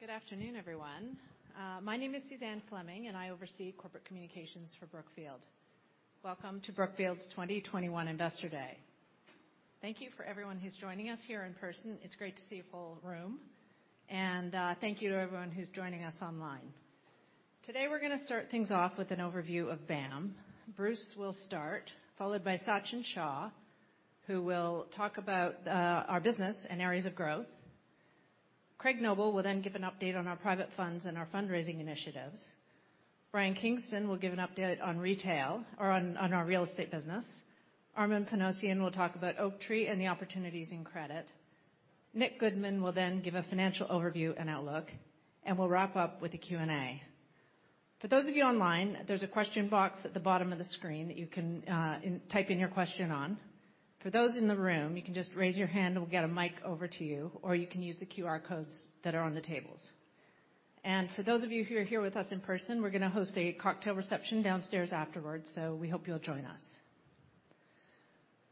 Good afternoon, everyone. My name is Suzanne Fleming. I oversee corporate communications for Brookfield. Welcome to Brookfield's 2021 Investor Day. Thank you for everyone who's joining us here in person. It's great to see a full room. Thank you to everyone who's joining us online. Today, we're going to start things off with an overview of BAM. Bruce will start, followed by Sachin Shah, who will talk about our business and areas of growth. Craig Noble will give an update on our private funds and our fundraising initiatives. Brian Kingston will give an update on retail or on our Real Estate business. Armen Panossian will talk about Oaktree and the opportunities in Credit. Nick Goodman will give a financial overview and outlook. We'll wrap up with the Q&A. For those of you online, there is a question box at the bottom of the screen that you can type in your question on. For those in the room, you can just raise your hand and we will get a mic over to you, or you can use the QR codes that are on the tables. For those of you who are here with us in person, we are going to host a cocktail reception downstairs afterwards, so we hope you will join us.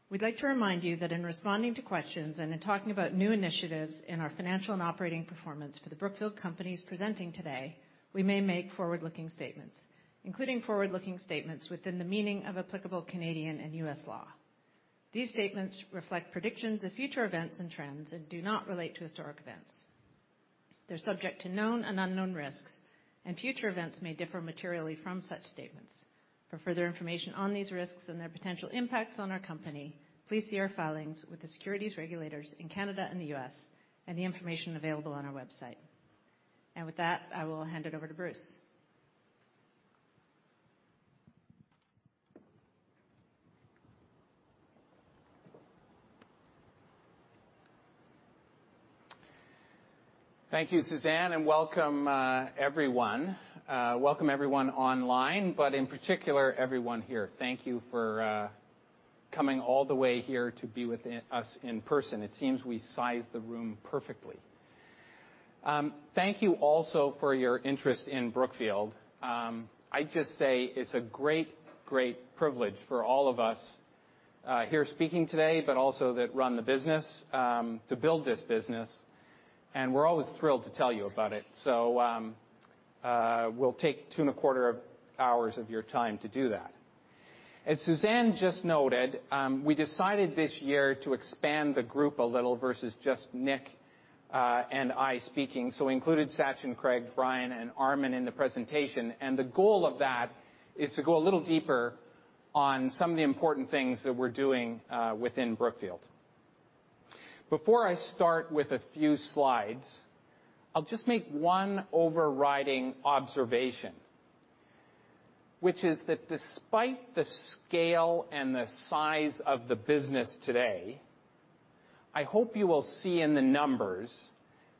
We would like to remind you that in responding to questions and in talking about new initiatives in our financial and operating performance for the Brookfield companies presenting today, we may make forward-looking statements, including forward-looking statements within the meaning of applicable Canadian and U.S. law. These statements reflect predictions of future events and trends and do not relate to historic events. They're subject to known and unknown risks, and future events may differ materially from such statements. For further information on these risks and their potential impacts on our company, please see our filings with the securities regulators in Canada and the U.S., and the information available on our website. With that, I will hand it over to Bruce. Thank you, Suzanne, welcome, everyone. Welcome everyone online, in particular, everyone here. Thank you for coming all the way here to be with us in person. It seems we sized the room perfectly. Thank you also for your interest in Brookfield. I just say it's a great privilege for all of us here speaking today, but also that run the business, to build this business, we're always thrilled to tell you about it. We'll take two and a quarter hours of your time to do that. As Suzanne just noted, we decided this year to expand the group a little versus just Nick and I speaking. Included Sachin, Craig, Brian, and Armen in the presentation. The goal of that is to go a little deeper on some of the important things that we're doing within Brookfield. Before I start with a few slides, I'll just make one overriding observation, which is that despite the scale and the size of the business today, I hope you will see in the numbers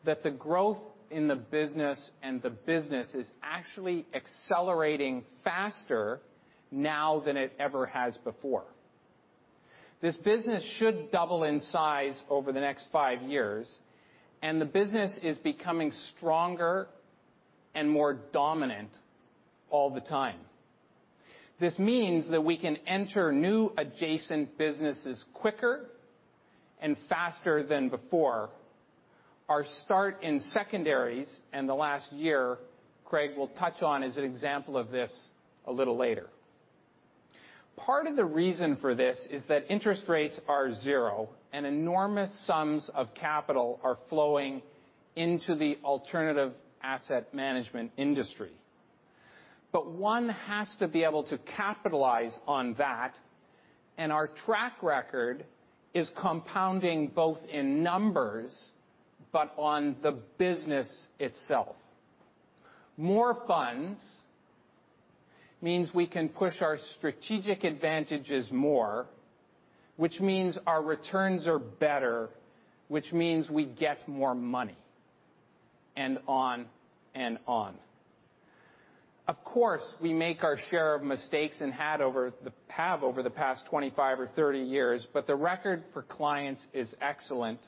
that the growth in the business and the business is actually accelerating faster now than it ever has before. This business should double in size over the next five years, and the business is becoming stronger and more dominant all the time. This means that we can enter new adjacent businesses quicker and faster than before. Our start in secondaries in the last year, Craig will touch on as an example of this a little later. Part of the reason for this is that interest rates are zero, and enormous sums of capital are flowing into the alternative asset management industry. One has to be able to capitalize on that, and our track record is compounding both in numbers, but on the business itself. More funds means we can push our strategic advantages more, which means our returns are better, which means we get more money, and on and on. Of course, we make our share of mistakes and have over the past 25 or 30 years, but the record for clients is excellent.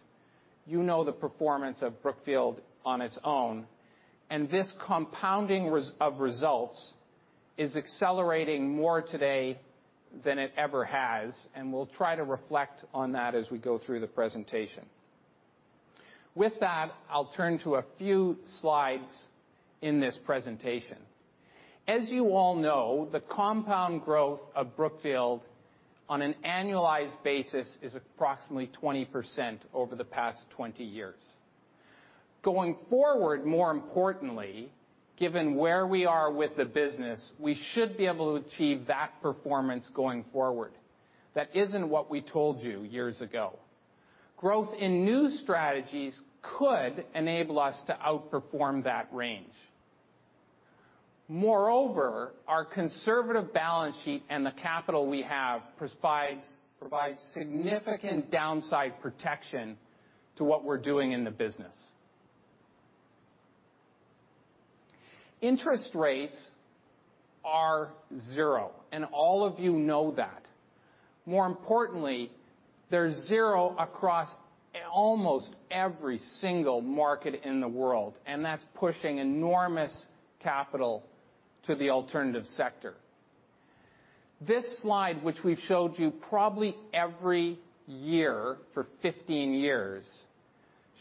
You know the performance of Brookfield on its own, and this compounding of results is accelerating more today than it ever has, and we'll try to reflect on that as we go through the presentation. With that, I'll turn to a few slides in this presentation. As you all know, the compound growth of Brookfield on an annualized basis is approximately 20% over the past 20 years. Going forward, more importantly, given where we are with the business, we should be able to achieve that performance going forward. That isn't what we told you years ago. Growth in new strategies could enable us to outperform that range. Moreover, our conservative balance sheet and the capital we have provides significant downside protection to what we're doing in the business. Interest rates are zero, and all of you know that. More importantly, they're zero across almost every single market in the world, and that's pushing enormous capital to the alternative sector. This slide, which we've showed you probably every year for 15 years,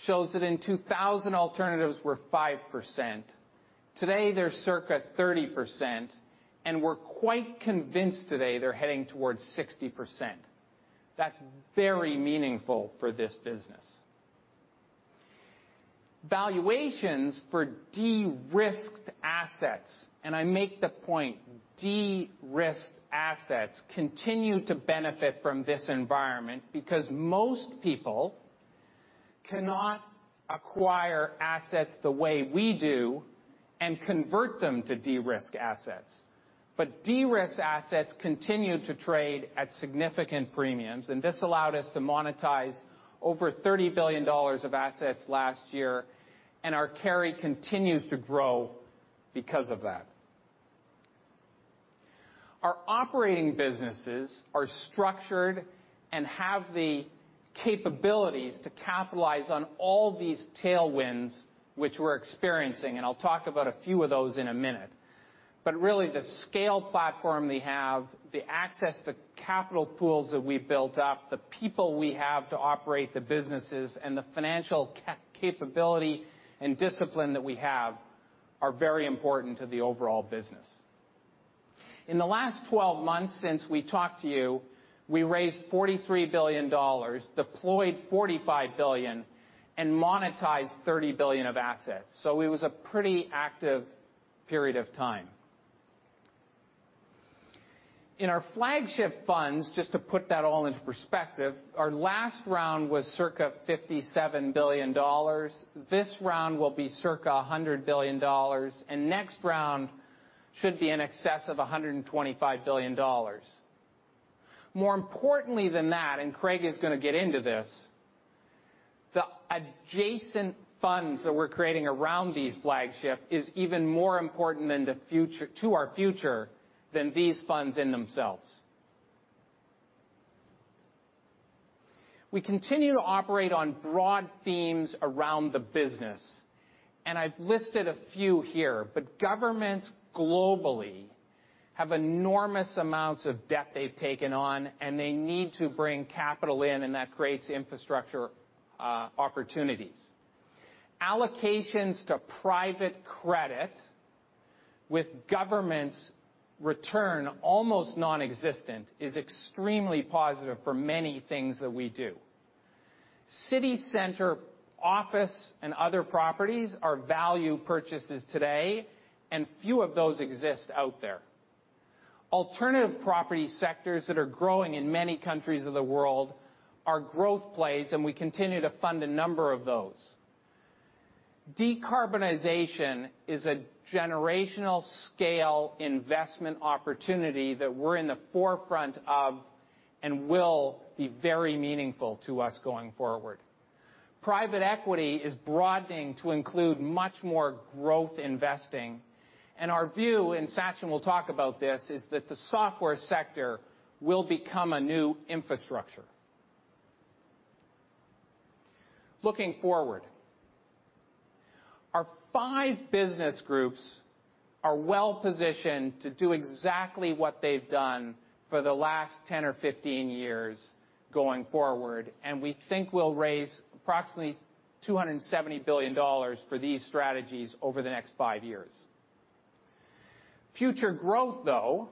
shows that in 2000, alternatives were 5%. Today, they're circa 30%, and we're quite convinced today they're heading towards 60%. That's very meaningful for this business. Valuations for de-risked assets, and I make the point, de-risked assets, continue to benefit from this environment because most people cannot acquire assets the way we do and convert them to de-risk assets. De-risk assets continue to trade at significant premiums, and this allowed us to monetize over $30 billion of assets last year, and our carry continues to grow because of that. Our operating businesses are structured and have the capabilities to capitalize on all these tailwinds which we're experiencing, and I'll talk about a few of those in a minute. Really, the scale platform we have, the access to capital pools that we built up, the people we have to operate the businesses, and the financial capability and discipline that we have, are very important to the overall business. In the last 12 months since we talked to you, we raised $43 billion, deployed $45 billion, and monetized $30 billion of assets. It was a pretty active period of time. In our flagship funds, just to put that all into perspective, our last round was circa $57 billion. This round will be circa $100 billion, and next round should be in excess of $125 billion. More importantly than that, and Craig is going to get into this, the adjacent funds that we're creating around these flagship is even more important to our future than these funds in themselves. We continue to operate on broad themes around the business, and I've listed a few here. Governments globally have enormous amounts of debt they've taken on, and they need to bring capital in, and that creates infrastructure opportunities. Allocations to private credit with government's return almost nonexistent, is extremely positive for many things that we do. City center office and other properties are value purchases today, and few of those exist out there. Alternative property sectors that are growing in many countries of the world are growth plays, and we continue to fund a number of those. Decarbonization is a generational scale investment opportunity that we're in the forefront of and will be very meaningful to us going forward. Private equity is broadening to include much more growth investing. Our view, and Sachin will talk about this, is that the software sector will become a new infrastructure. Looking forward. Our five business groups are well-positioned to do exactly what they've done for the last 10 or 15 years going forward, and we think we'll raise approximately $270 billion for these strategies over the next five years. Future growth, though,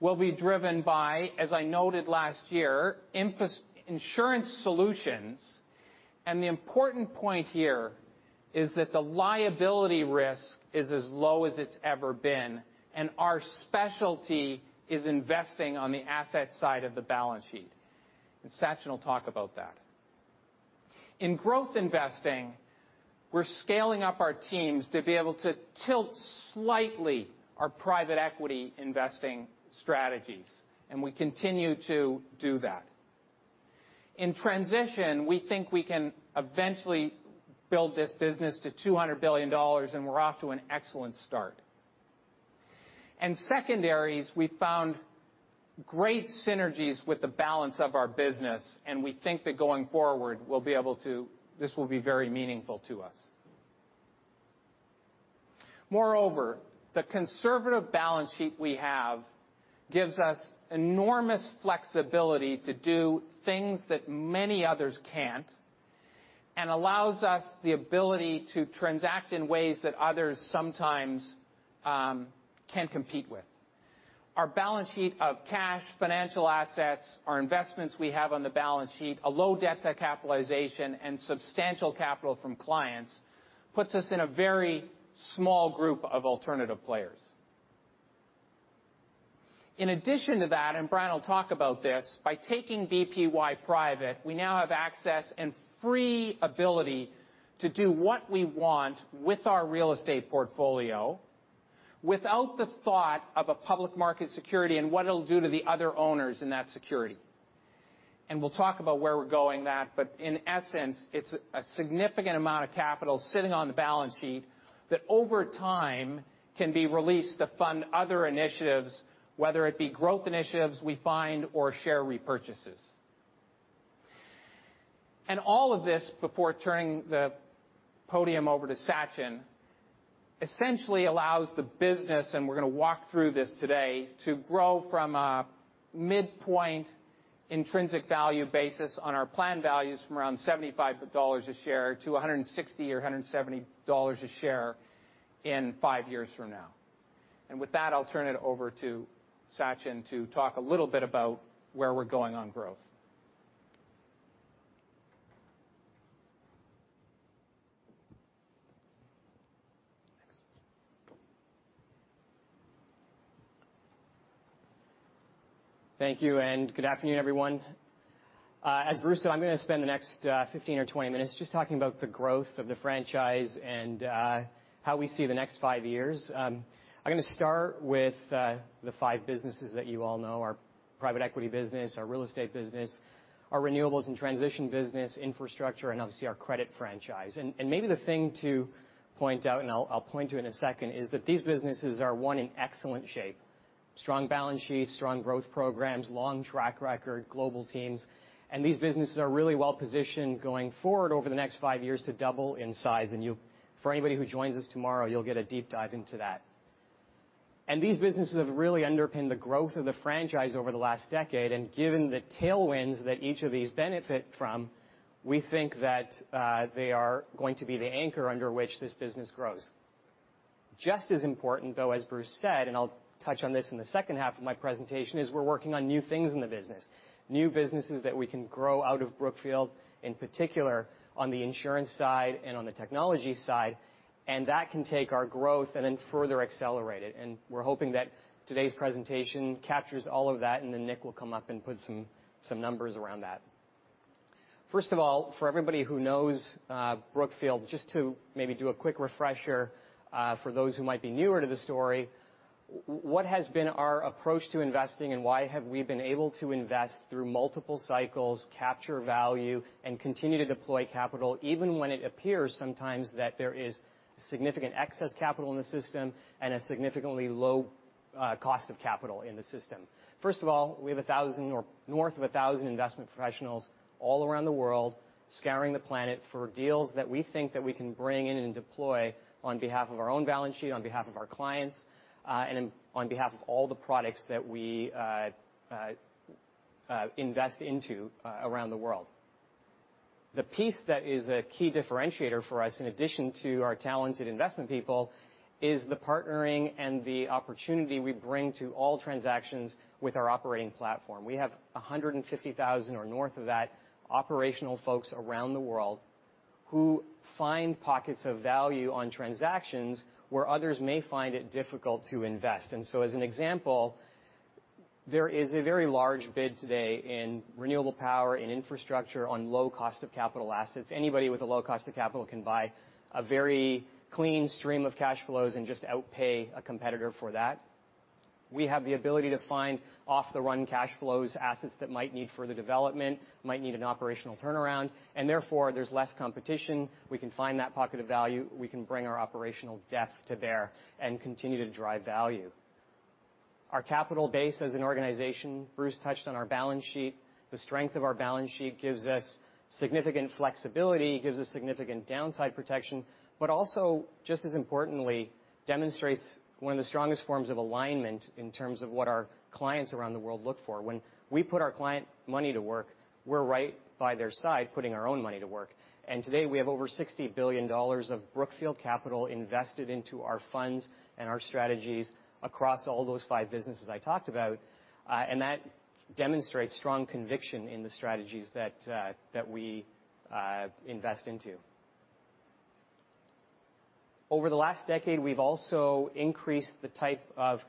will be driven by, as I noted last year, insurance solutions, and the important point here is that the liability risk is as low as it's ever been, and our specialty is investing on the asset side of the balance sheet, and Sachin will talk about that. In growth investing, we're scaling up our teams to be able to tilt slightly our private equity investing strategies, and we continue to do that. In transition, we think we can eventually build this business to $200 billion, and we're off to an excellent start. In secondaries, we found great synergies with the balance of our business, and we think that going forward, this will be very meaningful to us. Moreover, the conservative balance sheet we have gives us enormous flexibility to do things that many others can't and allows us the ability to transact in ways that others sometimes can't compete with. Our balance sheet of cash, financial assets, our investments we have on the balance sheet, a low debt to capitalization, and substantial capital from clients puts us in a very small group of alternative players. In addition to that, Brian Kingston will talk about this, by taking BPY private, we now have access and free ability to do what we want with our real estate portfolio without the thought of a public market security and what it'll do to the other owners in that security. We'll talk about where we're going that, but in essence, it's a significant amount of capital sitting on the balance sheet that over time can be released to fund other initiatives, whether it be growth initiatives we find or share repurchases. All of this, before turning the podium over to Sachin, essentially allows the business, and we're going to walk through this today, to grow from a midpoint intrinsic value basis on our planned values from around $75 a share to $160 or $170 a share in five years from now. With that, I'll turn it over to Sachin to talk a little bit about where we're going on growth. Thank you, and good afternoon, everyone. As Bruce said, I'm going to spend the next 15 or 20 minutes just talking about the growth of the franchise and how we see the next five years. I'm going to start with the five businesses that you all know, our Private Equity business, our Real Estate business, our Renewables and Transition business, Infrastructure, and obviously our Credit franchise. Maybe the thing to point out, and I'll point to in a second, is that these businesses are, one, in excellent shape. Strong balance sheets, strong growth programs, long track record, global teams. These businesses are really well-positioned going forward over the next five years to double in size. For anybody who joins us tomorrow, you'll get a deep dive into that. These businesses have really underpinned the growth of the franchise over the last decade. Given the tailwinds that each of these benefit from, we think that they are going to be the anchor under which this business grows. Just as important though, as Bruce said, and I'll touch on this in the second half of my presentation, is we're working on new things in the business. New businesses that we can grow out of Brookfield, in particular on the insurance side and on the technology side. That can take our growth and then further accelerate it. We're hoping that today's presentation captures all of that, and then Nick will come up and put some numbers around that. First of all, for everybody who knows Brookfield, just to maybe do a quick refresher, for those who might be newer to the story, what has been our approach to investing and why have we been able to invest through multiple cycles, capture value, and continue to deploy capital, even when it appears sometimes that there is significant excess capital in the system and a significantly low cost of capital in the system? First of all, we have north of 1,000 investment professionals all around the world, scouring the planet for deals that we think that we can bring in and deploy on behalf of our own balance sheet, on behalf of our clients, and on behalf of all the products that we invest into around the world. The piece that is a key differentiator for us, in addition to our talented investment people, is the partnering and the opportunity we bring to all transactions with our operating platform. We have 150,000 or north of that operational folks around the world who find pockets of value on transactions where others may find it difficult to invest. As an example, there is a very large bid today in renewable power and infrastructure on low cost of capital assets. Anybody with a low cost of capital can buy a very clean stream of cash flows and just outpay a competitor for that. We have the ability to find off-the-run cash flows, assets that might need further development, might need an operational turnaround, and therefore, there's less competition. We can find that pocket of value. We can bring our operational depth to bear and continue to drive value. Our capital base as an organization, Bruce touched on our balance sheet. The strength of our balance sheet gives us significant flexibility, gives us significant downside protection, but also, just as importantly, demonstrates one of the strongest forms of alignment in terms of what our clients around the world look for. When we put our client money to work, we're right by their side, putting our own money to work. Today we have over $60 billion of Brookfield capital invested into our funds and our strategies across all those five businesses I talked about. That demonstrates strong conviction in the strategies that we invest into. Over the last decade, we've also increased the type of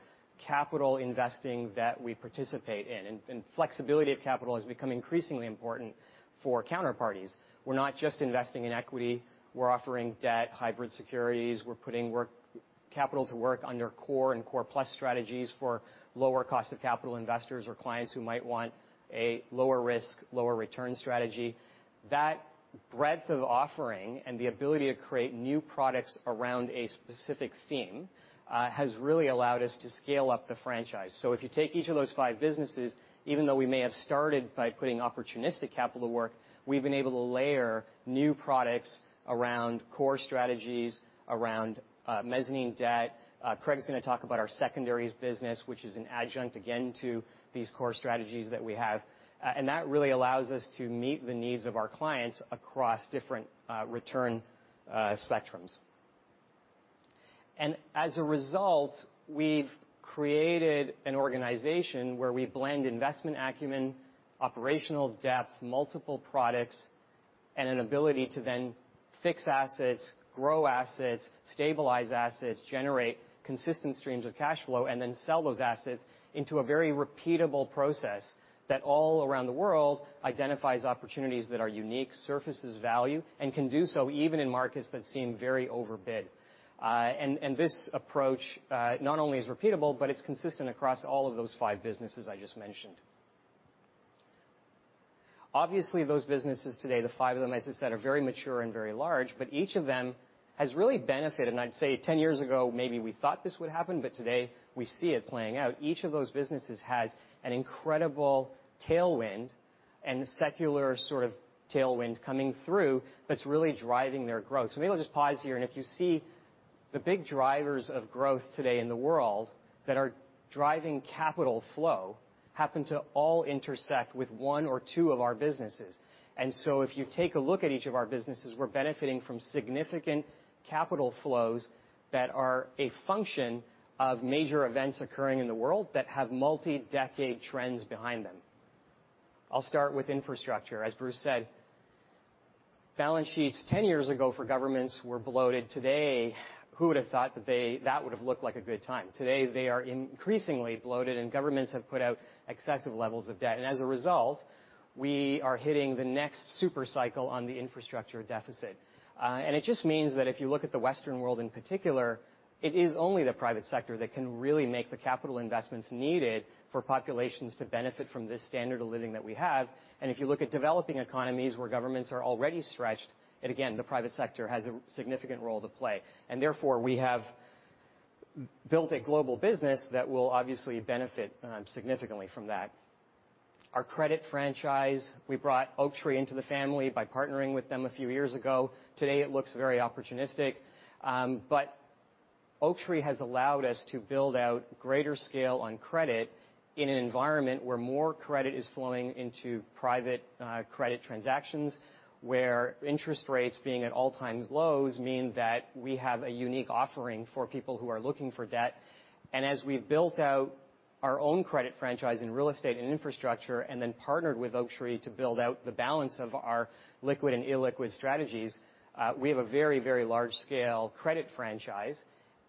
capital investing that we participate in, and flexibility of capital has become increasingly important for counterparties. We're not just investing in equity, we're offering debt, hybrid securities. We're putting capital to work under core and core plus strategies for lower cost of capital investors or clients who might want a lower risk, lower return strategy. That breadth of offering and the ability to create new products around a specific theme, has really allowed us to scale up the franchise. If you take each of those five businesses, even though we may have started by putting opportunistic capital to work, we've been able to layer new products around core strategies, around mezzanine debt. Craig's going to talk about our secondaries business, which is an adjunct, again, to these core strategies that we have. That really allows us to meet the needs of our clients across different return spectrums. As a result, we've created an organization where we blend investment acumen, operational depth, multiple products, and an ability to then fix assets, grow assets, stabilize assets, generate consistent streams of cash flow, and then sell those assets into a very repeatable process that all around the world identifies opportunities that are unique, surfaces value, and can do so even in markets that seem very overbid. This approach, not only is repeatable, but it's consistent across all of those five businesses I just mentioned. Obviously, those businesses today, the five of them, as I said, are very mature and very large, but each of them has really benefited. I'd say 10 years ago, maybe we thought this would happen, but today we see it playing out. Each of those businesses has an incredible tailwind and secular sort of tailwind coming through that's really driving their growth. Maybe I'll just pause here, and if you see the big drivers of growth today in the world that are driving capital flow happen to all intersect with one or two of our businesses. If you take a look at each of our businesses, we're benefiting from significant capital flows that are a function of major events occurring in the world that have multi-decade trends behind them. I'll start with Infrastructure. As Bruce said, balance sheets 10 years ago for governments were bloated. Today, who would have thought that would have looked like a good time? Today, they are increasingly bloated, and governments have put out excessive levels of debt. As a result, we are hitting the next super cycle on the infrastructure deficit. It just means that if you look at the Western world in particular, it is only the private sector that can really make the capital investments needed for populations to benefit from this standard of living that we have. If you look at developing economies where governments are already stretched, again, the private sector has a significant role to play. Therefore, we have built a global business that will obviously benefit significantly from that. Our credit franchise, we brought Oaktree into the family by partnering with them a few years ago. Today, it looks very opportunistic. Oaktree has allowed us to build out greater scale on credit in an environment where more credit is flowing into private credit transactions, where interest rates being at all-time lows mean that we have a unique offering for people who are looking for debt. As we've built out our own credit franchise in real estate and infrastructure, then partnered with Oaktree to build out the balance of our liquid and illiquid strategies, we have a very large-scale credit franchise.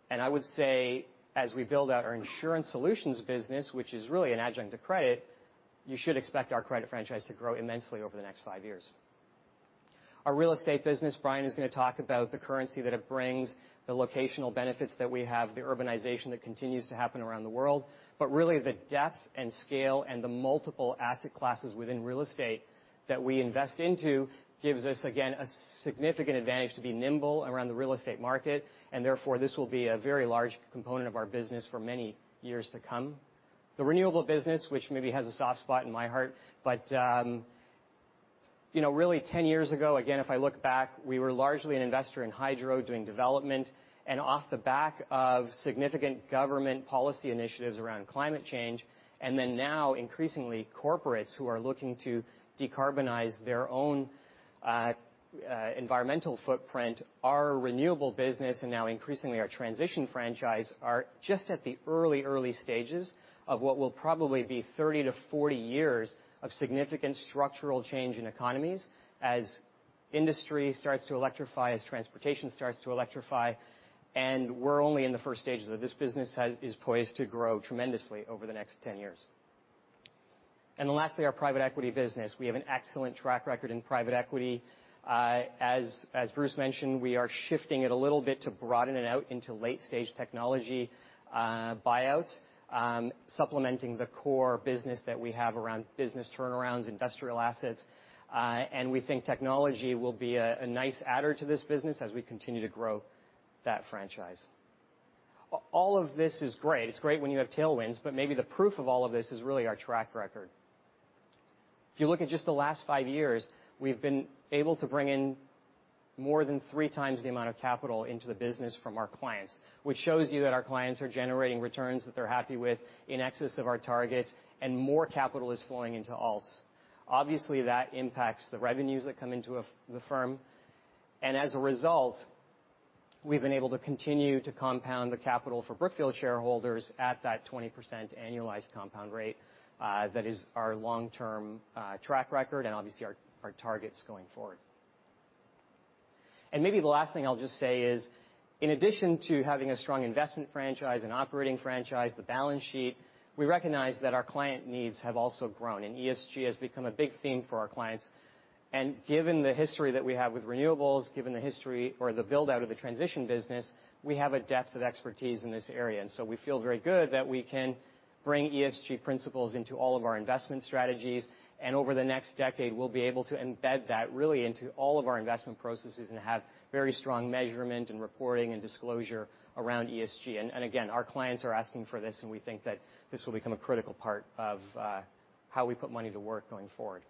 I would say as we build out our insurance solutions business, which is really an adjunct to Credit, you should expect our credit franchise to grow immensely over the next five years. Our real estate business, Brian is going to talk about the currency that it brings, the locational benefits that we have, the urbanization that continues to happen around the world. Really the depth and scale and the multiple asset classes within real estate that we invest into gives us, again, a significant advantage to be nimble around the real estate market. Therefore, this will be a very large component of our business for many years to come. The renewable business, which maybe has a soft spot in my heart. Really 10 years ago, again, if I look back, we were largely an investor in hydro doing development and off the back of significant government policy initiatives around climate change. Now increasingly corporates who are looking to decarbonize their own environmental footprint, our renewable business, and now increasingly our transition franchise, are just at the early stages of what will probably be 30-40 years of significant structural change in economies as industry starts to electrify, as transportation starts to electrify. We're only in the first stages of this business, is poised to grow tremendously over the next 10 years. Lastly, our Private Equity business. We have an excellent track record in private equity. As Bruce mentioned, we are shifting it a little bit to broaden it out into late-stage technology buyouts, supplementing the core business that we have around business turnarounds, industrial assets. We think technology will be a nice adder to this business as we continue to grow that franchise. All of this is great. It's great when you have tailwinds, but maybe the proof of all of this is really our track record. If you look at just the last five years, we've been able to bring in more than 3x the amount of capital into the business from our clients, which shows you that our clients are generating returns that they're happy with in excess of our targets, and more capital is flowing into alts. Obviously, that impacts the revenues that come into the firm. As a result, we've been able to continue to compound the capital for Brookfield shareholders at that 20% annualized compound rate. That is our long-term track record and obviously our targets going forward. Maybe the last thing I'll just say is, in addition to having a strong investment franchise and operating franchise, the balance sheet, we recognize that our client needs have also grown, and ESG has become a big theme for our clients. Given the history that we have with renewables, given the history or the build-out of the transition business, we have a depth of expertise in this area. We feel very good that we can bring ESG principles into all of our investment strategies. Over the next decade, we'll be able to embed that really into all of our investment processes and have very strong measurement and reporting and disclosure around ESG. Again, our clients are asking for this, and we think that this will become a critical part of how we put money to work going forward.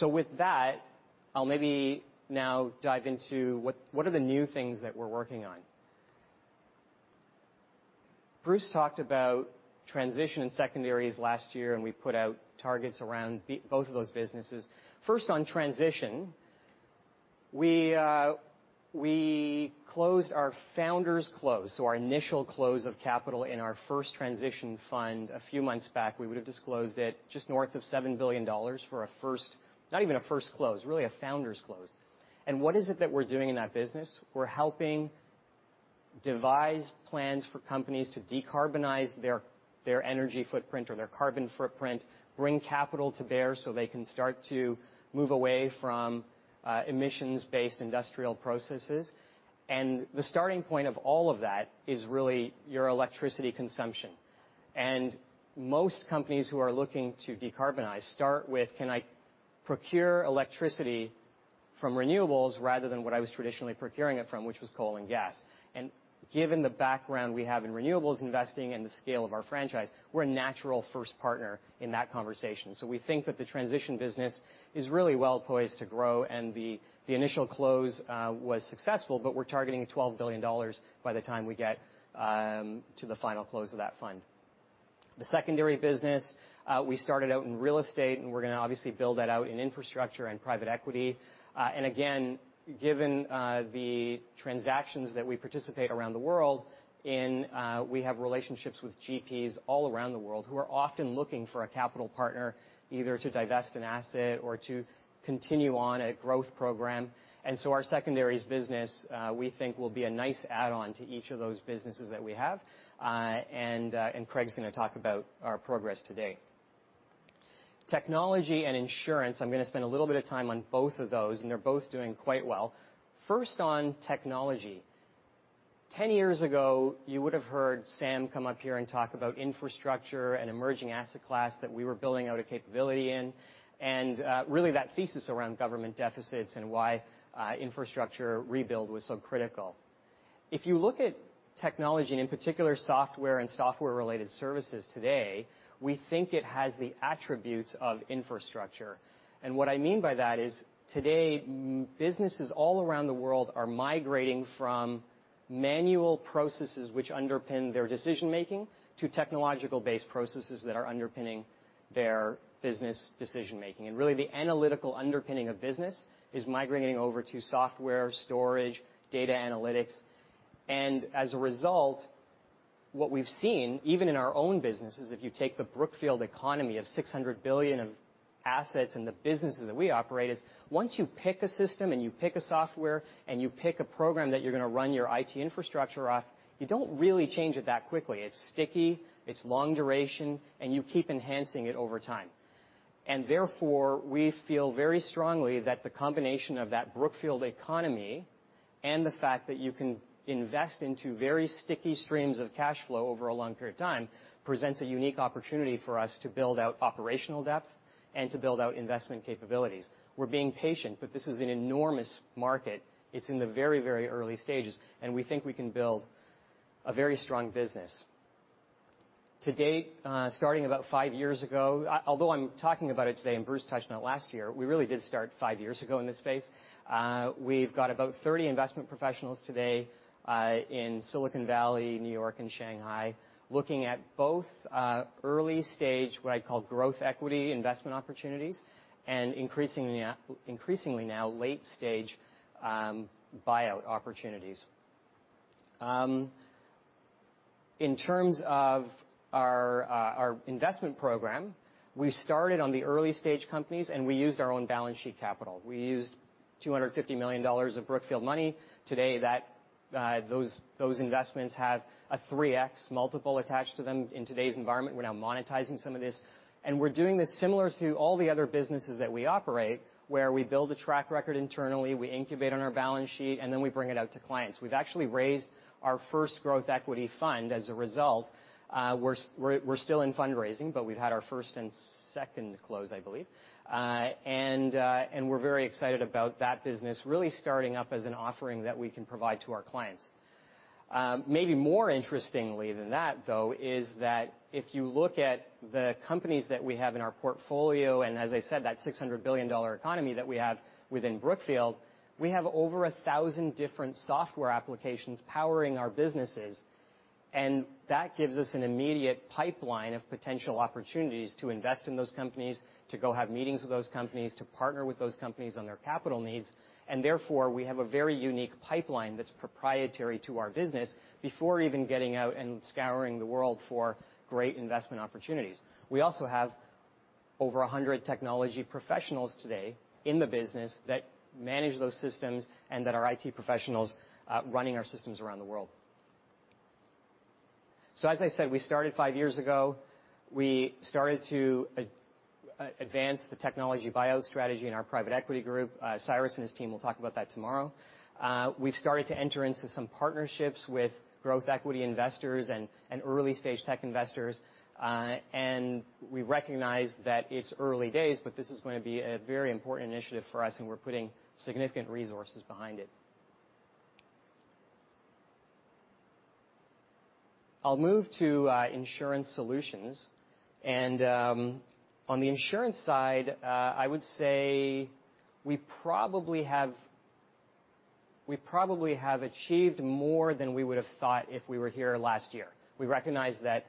With that, I'll maybe now dive into what are the new things that we're working on. Bruce talked about transition and secondaries last year, and we put out targets around both of those businesses. First on transition, we closed our founders close, so our initial close of capital in our first Transition Fund a few months back. We would have disclosed it just north of $7 billion for, not even a first close, really a founder's close. What is it that we're doing in that business? We're helping devise plans for companies to decarbonize their energy footprint or their carbon footprint, bring capital to bear so they can start to move away from emissions-based industrial processes. The starting point of all of that is really your electricity consumption. Most companies who are looking to decarbonize start with, Can I procure electricity from renewables rather than what I was traditionally procuring it from, which was coal and gas. Given the background we have in renewables investing and the scale of our franchise, we're a natural first partner in that conversation. We think that the transition business is really well-poised to grow, and the initial close was successful, but we're targeting $12 billion by the time we get to the final close of that fund. The secondary business, we started out in real estate, we're going to obviously build that out in infrastructure and private equity. Given the transactions that we participate around the world in, we have relationships with GPs all around the world who are often looking for a capital partner either to divest an asset or to continue on a growth program. Our secondaries business, we think will be a nice add-on to each of those businesses that we have. Craig's going to talk about our progress to date. Technology and insurance, I'm going to spend a little bit of time on both of those, and they're both doing quite well. First, on technology. 10 years ago, you would have heard Sam come up here and talk about infrastructure and emerging asset class that we were building out a capability in, and really that thesis around government deficits and why infrastructure rebuild was so critical. If you look at technology, and in particular software and software-related services today, we think it has the attributes of infrastructure. What I mean by that is, today, businesses all around the world are migrating from manual processes which underpin their decision-making, to technological-based processes that are underpinning their business decision-making. Really the analytical underpinning of business is migrating over to software storage, data analytics. As a result, what we've seen, even in our own businesses, if you take the Brookfield economy of $600 billion of assets and the businesses that we operate is, once you pick a system and you pick a software and you pick a program that you're going to run your IT infrastructure off, you don't really change it that quickly. It's sticky, it's long duration, and you keep enhancing it over time. Therefore, we feel very strongly that the combination of that Brookfield economy and the fact that you can invest into very sticky streams of cash flow over a long period of time, presents a unique opportunity for us to build out operational depth and to build out investment capabilities. We're being patient, but this is an enormous market. It's in the very early stages, and we think we can build a very strong business. To date, starting about five years ago, although I'm talking about it today and Bruce touched on it last year, we really did start five years ago in this space. We've got about 30 investment professionals today in Silicon Valley, New York, and Shanghai, looking at both early-stage, what I call growth equity investment opportunities, and increasingly now, late-stage buyout opportunities. In terms of our investment program, we started on the early-stage companies. We used our own balance sheet capital. We used $250 million of Brookfield money. Today, those investments have a 3x multiple attached to them. In today's environment, we're now monetizing some of this. We're doing this similar to all the other businesses that we operate, where we build a track record internally, we incubate on our balance sheet, and then we bring it out to clients. We've actually raised our first growth equity fund as a result. We're still in fundraising, but we've had our first and second close, I believe. We're very excited about that business really starting up as an offering that we can provide to our clients. Maybe more interestingly than that, though, is that if you look at the companies that we have in our portfolio, and as I said, that $600 billion economy that we have within Brookfield, we have over 1,000 different software applications powering our businesses. That gives us an immediate pipeline of potential opportunities to invest in those companies, to go have meetings with those companies, to partner with those companies on their capital needs. Therefore, we have a very unique pipeline that's proprietary to our business before even getting out and scouring the world for great investment opportunities. We also have over 100 technology professionals today in the business that manage those systems and that are IT professionals running our systems around the world. As I said, we started five years ago. We started to advance the technology buyout strategy in our private equity group. Cyrus and his team will talk about that tomorrow. We've started to enter into some partnerships with growth equity investors and early-stage tech investors. We recognize that it's early days, but this is going to be a very important initiative for us, and we're putting significant resources behind it. I'll move to insurance solutions. On the insurance side, I would say we probably have achieved more than we would have thought if we were here last year. We recognize that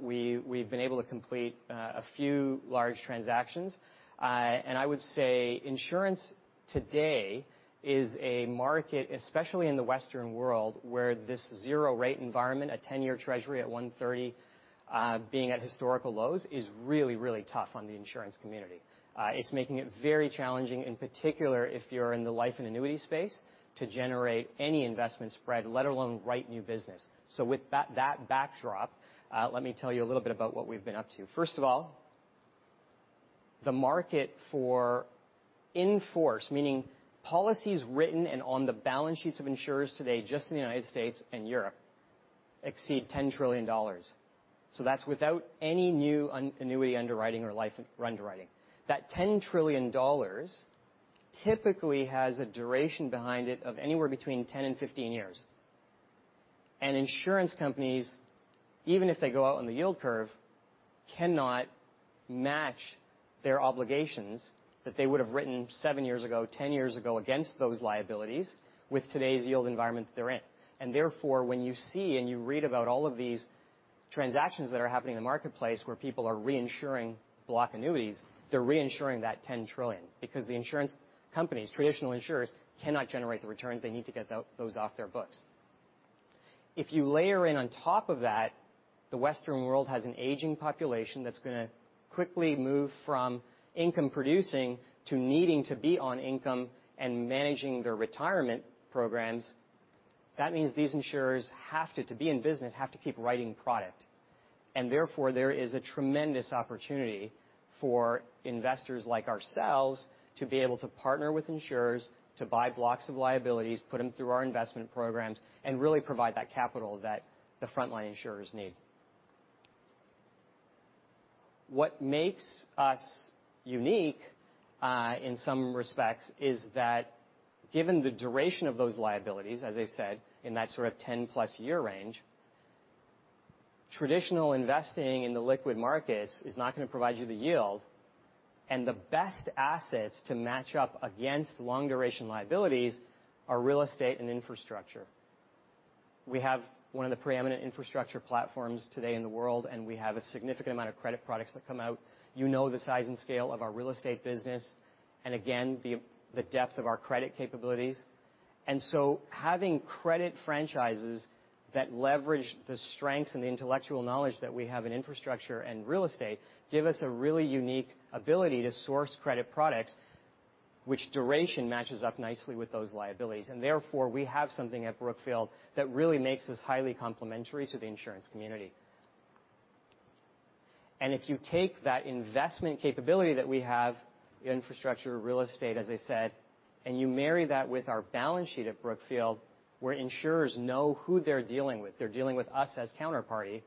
we've been able to complete a few large transactions. I would say insurance today is a market, especially in the Western world, where this zero rate environment, a 10-year treasury at 130 being at historical lows, is really tough on the insurance community. It's making it very challenging, in particular, if you're in the life and annuity space, to generate any investment spread, let alone write new business. With that backdrop, let me tell you a little bit about what we've been up to. First of all, the market for in-force, meaning policies written and on the balance sheets of insurers today just in the U.S. and Europe exceed $10 trillion. That's without any new annuity underwriting or life underwriting. That $10 trillion typically has a duration behind it of anywhere between 10 and 15 years. Insurance companies, even if they go out on the yield curve, cannot match their obligations that they would have written seven years ago, 10 years ago, against those liabilities with today's yield environment that they're in. Therefore, when you see and you read about all of these transactions that are happening in the marketplace where people are reinsuring block annuities, they're reinsuring that $10 trillion because the insurance companies, traditional insurers, cannot generate the returns they need to get those off their books. If you layer in on top of that, the Western world has an aging population that's going to quickly move from income producing to needing to be on income and managing their retirement programs. That means these insurers, to be in business, have to keep writing product. Therefore, there is a tremendous opportunity for investors like ourselves to be able to partner with insurers to buy blocks of liabilities, put them through our investment programs, and really provide that capital that the frontline insurers need. What makes us unique, in some respects, is that given the duration of those liabilities, as I said, in that sort of 10+ year range, traditional investing in the liquid markets is not going to provide you the yield. The best assets to match up against long-duration liabilities are real estate and infrastructure. We have one of the preeminent infrastructure platforms today in the world, and we have a significant amount of credit products that come out. You know the size and scale of our real estate business and again, the depth of our credit capabilities. Having credit franchises that leverage the strengths and the intellectual knowledge that we have in infrastructure and real estate give us a really unique ability to source credit products which duration matches up nicely with those liabilities. Therefore, we have something at Brookfield that really makes us highly complementary to the insurance community. If you take that investment capability that we have, infrastructure, real estate, as I said, and you marry that with our balance sheet at Brookfield, where insurers know who they're dealing with, they're dealing with us as counterparty,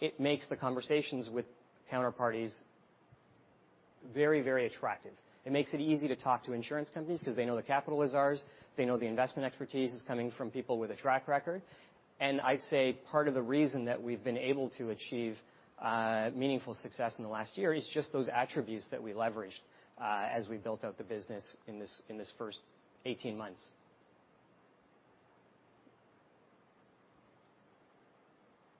it makes the conversations with counterparties very attractive. It makes it easy to talk to insurance companies because they know the capital is ours. They know the investment expertise is coming from people with a track record. I'd say part of the reason that we've been able to achieve meaningful success in the last year is just those attributes that we leveraged as we built out the business in this first 18 months.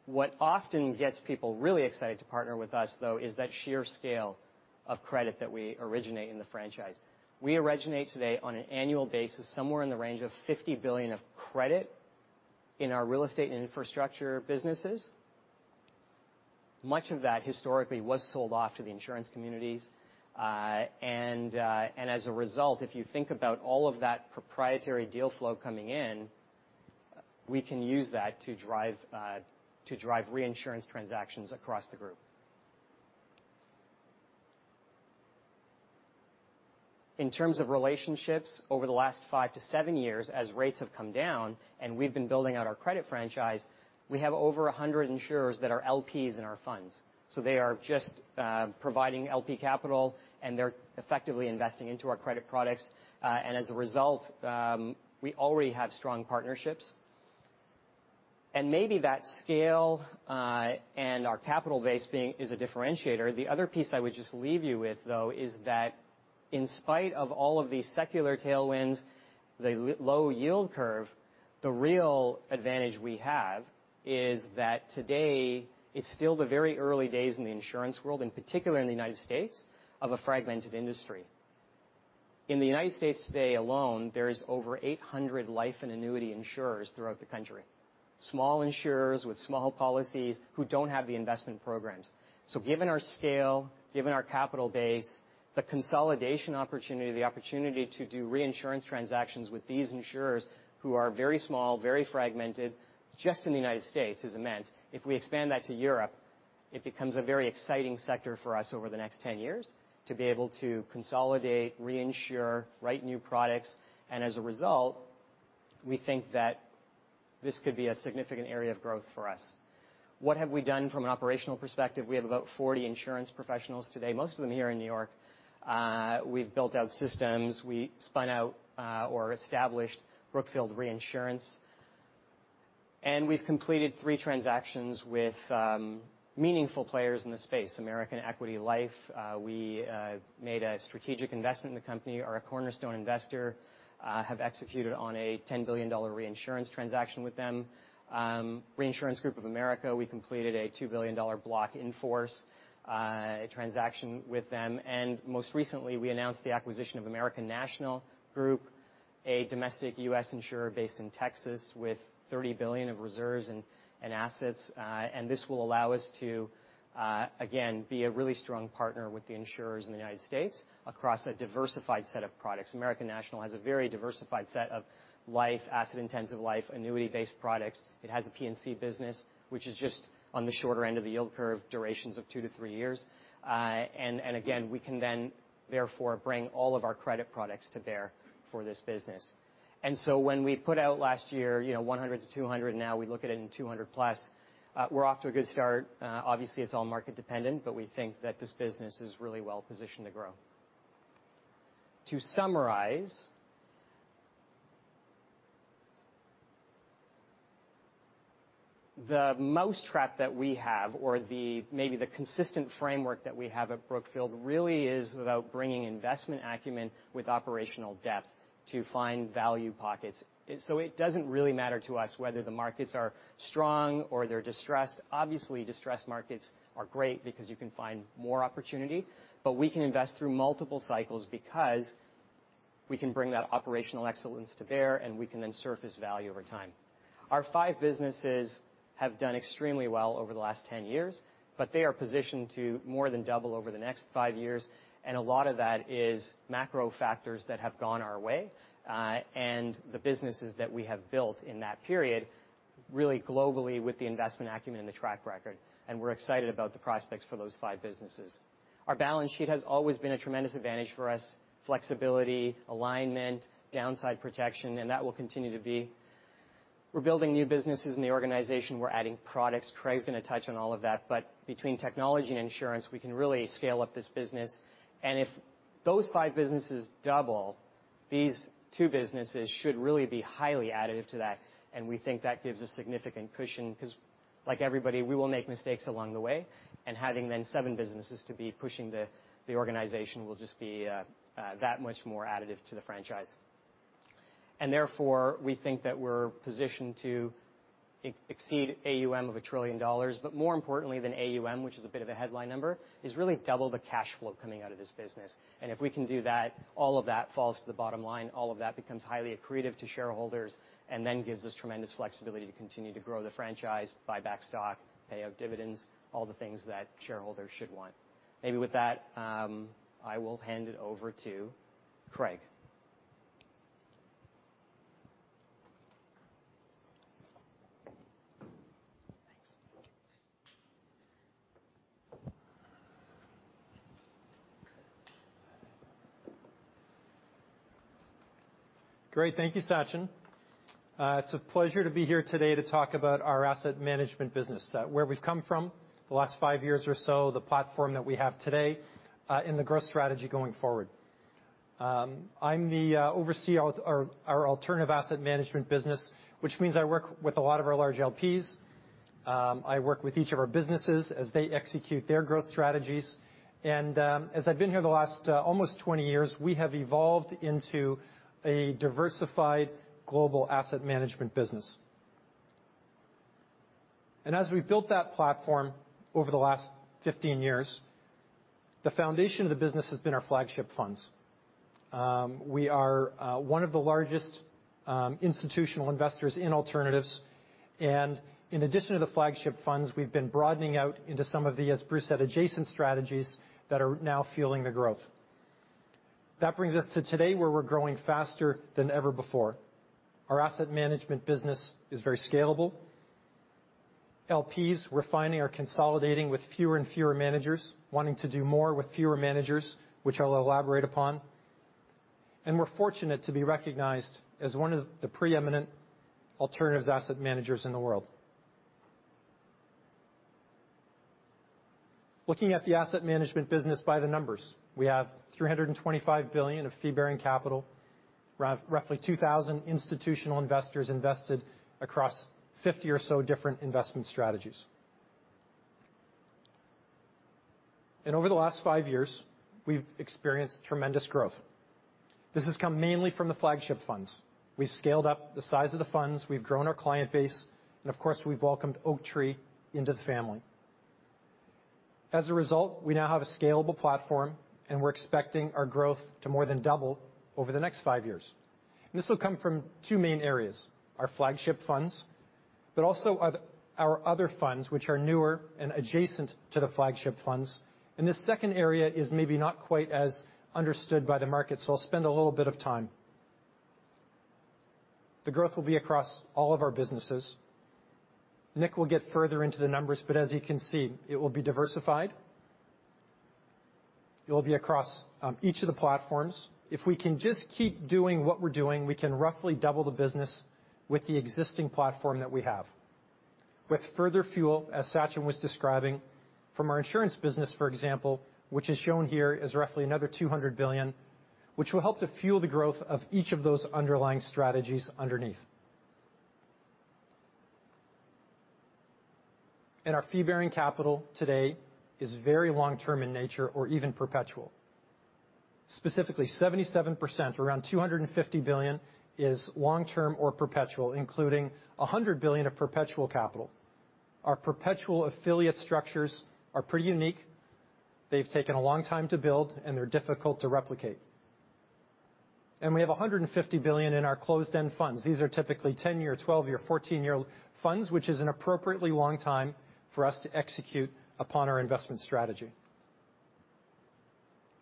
What often gets people really excited to partner with us, though, is that sheer scale of credit that we originate in the franchise. We originate today on an annual basis somewhere in the range of $50 billion of credit in our real estate and infrastructure businesses. Much of that historically was sold off to the insurance communities. As a result, if you think about all of that proprietary deal flow coming in, we can use that to drive reinsurance transactions across the group. In terms of relationships over the last five to seven years, as rates have come down and we've been building out our credit franchise, we have over 100 insurers that are LPs in our funds. They are just providing LP capital, and they're effectively investing into our credit products. As a result, we already have strong partnerships. Maybe that scale, and our capital base is a differentiator. The other piece I would just leave you with, though, is that in spite of all of these secular tailwinds, the low yield curve, the real advantage we have is that today it's still the very early days in the insurance world, in particular in the U.S., of a fragmented industry. In the U.S. today alone, there is over 800 life and annuity insurers throughout the country. Small insurers with small policies who don't have the investment programs. Given our scale, given our capital base, the consolidation opportunity, the opportunity to do reinsurance transactions with these insurers who are very small, very fragmented, just in the U.S. is immense. If we expand that to Europe, it becomes a very exciting sector for us over the next 10 years to be able to consolidate, reinsure, write new products, and as a result, we think that this could be a significant area of growth for us. What have we done from an operational perspective? We have about 40 insurance professionals today, most of them here in New York. We have built out systems. We spun out, or established Brookfield Reinsurance, and we have completed three transactions with meaningful players in the space. American Equity Life, we made a strategic investment in the company, are a cornerstone investor, have executed on a $10 billion reinsurance transaction with them. Reinsurance Group of America, we completed a $2 billion block in force transaction with them. Most recently, we announced the acquisition of American National Group, a domestic U.S. insurer based in Texas with $30 billion of reserves and assets. This will allow us to, again, be a really strong partner with the insurers in the United States across a diversified set of products. American National has a very diversified set of life, asset-intensive life, annuity-based products. It has a P&C business, which is just on the shorter end of the yield curve, durations of two to three years. Again, we can then therefore bring all of our credit products to bear for this business. When we put out last year, $100 billion-$200 billion, now we look at it in $200 billion+. We're off to a good start. It's all market dependent, but we think that this business is really well positioned to grow. To summarize, the mouse trap that we have or maybe the consistent framework that we have at Brookfield really is about bringing investment acumen with operational depth to find value pockets. It doesn't really matter to us whether the markets are strong or they're distressed. Distressed markets are great because you can find more opportunity, but we can invest through multiple cycles because we can bring that operational excellence to bear, and we can then surface value over time. Our five businesses have done extremely well over the last 10 years, but they are positioned to more than double over the next five years, and a lot of that is macro factors that have gone our way. The businesses that we have built in that period, really globally with the investment acumen and the track record, and we're excited about the prospects for those five businesses. Our balance sheet has always been a tremendous advantage for us. Flexibility, alignment, downside protection, and that will continue to be. We're building new businesses in the organization. We're adding products. Craig's going to touch on all of that. Between technology and insurance, we can really scale up this business. If those five businesses double, these two businesses should really be highly additive to that, and we think that gives a significant cushion because like everybody, we will make mistakes along the way, and having then seven businesses to be pushing the organization will just be that much more additive to the franchise. Therefore, we think that we're positioned to exceed AUM of $1 trillion. More importantly than AUM, which is a bit of a headline number, is really double the cash flow coming out of this business. If we can do that, all of that falls to the bottom line. All of that becomes highly accretive to shareholders and then gives us tremendous flexibility to continue to grow the franchise, buy back stock, pay out dividends, all the things that shareholders should want. Maybe with that, I will hand it over to Craig. Great. Thank you, Sachin. It's a pleasure to be here today to talk about our asset management business, where we've come from the last five years or so, the platform that we have today, and the growth strategy going forward. I oversee our alternative asset management business, which means I work with a lot of our large LPs. I work with each of our businesses as they execute their growth strategies. As I've been here the last almost 20 years, we have evolved into a diversified global asset management business. As we built that platform over the last 15 years, the foundation of the business has been our flagship funds. We are one of the largest institutional investors in alternatives. In addition to the flagship funds, we've been broadening out into some of the, as Bruce said, adjacent strategies that are now fueling the growth. That brings us to today, where we're growing faster than ever before. Our asset management business is very scalable. LPs, we're finding are consolidating with fewer and fewer managers, wanting to do more with fewer managers, which I'll elaborate upon. We're fortunate to be recognized as one of the preeminent alternatives asset managers in the world. Looking at the asset management business by the numbers. We have $325 billion of fee-bearing capital. Roughly 2,000 institutional investors invested across 50 or so different investment strategies. Over the last five years, we've experienced tremendous growth. This has come mainly from the flagship funds. We've scaled up the size of the funds, we've grown our client base, and of course, we've welcomed Oaktree into the family. As a result, we now have a scalable platform, and we're expecting our growth to more than double over the next five years. This will come from two main areas, our flagship funds, but also our other funds, which are newer and adjacent to the flagship funds. This second area is maybe not quite as understood by the market. I'll spend a little bit of time. The growth will be across all of our businesses. Nick will get further into the numbers, but as you can see, it will be diversified. It'll be across each of the platforms. If we can just keep doing what we're doing, we can roughly double the business with the existing platform that we have. With further fuel, as Sachin was describing, from our insurance business, for example, which is shown here is roughly another $200 billion, which will help to fuel the growth of each of those underlying strategies underneath. Our fee-bearing capital today is very long-term in nature or even perpetual. Specifically, 77%, around $250 billion, is long-term or perpetual, including $100 billion of perpetual capital. Our perpetual affiliate structures are pretty unique. They've taken a long time to build, they're difficult to replicate. We have $150 billion in our closed-end funds. These are typically 10-year, 12-year, 14-year funds, which is an appropriately long time for us to execute upon our investment strategy.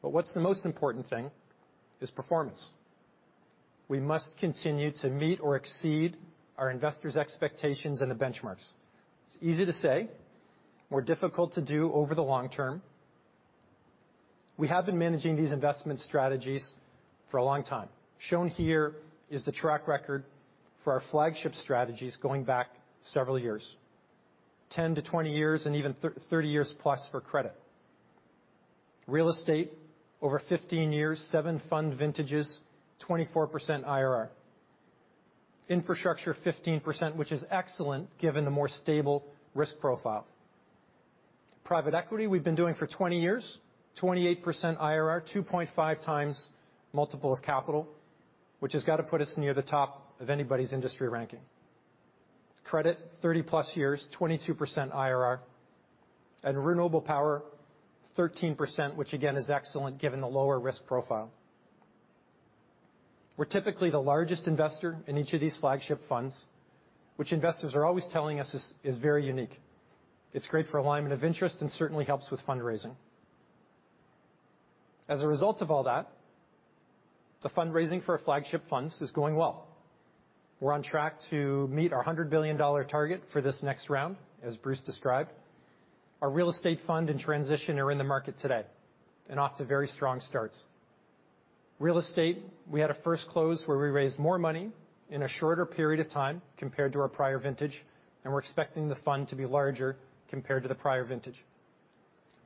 What's The Most Important Thing is performance. We must continue to meet or exceed our investors' expectations and the benchmarks. It's easy to say, more difficult to do over the long term. We have been managing these investment strategies for a long time. Shown here is the track record for our flagship strategies going back several years, 10-20 years, and even 30+ years for Credit. Real Estate, over 15 years, seven fund vintages, 24% IRR. Infrastructure, 15%, which is excellent given the more stable risk profile. Private Equity, we've been doing for 20 years, 28% IRR, 2.5x multiple of capital, which has got to put us near the top of anybody's industry ranking. Credit, 30+ years, 22% IRR, and Renewable Power, 13%, which again, is excellent given the lower risk profile. We're typically the largest investor in each of these flagship funds, which investors are always telling us is very unique. It's great for alignment of interest and certainly helps with fundraising. As a result of all that, the fundraising for our flagship funds is going well. We're on track to meet our $100 billion target for this next round, as Bruce described. Our real estate fund and Transition are in the market today and off to very strong starts. Real Estate, we had a first close where we raised more money in a shorter period of time compared to our prior vintage, and we're expecting the fund to be larger compared to the prior vintage.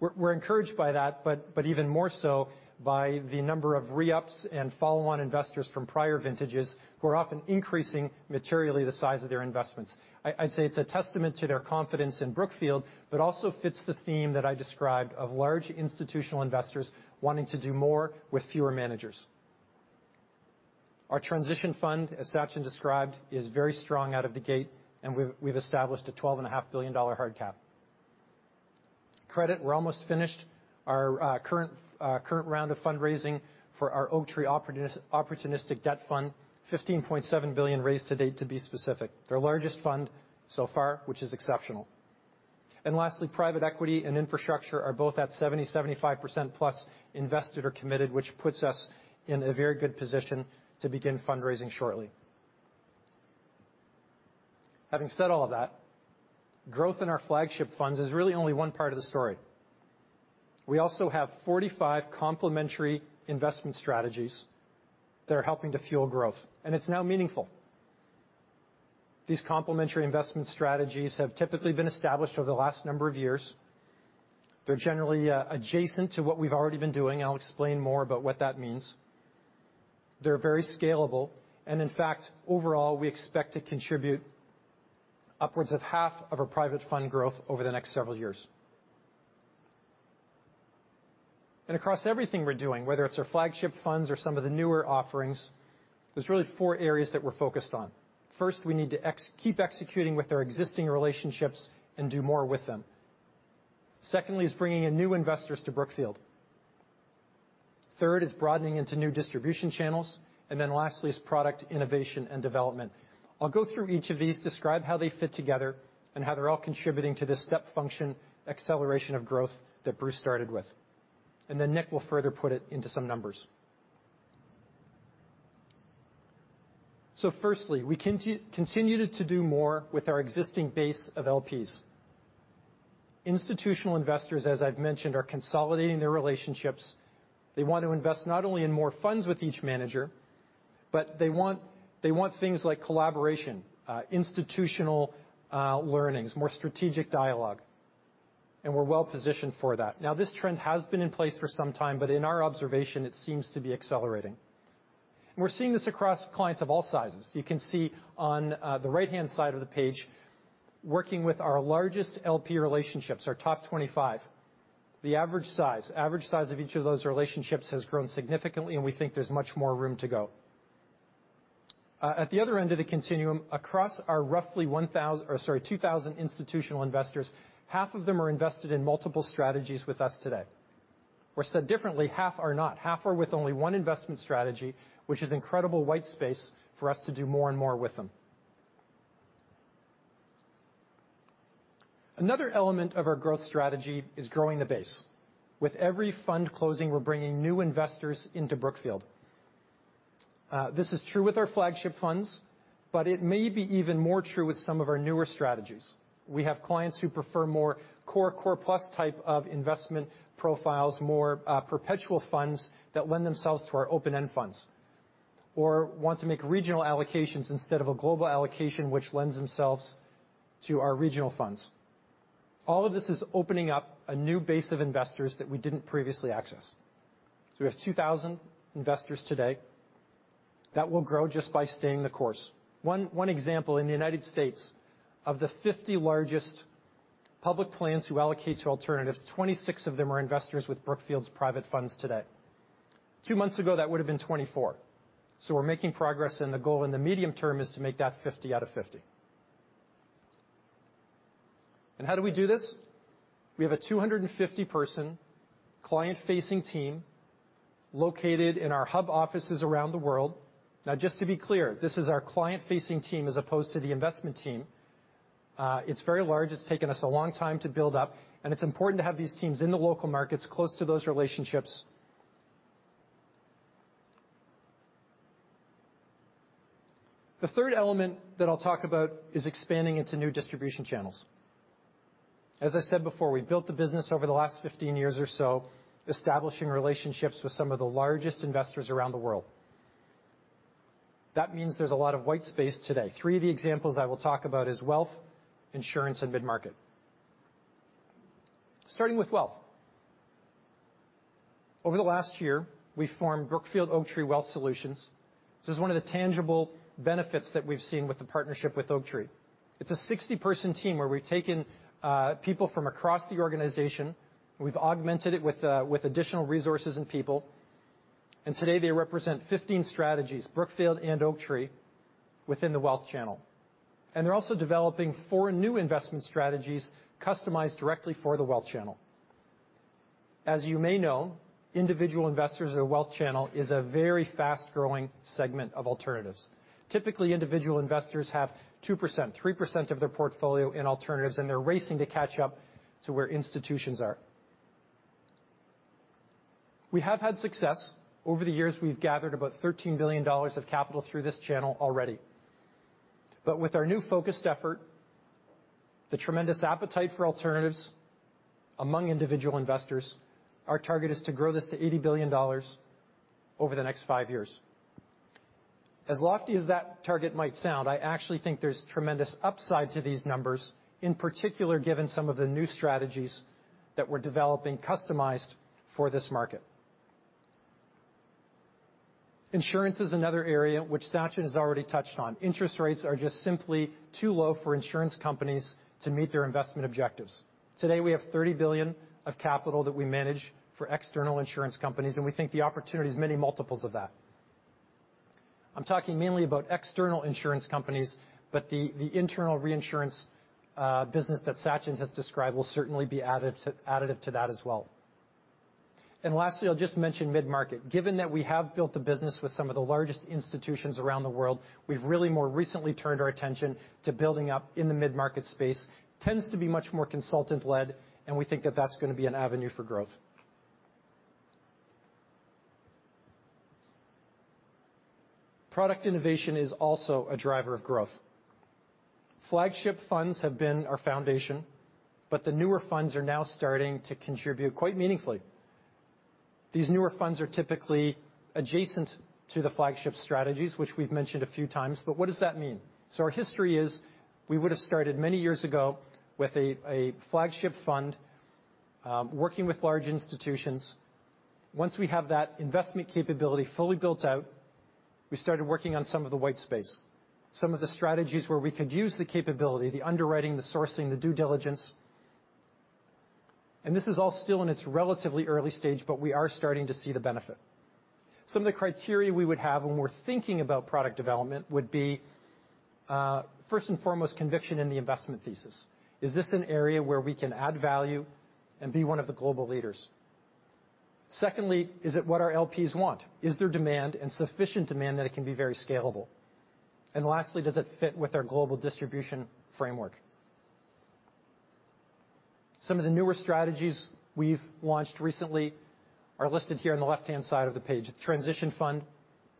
We're encouraged by that. Even more so by the number of re-ups and follow-on investors from prior vintages who are often increasing materially the size of their investments. I'd say it's a testament to their confidence in Brookfield, but also fits the theme that I described of large institutional investors wanting to do more with fewer managers. Our transition fund, as Sachin Shah described, is very strong out of the gate, and we've established a $12.5 billion hard cap. Credit, we're almost finished our current round of fundraising for our Oaktree Opportunities Fund XI, $15.7 billion raised to date to be specific, their largest fund so far, which is exceptional. Lastly, private equity and infrastructure are both at 70%-75% plus invested or committed, which puts us in a very good position to begin fundraising shortly. Having said all of that, growth in our flagship funds is really only one part of the story. We also have 45 complementary investment strategies that are helping to fuel growth, and it's now meaningful. These complementary investment strategies have typically been established over the last number of years. They're generally adjacent to what we've already been doing. I'll explain more about what that means. They're very scalable, and in fact, overall, we expect to contribute upwards of half of our private fund growth over the next several years. Across everything we're doing, whether it's our flagship funds or some of the newer offerings, there's really four areas that we're focused on. First, we need to keep executing with our existing relationships and do more with them. Secondly is bringing in new investors to Brookfield. Third is broadening into new distribution channels, then lastly is product innovation and development. I'll go through each of these, describe how they fit together, and how they're all contributing to the step function acceleration of growth that Bruce started with. Then Nick will further put it into some numbers. Firstly, we continue to do more with our existing base of LPs. Institutional investors, as I've mentioned, are consolidating their relationships. They want to invest not only in more funds with each manager, but they want things like collaboration, institutional learnings, more strategic dialogue. We're well positioned for that. Now, this trend has been in place for some time, but in our observation, it seems to be accelerating. We're seeing this across clients of all sizes. You can see on the right-hand side of the page, working with our largest LP relationships, our top 25. The average size of each of those relationships has grown significantly, and we think there's much more room to go. At the other end of the continuum, across our roughly 2,000 institutional investors, half of them are invested in multiple strategies with us today. Said differently, half are not. Half are with only one investment strategy, which is incredible white space for us to do more and more with them. Another element of our growth strategy is growing the base. With every fund closing, we're bringing new investors into Brookfield. This is true with our flagship funds, but it may be even more true with some of our newer strategies. We have clients who prefer more core plus type of investment profiles, more perpetual funds that lend themselves to our open-end funds. Want to make regional allocations instead of a global allocation, which lends themselves to our regional funds. All of this is opening up a new base of investors that we didn't previously access. We have 2,000 investors today. That will grow just by staying the course. One example, in the U.S., of the 50 largest public plans who allocate to alternatives, 26 of them are investors with Brookfield's private funds today. Two months ago, that would have been 24. We're making progress, and the goal in the medium term is to make that 50 out of 50. How do we do this? We have a 250-person client-facing team located in our hub offices around the world. Just to be clear, this is our client-facing team as opposed to the investment team. It's very large. It's taken us a long time to build up, and it's important to have these teams in the local markets close to those relationships. The third element that I'll talk about is expanding into new distribution channels. As I said before, we built the business over the last 15 years or so, establishing relationships with some of the largest investors around the world. There's a lot of white space today. Three of the examples I will talk about is wealth, insurance, and mid-market. Starting with wealth. Over the last year, we formed Brookfield Oaktree Wealth Solutions. This is one of the tangible benefits that we've seen with the partnership with Oaktree. It's a 60-person team where we've taken people from across the organization, we've augmented it with additional resources and people. Today they represent 15 strategies, Brookfield and Oaktree, within the wealth channel. They're also developing four new investment strategies customized directly for the wealth channel. As you may know, individual investors or wealth channel is a very fast-growing segment of alternatives. Typically, individual investors have 2%, 3% of their portfolio in alternatives. They're racing to catch up to where institutions are. We have had success. Over the years, we've gathered about $13 billion of capital through this channel already. With our new focused effort, the tremendous appetite for alternatives among individual investors, our target is to grow this to $80 billion over the next five years. As lofty as that target might sound, I actually think there's tremendous upside to these numbers, in particular, given some of the new strategies that we're developing customized for this market. Insurance is another area which Sachin has already touched on. Interest rates are just simply too low for insurance companies to meet their investment objectives. Today, we have $30 billion of capital that we manage for external insurance companies, and we think the opportunity is many multiples of that. I'm talking mainly about external insurance companies, but the internal reinsurance business that Sachin has described will certainly be additive to that as well. Lastly, I'll just mention mid-market. Given that we have built a business with some of the largest institutions around the world, we've really more recently turned our attention to building up in the mid-market space. Tends to be much more consultant-led, and we think that that's going to be an avenue for growth. Product innovation is also a driver of growth. Flagship funds have been our foundation, but the newer funds are now starting to contribute quite meaningfully. These newer funds are typically adjacent to the flagship strategies, which we've mentioned a few times, but what does that mean? Our history is, we would've started many years ago with a flagship fund, working with large institutions. Once we have that investment capability fully built out, we started working on some of the white space, some of the strategies where we could use the capability, the underwriting, the sourcing, the due diligence. This is all still in its relatively early stage, but we are starting to see the benefit. Some of the criteria we would have when we're thinking about product development would be, first and foremost, conviction in the investment thesis. Is this an area where we can add value and be one of the global leaders? Secondly, is it what our LPs want? Is there demand and sufficient demand that it can be very scalable? Lastly, does it fit with our global distribution framework? Some of the newer strategies we've launched recently are listed here on the left-hand side of the page. Transition Fund,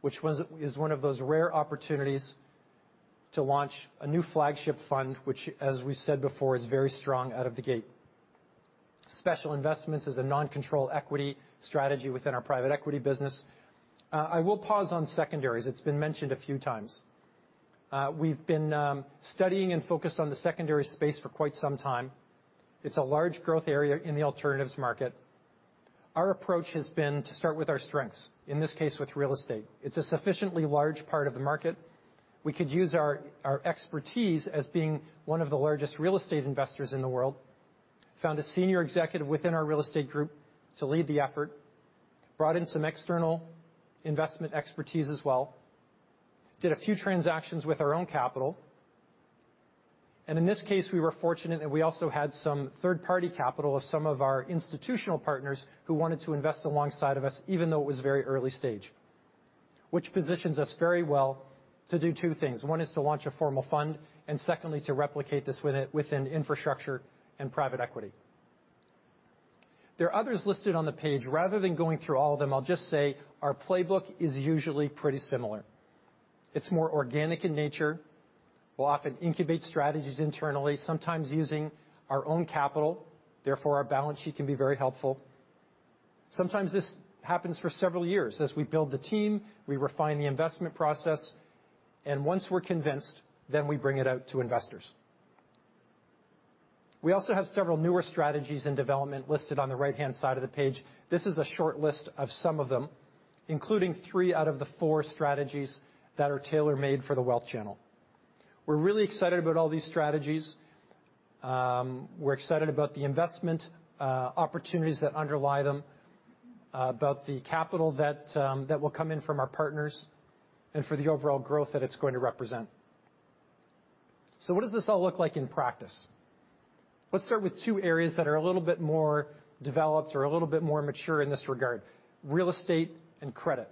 which is one of those rare opportunities to launch a new flagship fund, which, as we said before, is very strong out of the gate. Special investments is a non-control equity strategy within our private equity business. I will pause on secondaries. It's been mentioned a few times. We've been studying and focused on the secondary space for quite some time. It's a large growth area in the alternatives market. Our approach has been to start with our strengths, in this case, with real estate. It's a sufficiently large part of the market. We could use our expertise as being one of the largest real estate investors in the world. Found a senior executive within our real estate group to lead the effort, brought in some external investment expertise as well, did a few transactions with our own capital. In this case, we were fortunate that we also had some third-party capital of some of our institutional partners who wanted to invest alongside of us, even though it was very early stage. Which positions us very well to do two things. One is to launch a formal fund, and secondly, to replicate this within Infrastructure and Private Equity. There are others listed on the page. Rather than going through all of them, I'll just say our playbook is usually pretty similar. It's more organic in nature. We'll often incubate strategies internally, sometimes using our own capital. Our balance sheet can be very helpful. Sometimes this happens for several years. As we build the team, we refine the investment process, and once we're convinced, then we bring it out to investors. We also have several newer strategies in development listed on the right-hand side of the page. This is a short list of some of them, including three out of the four strategies that are tailor-made for the wealth channel. We're really excited about all these strategies. We're excited about the investment opportunities that underlie them, about the capital that will come in from our partners, and for the overall growth that it's going to represent. What does this all look like in practice? Let's start with two areas that are a little bit more developed or a little bit more mature in this regard. Real estate and credit.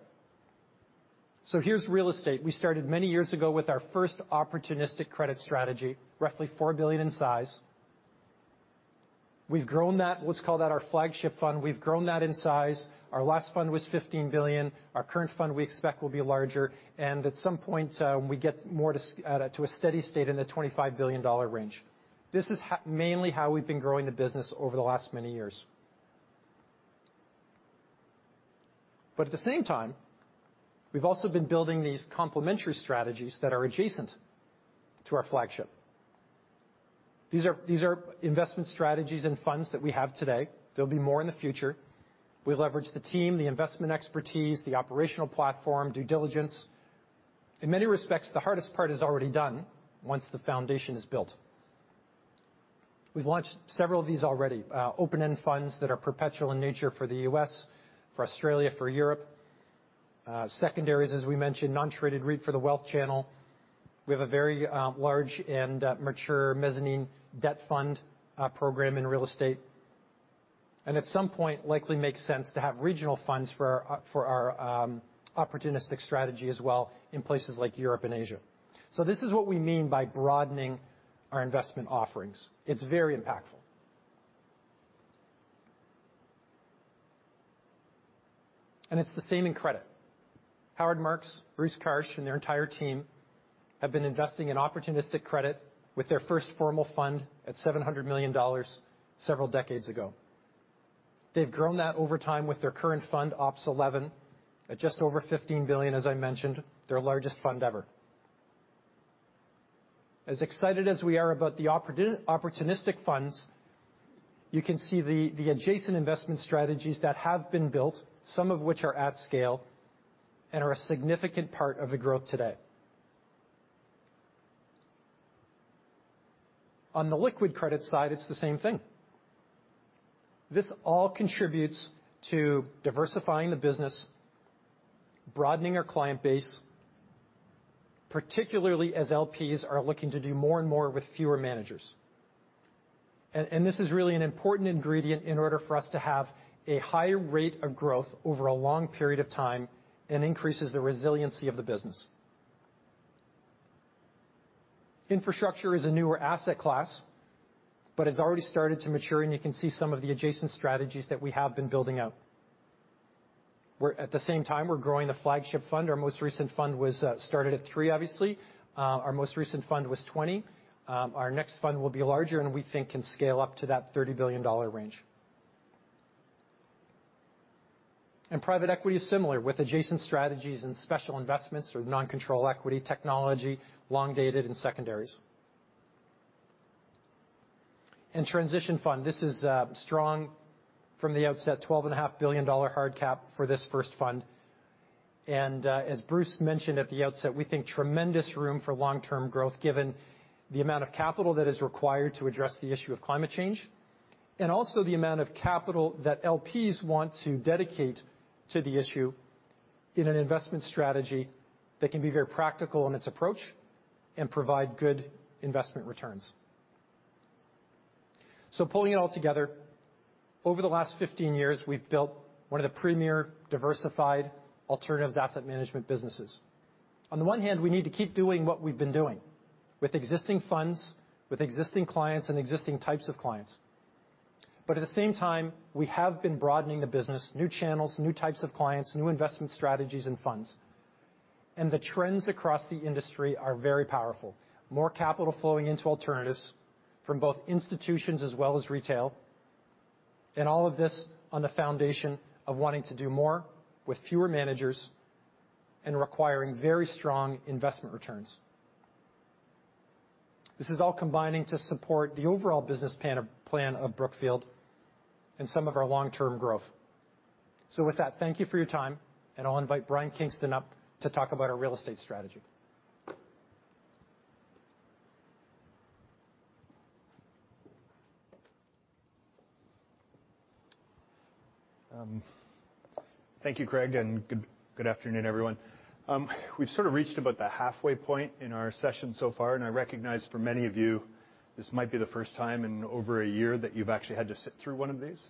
Here's real estate. We started many years ago with our first opportunistic credit strategy, roughly $4 billion in size. We've grown that, let's call that our flagship fund. We've grown that in size. Our last fund was $15 billion. Our current fund, we expect, will be larger, and at some point, we get more to a steady state in the $25 billion range. This is mainly how we've been growing the business over the last many years. At the same time, we've also been building these complementary strategies that are adjacent to our flagship. These are investment strategies and funds that we have today. There'll be more in the future. We leverage the team, the investment expertise, the operational platform, due diligence. In many respects, the hardest part is already done once the foundation is built. We've launched several of these already. Open-end funds that are perpetual in nature for the U.S., for Australia, for Europe. Secondaries, as we mentioned, non-traded REIT for the wealth channel. We have a very large and mature mezzanine debt fund program in real estate. At some point, likely makes sense to have regional funds for our opportunistic strategy as well in places like Europe and Asia. This is what we mean by broadening our investment offerings. It's very impactful. It's the same in credit. Howard Marks, Bruce Karsh, and their entire team have been investing in opportunistic credit with their first formal fund at $700 million several decades ago. They've grown that over time with their current fund, Opps XI, at just over $15 billion, as I mentioned, their largest fund ever. As excited as we are about the opportunistic funds, you can see the adjacent investment strategies that have been built, some of which are at scale and are a significant part of the growth today. On the liquid credit side, it's the same thing. This all contributes to diversifying the business, broadening our client base, particularly as LPs are looking to do more and more with fewer managers. This is really an important ingredient in order for us to have a higher rate of growth over a long period of time and increases the resiliency of the business. Infrastructure is a newer asset class but has already started to mature, and you can see some of the adjacent strategies that we have been building out. At the same time, we're growing the flagship fund. Our most recent fund was started at three. Our most recent fund was 20. Our next fund will be larger and we think can scale up to that $30 billion range. Private Equity is similar, with adjacent strategies and special investments or non-control equity technology, long-dated, and secondaries. Transition Fund. This is strong from the outset, $12.5 billion hard cap for this first fund. As Bruce mentioned at the outset, we think tremendous room for long-term growth, given the amount of capital that is required to address the issue of climate change, and also the amount of capital that LPs want to dedicate to the issue in an investment strategy that can be very practical in its approach and provide good investment returns. Pulling it all together, over the last 15 years, we've built one of the premier diversified alternatives asset management businesses. On the one hand, we need to keep doing what we've been doing with existing funds, with existing clients, and existing types of clients. At the same time, we have been broadening the business, new channels, new types of clients, new investment strategies and funds. The trends across the industry are very powerful. More capital flowing into alternatives from both institutions as well as retail. All of this on the foundation of wanting to do more with fewer managers and requiring very strong investment returns. This is all combining to support the overall business plan of Brookfield and some of our long-term growth. With that, thank you for your time, and I'll invite Brian Kingston up to talk about our real estate strategy. Thank you, Craig, and good afternoon, everyone. We've sort of reached about the halfway point in our session so far, and I recognize for many of you, this might be the first time in over one year that you've actually had to sit through one of these.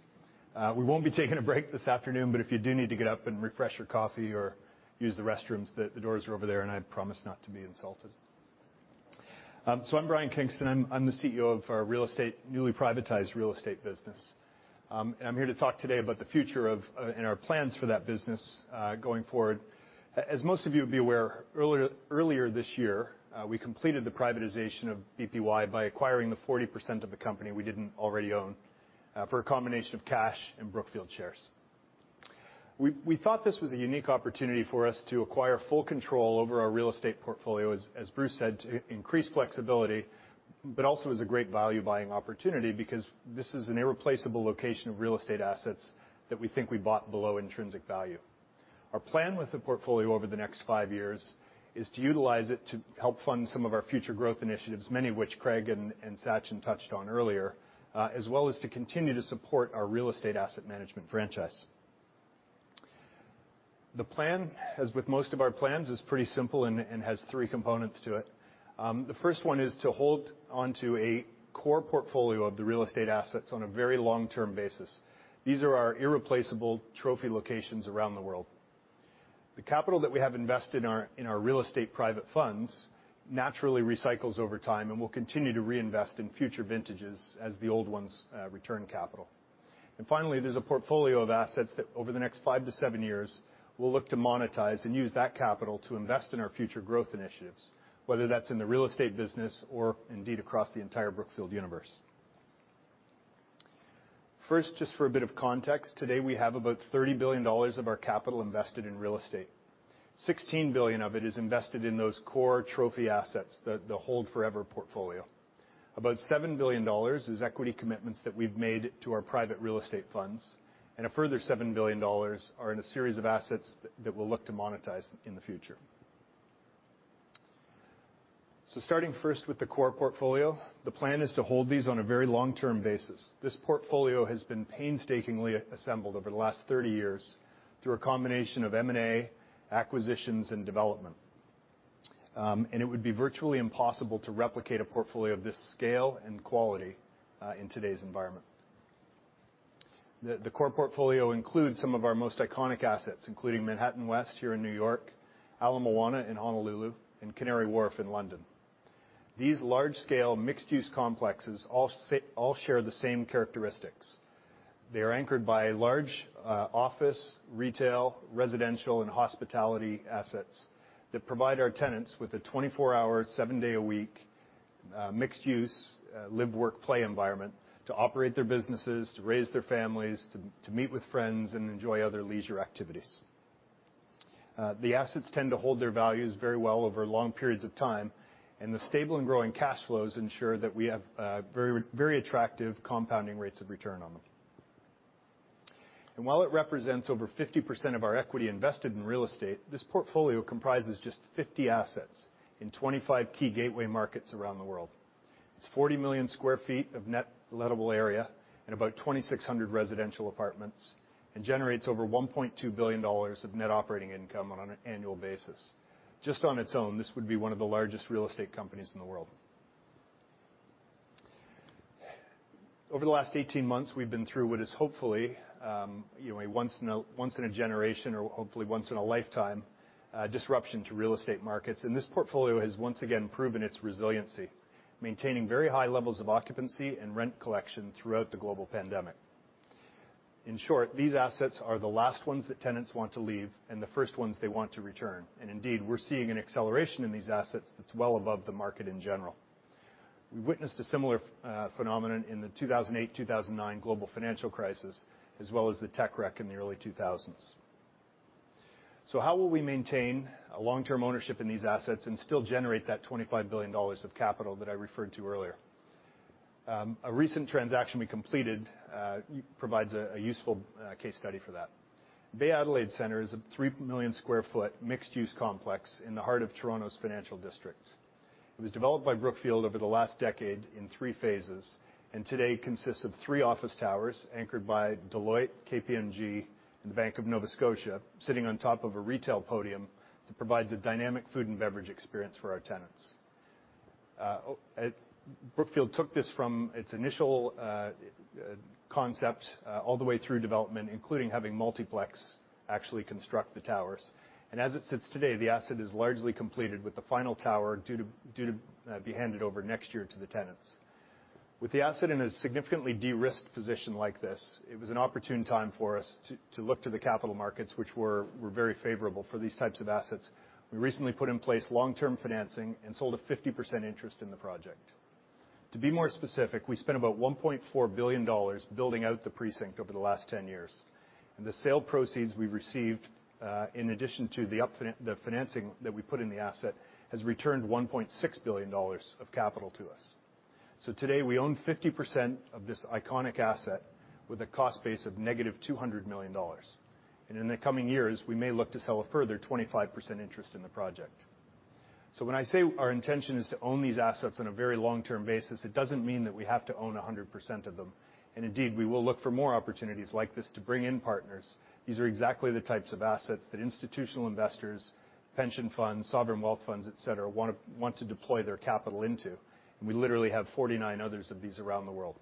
We won't be taking a break this afternoon, but if you do need to get up and refresh your coffee or use the restrooms, the doors are over there, and I promise not to be insulted. I'm Brian Kingston. I'm the CEO of our newly privatized real estate business. I'm here to talk today about the future of and our plans for that business going forward. As most of you would be aware, earlier this year, we completed the privatization of BPY by acquiring the 40% of the company we didn't already own for a combination of cash and Brookfield shares. We thought this was a unique opportunity for us to acquire full control over our real estate portfolio, as Bruce said, to increase flexibility, but also as a great value-buying opportunity because this is an irreplaceable location of real estate assets that we think we bought below intrinsic value. Our plan with the portfolio over the next five years is to utilize it to help fund some of our future growth initiatives, many of which Craig and Sachin touched on earlier, as well as to continue to support our real estate asset management franchise. The plan, as with most of our plans, is pretty simple and has three components to it. The first one is to hold onto a core portfolio of the real estate assets on a very long-term basis. These are our irreplaceable trophy locations around the world. The capital that we have invested in our real estate private funds naturally recycles over time, we'll continue to reinvest in future vintages as the old ones return capital. Finally, there's a portfolio of assets that over the next five to seven years, we'll look to monetize and use that capital to invest in our future growth initiatives, whether that's in the real estate business or indeed across the entire Brookfield universe. Just for a bit of context, today we have about $30 billion of our capital invested in real estate. $16 billion of it is invested in those core trophy assets, the hold forever portfolio. About $7 billion is equity commitments that we've made to our private real estate funds, a further $7 billion are in a series of assets that we'll look to monetize in the future. Starting first with the core portfolio, the plan is to hold these on a very long-term basis. This portfolio has been painstakingly assembled over the last 30 years through a combination of M&A, acquisitions, and development. It would be virtually impossible to replicate a portfolio of this scale and quality in today's environment. The core portfolio includes some of our most iconic assets, including Manhattan West here in New York, Ala Moana in Honolulu, and Canary Wharf in London. These large-scale mixed-use complexes all share the same characteristics. They are anchored by large office, retail, residential, and hospitality assets that provide our tenants with a 24-hour, seven-day-a-week mixed-use live-work-play environment to operate their businesses, to raise their families, to meet with friends, and enjoy other leisure activities. The assets tend to hold their values very well over long periods of time, and the stable and growing cash flows ensure that we have very attractive compounding rates of return on them. While it represents over 50% of our equity invested in real estate, this portfolio comprises just 50 assets in 25 key gateway markets around the world. It's 40 million sq ft of net lettable area and about 2,600 residential apartments and generates over $1.2 billion of net operating income on an annual basis. Just on its own, this would be one of the largest real estate companies in the world. Over the last 18 months, we've been through what is hopefully a once in a generation or hopefully once in a lifetime disruption to real estate markets. This portfolio has once again proven its resiliency, maintaining very high levels of occupancy and rent collection throughout the global pandemic. In short, these assets are the last ones that tenants want to leave and the first ones they want to return. Indeed, we're seeing an acceleration in these assets that's well above the market in general. We witnessed a similar phenomenon in the 2008-2009 global financial crisis, as well as the tech wreck in the early 2000s. How will we maintain a long-term ownership in these assets and still generate that $25 billion of capital that I referred to earlier? A recent transaction we completed provides a useful case study for that. Bay Adelaide Centre is a three million sq ft mixed-use complex in the heart of Toronto's financial district. It was developed by Brookfield over the last decade in three phases, and today consists of three office towers anchored by Deloitte, KPMG, and the Bank of Nova Scotia, sitting on top of a retail podium that provides a dynamic food and beverage experience for our tenants. Brookfield took this from its initial concept all the way through development, including having Multiplex actually construct the towers. As it sits today, the asset is largely completed with the final tower due to be handed over next year to the tenants. With the asset in a significantly de-risked position like this, it was an opportune time for us to look to the capital markets, which were very favorable for these types of assets. We recently put in place long-term financing and sold a 50% interest in the project. To be more specific, we spent about $1.4 billion building out the precinct over the last 10 years. The sale proceeds we received, in addition to the financing that we put in the asset, has returned $1.6 billion of capital to us. Today, we own 50% of this iconic asset with a cost base of negative $200 million. In the coming years, we may look to sell a further 25% interest in the project. When I say our intention is to own these assets on a very long-term basis, it doesn't mean that we have to own 100% of them. Indeed, we will look for more opportunities like this to bring in partners. These are exactly the types of assets that institutional investors, pension funds, sovereign wealth funds, et cetera, want to deploy their capital into. We literally have 49 others of these around the world.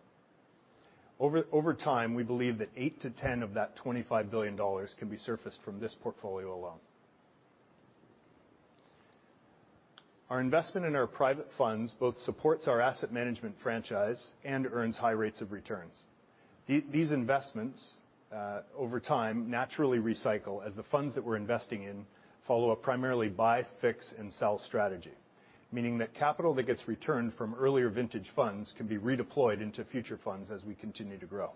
Over time, we believe that $8 billion-$10 billion of that $25 billion can be surfaced from this portfolio alone. Our investment in our private funds both supports our asset management franchise and earns high rates of returns. These investments, over time, naturally recycle as the funds that we're investing in follow a primarily buy, fix, and sell strategy, meaning that capital that gets returned from earlier vintage funds can be redeployed into future funds as we continue to grow.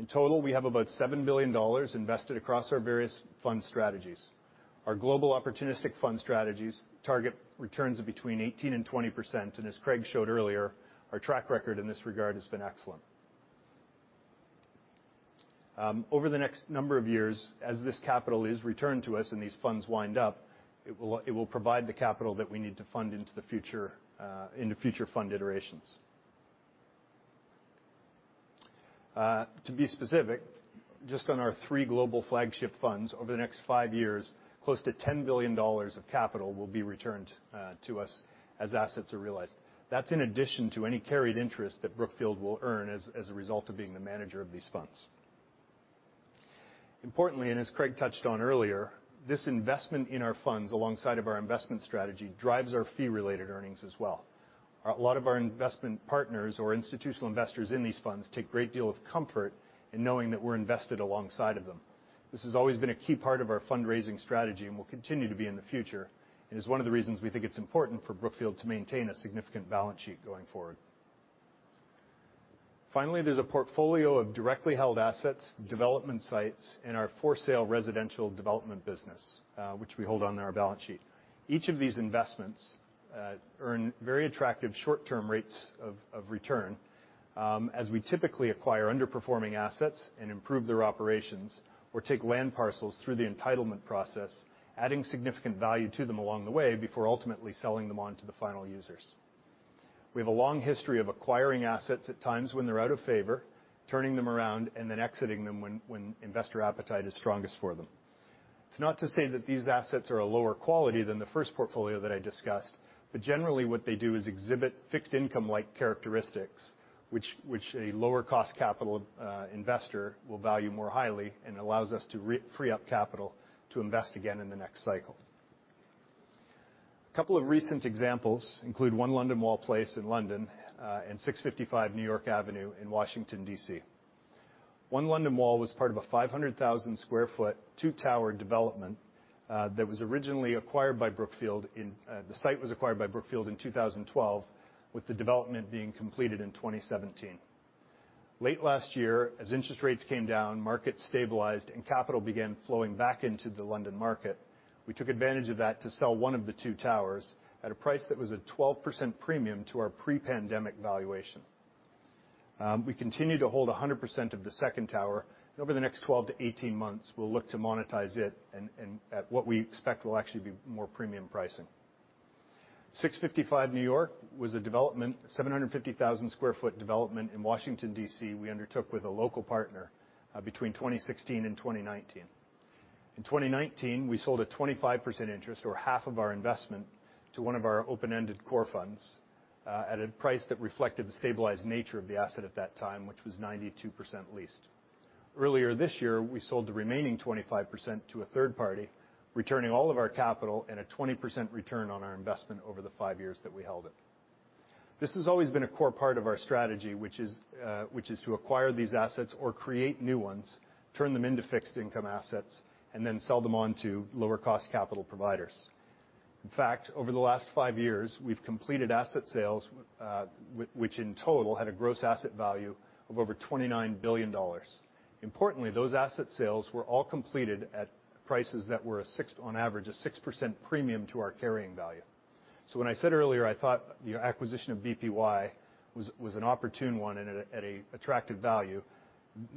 In total, we have about $7 billion invested across our various fund strategies. Our global opportunistic fund strategies target returns of between 18% and 20%, as Craig showed earlier, our track record in this regard has been excellent. Over the next number of years, as this capital is returned to us and these funds wind up, it will provide the capital that we need to fund into future fund iterations. To be specific, just on our three global flagship funds over the next five years, close to $10 billion of capital will be returned to us as assets are realized. That's in addition to any carried interest that Brookfield will earn as a result of being the manager of these funds. Importantly, as Craig touched on earlier, this investment in our funds, alongside of our investment strategy, drives our fee-related earnings as well. A lot of our investment partners or institutional investors in these funds take great deal of comfort in knowing that we're invested alongside of them. This has always been a key part of our fundraising strategy and will continue to be in the future, and is one of the reasons we think it's important for Brookfield to maintain a significant balance sheet going forward. Finally, there's a portfolio of directly held assets, development sites in our for sale residential development business, which we hold on our balance sheet. Each of these investments earn very attractive short-term rates of return, as we typically acquire underperforming assets and improve their operations or take land parcels through the entitlement process, adding significant value to them along the way before ultimately selling them on to the final users. We have a long history of acquiring assets at times when they're out of favor, turning them around, and then exiting them when investor appetite is strongest for them. It's not to say that these assets are a lower quality than the first portfolio that I discussed, but generally what they do is exhibit fixed income-like characteristics, which a lower cost capital investor will value more highly and allows us to free up capital to invest again in the next cycle. A couple of recent examples include 1 London Wall Place in London, and 655 New York Avenue in Washington, D.C. One London Wall was part of a 500,000 sq ft, two-tower development that was originally acquired by Brookfield, the site was acquired by Brookfield in 2012, with the development being completed in 2017. Late last year, as interest rates came down, markets stabilized, and capital began flowing back into the London market. We took advantage of that to sell one of the two towers at a price that was a 12% premium to our pre-pandemic valuation. We continue to hold 100% of the second tower. Over the next 12-18 months, we'll look to monetize it at what we expect will actually be more premium pricing. 655 New York was a 750,000 sq ft development in Washington, D.C., we undertook with a local partner between 2016 and 2019. In 2019, we sold a 25% interest or half of our investment to one of our open-ended core funds at a price that reflected the stabilized nature of the asset at that time, which was 92% leased. Earlier this year, we sold the remaining 25% to a third party, returning all of our capital and a 20% return on our investment over the five years that we held it. This has always been a core part of our strategy, which is to acquire these assets or create new ones, turn them into fixed income assets, and then sell them on to lower cost capital providers. In fact, over the last five years, we've completed asset sales, which in total had a gross asset value of over $29 billion. Importantly, those asset sales were all completed at prices that were on average, a 6% premium to our carrying value. When I said earlier I thought the acquisition of BPY was an opportune one and at an attractive value,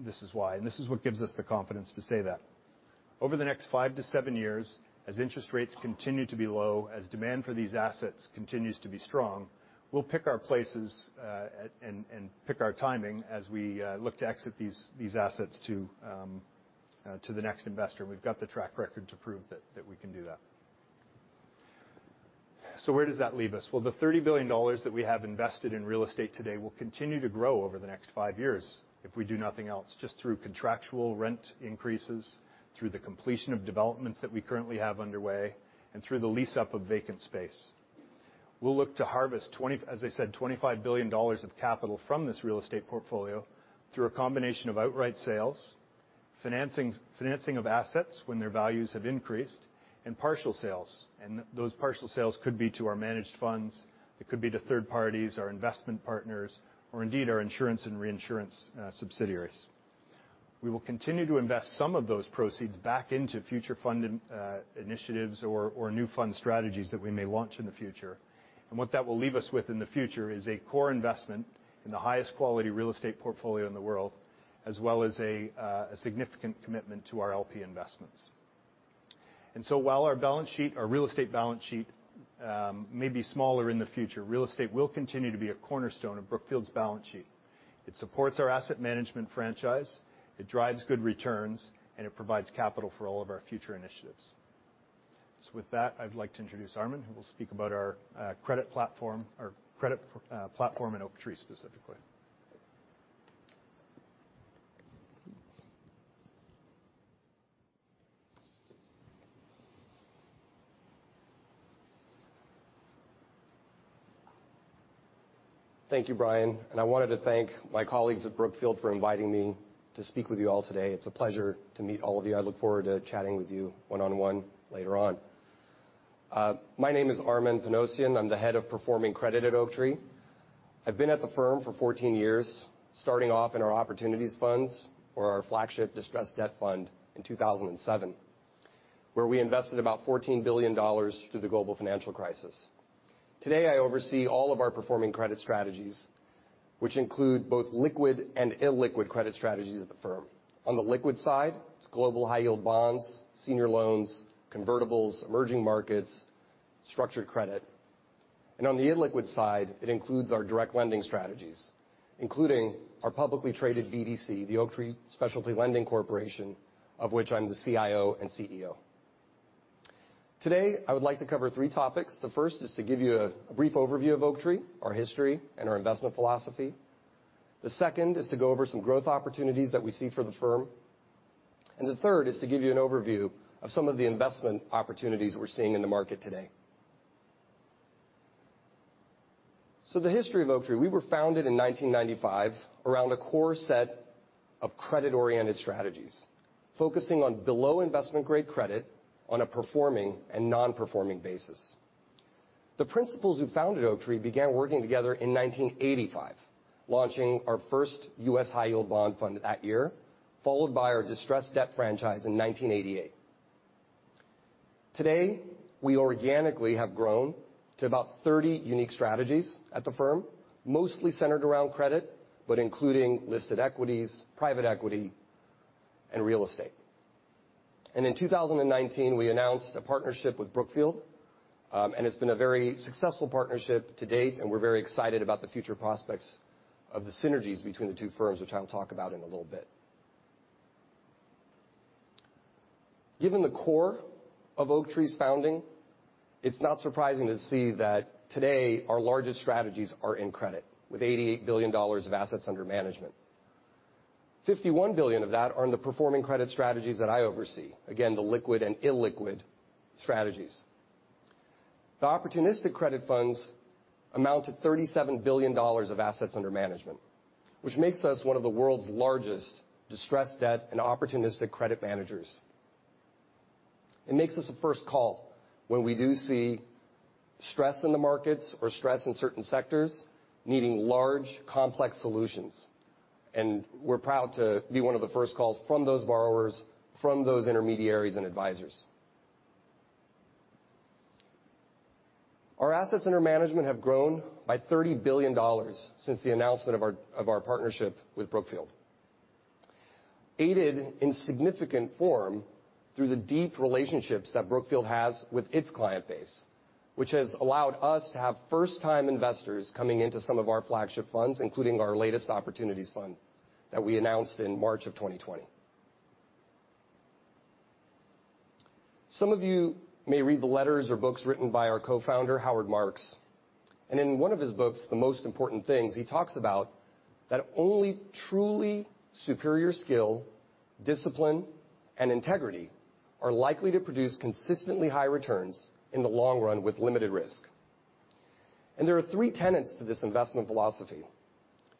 this is why, and this is what gives us the confidence to say that. Over the next five to seven years, as interest rates continue to be low, as demand for these assets continues to be strong, we'll pick our places, and pick our timing as we look to exit these assets to the next investor. We've got the track record to prove that we can do that. Where does that leave us? The $30 billion that we have invested in real estate today will continue to grow over the next five years if we do nothing else, just through contractual rent increases, through the completion of developments that we currently have underway, and through the lease-up of vacant space. We'll look to harvest, as I said, $25 billion of capital from this real estate portfolio through a combination of outright sales, financing of assets when their values have increased, and partial sales. Those partial sales could be to our managed funds, they could be to third parties, our investment partners, or indeed our insurance and reinsurance subsidiaries. We will continue to invest some of those proceeds back into future fund initiatives or new fund strategies that we may launch in the future. What that will leave us with in the future is a core investment in the highest quality real estate portfolio in the world, as well as a significant commitment to our LP investments. While our balance sheet, our real estate balance sheet, may be smaller in the future, real estate will continue to be a cornerstone of Brookfield's balance sheet. It supports our asset management franchise, it drives good returns, and it provides capital for all of our future initiatives. With that, I'd like to introduce Armen, who will speak about our credit platform and Oaktree specifically. Thank you, Brian. I wanted to thank my colleagues at Brookfield for inviting me to speak with you all today. It's a pleasure to meet all of you. I look forward to chatting with you one-on-one later on. My name is Armen Panossian. I'm the Head of Performing Credit at Oaktree. I've been at the firm for 14 years, starting off in our opportunities funds or our flagship distressed debt fund in 2007, where we invested about $14 billion through the global financial crisis. Today, I oversee all of our performing credit strategies, which include both liquid and illiquid credit strategies at the firm. On the liquid side, it's global high yield bonds, senior loans, convertibles, emerging markets, structured credit. On the illiquid side, it includes our direct lending strategies, including our publicly traded BDC, the Oaktree Specialty Lending Corporation, of which I'm the CIO and CEO. Today, I would like to cover three topics. The first is to give you a brief overview of Oaktree, our history, and our investment philosophy. The second is to go over some growth opportunities that we see for the firm. The third is to give you an overview of some of the investment opportunities we're seeing in the market today. The history of Oaktree, we were founded in 1995 around a core set of credit-oriented strategies, focusing on below investment-grade credit on a performing and non-performing basis. The principals who founded Oaktree began working together in 1985, launching our first U.S. high yield bond fund that year, followed by our distressed debt franchise in 1988. Today, we organically have grown to about 30 unique strategies at the firm, mostly centered around credit, but including listed equities, private equity, and real estate. In 2019, we announced a partnership with Brookfield, and it's been a very successful partnership to date, and we're very excited about the future prospects of the synergies between the two firms, which I'll talk about in a little bit. Given the core of Oaktree's founding, it's not surprising to see that today our largest strategies are in credit, with $88 billion of assets under management. $51 billion of that are in the performing credit strategies that I oversee, again, the liquid and illiquid strategies. The opportunistic credit funds amount to $37 billion of assets under management, which makes us one of the world's largest distressed debt and opportunistic credit managers. It makes us a first call when we do see stress in the markets or stress in certain sectors needing large, complex solutions. We're proud to be one of the first calls from those borrowers, from those intermediaries and advisors. Our assets under management have grown by $30 billion since the announcement of our partnership with Brookfield. Aided in significant form through the deep relationships that Brookfield has with its client base, which has allowed us to have first-time investors coming into some of our flagship funds, including our latest Oaktree Opportunities Fund XI that we announced in March of 2020. Some of you may read the letters or books written by our co-founder, Howard Marks, and in one of his books, The Most Important Thing he talks about that only truly superior skill, discipline, and integrity are likely to produce consistently high returns in the long run with limited risk. There are three tenets to this investment philosophy.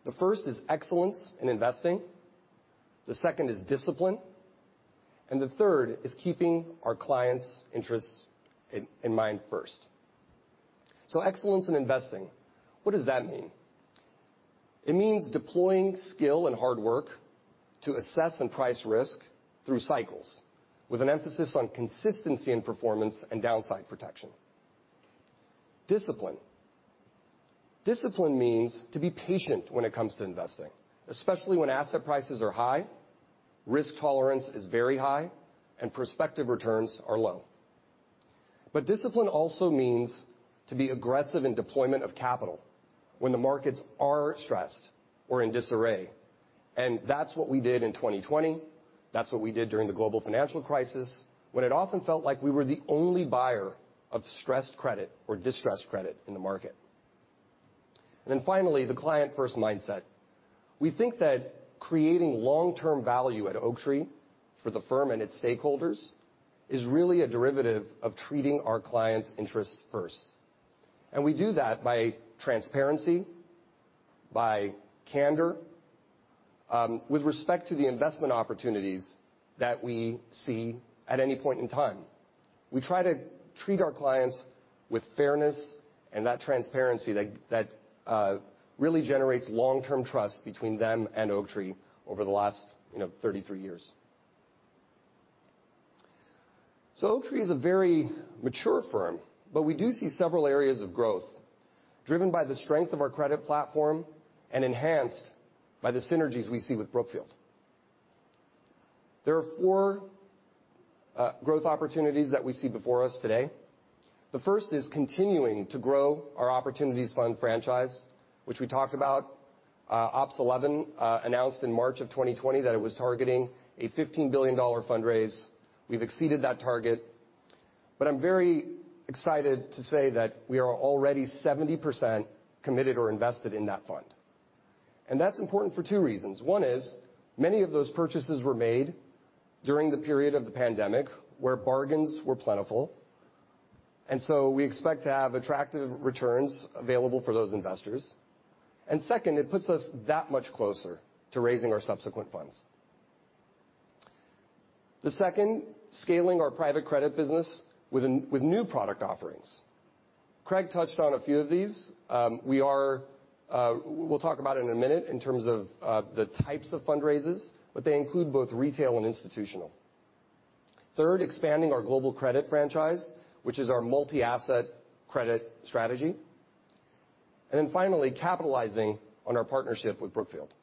The first is excellence in investing, the second is discipline, and the third is keeping our clients' interests in mind first. Excellence in investing. What does that mean? It means deploying skill and hard work to assess and price risk through cycles, with an emphasis on consistency and performance and downside protection. Discipline. Discipline means to be patient when it comes to investing, especially when asset prices are high, risk tolerance is very high, and prospective returns are low. Discipline also means to be aggressive in deployment of capital when the markets are stressed or in disarray. That's what we did in 2020. That's what we did during the Global Financial Crisis, when it often felt like we were the only buyer of stressed credit or distressed credit in the market. Finally, the client-first mindset. We think that creating long-term value at Oaktree for the firm and its stakeholders is really a derivative of treating our clients' interests first. We do that by transparency, by candor with respect to the investment opportunities that we see at any point in time. We try to treat our clients with fairness and that transparency that really generates long-term trust between them and Oaktree over the last 33 years. Oaktree is a very mature firm, but we do see several areas of growth driven by the strength of our credit platform and enhanced by the synergies we see with Brookfield. There are four growth opportunities that we see before us today. The first is continuing to grow our opportunities fund franchise, which we talked about. Opps XI announced in March of 2020 that it was targeting a $15 billion fundraise. We've exceeded that target. I'm very excited to say that we are already 70% committed or invested in that fund. That's important for two reasons. One is, many of those purchases were made during the period of the pandemic, where bargains were plentiful. We expect to have attractive returns available for those investors. Second, it puts us that much closer to raising our subsequent funds. The second, scaling our private credit business with new product offerings. Craig touched on a few of these. We'll talk about in a minute in terms of the types of fundraisers, but they include both retail and institutional. Third, expanding our global credit franchise, which is our multi-asset credit strategy. Finally, capitalizing on our partnership with Brookfield.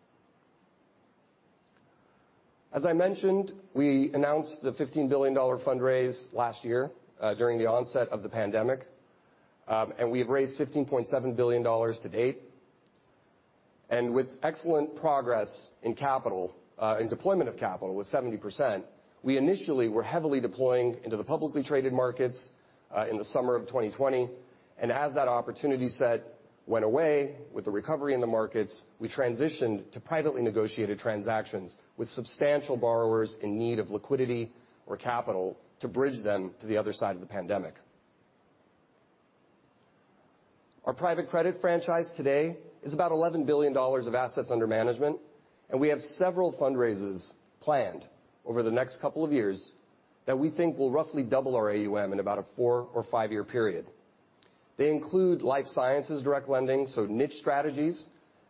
As I mentioned, we announced the $15 billion fundraise last year during the onset of the pandemic. We've raised $15.7 billion to date. With excellent progress in deployment of capital with 70%, we initially were heavily deploying into the publicly traded markets in the summer of 2020. As that opportunity set went away with the recovery in the markets, we transitioned to privately negotiated transactions with substantial borrowers in need of liquidity or capital to bridge them to the other side of the pandemic. Our private credit franchise today is about $11 billion of assets under management, and we have several fundraisers planned over the next couple of years that we think will roughly double our AUM in about a 4 or 5-year period. They include life sciences direct lending, so niche strategies,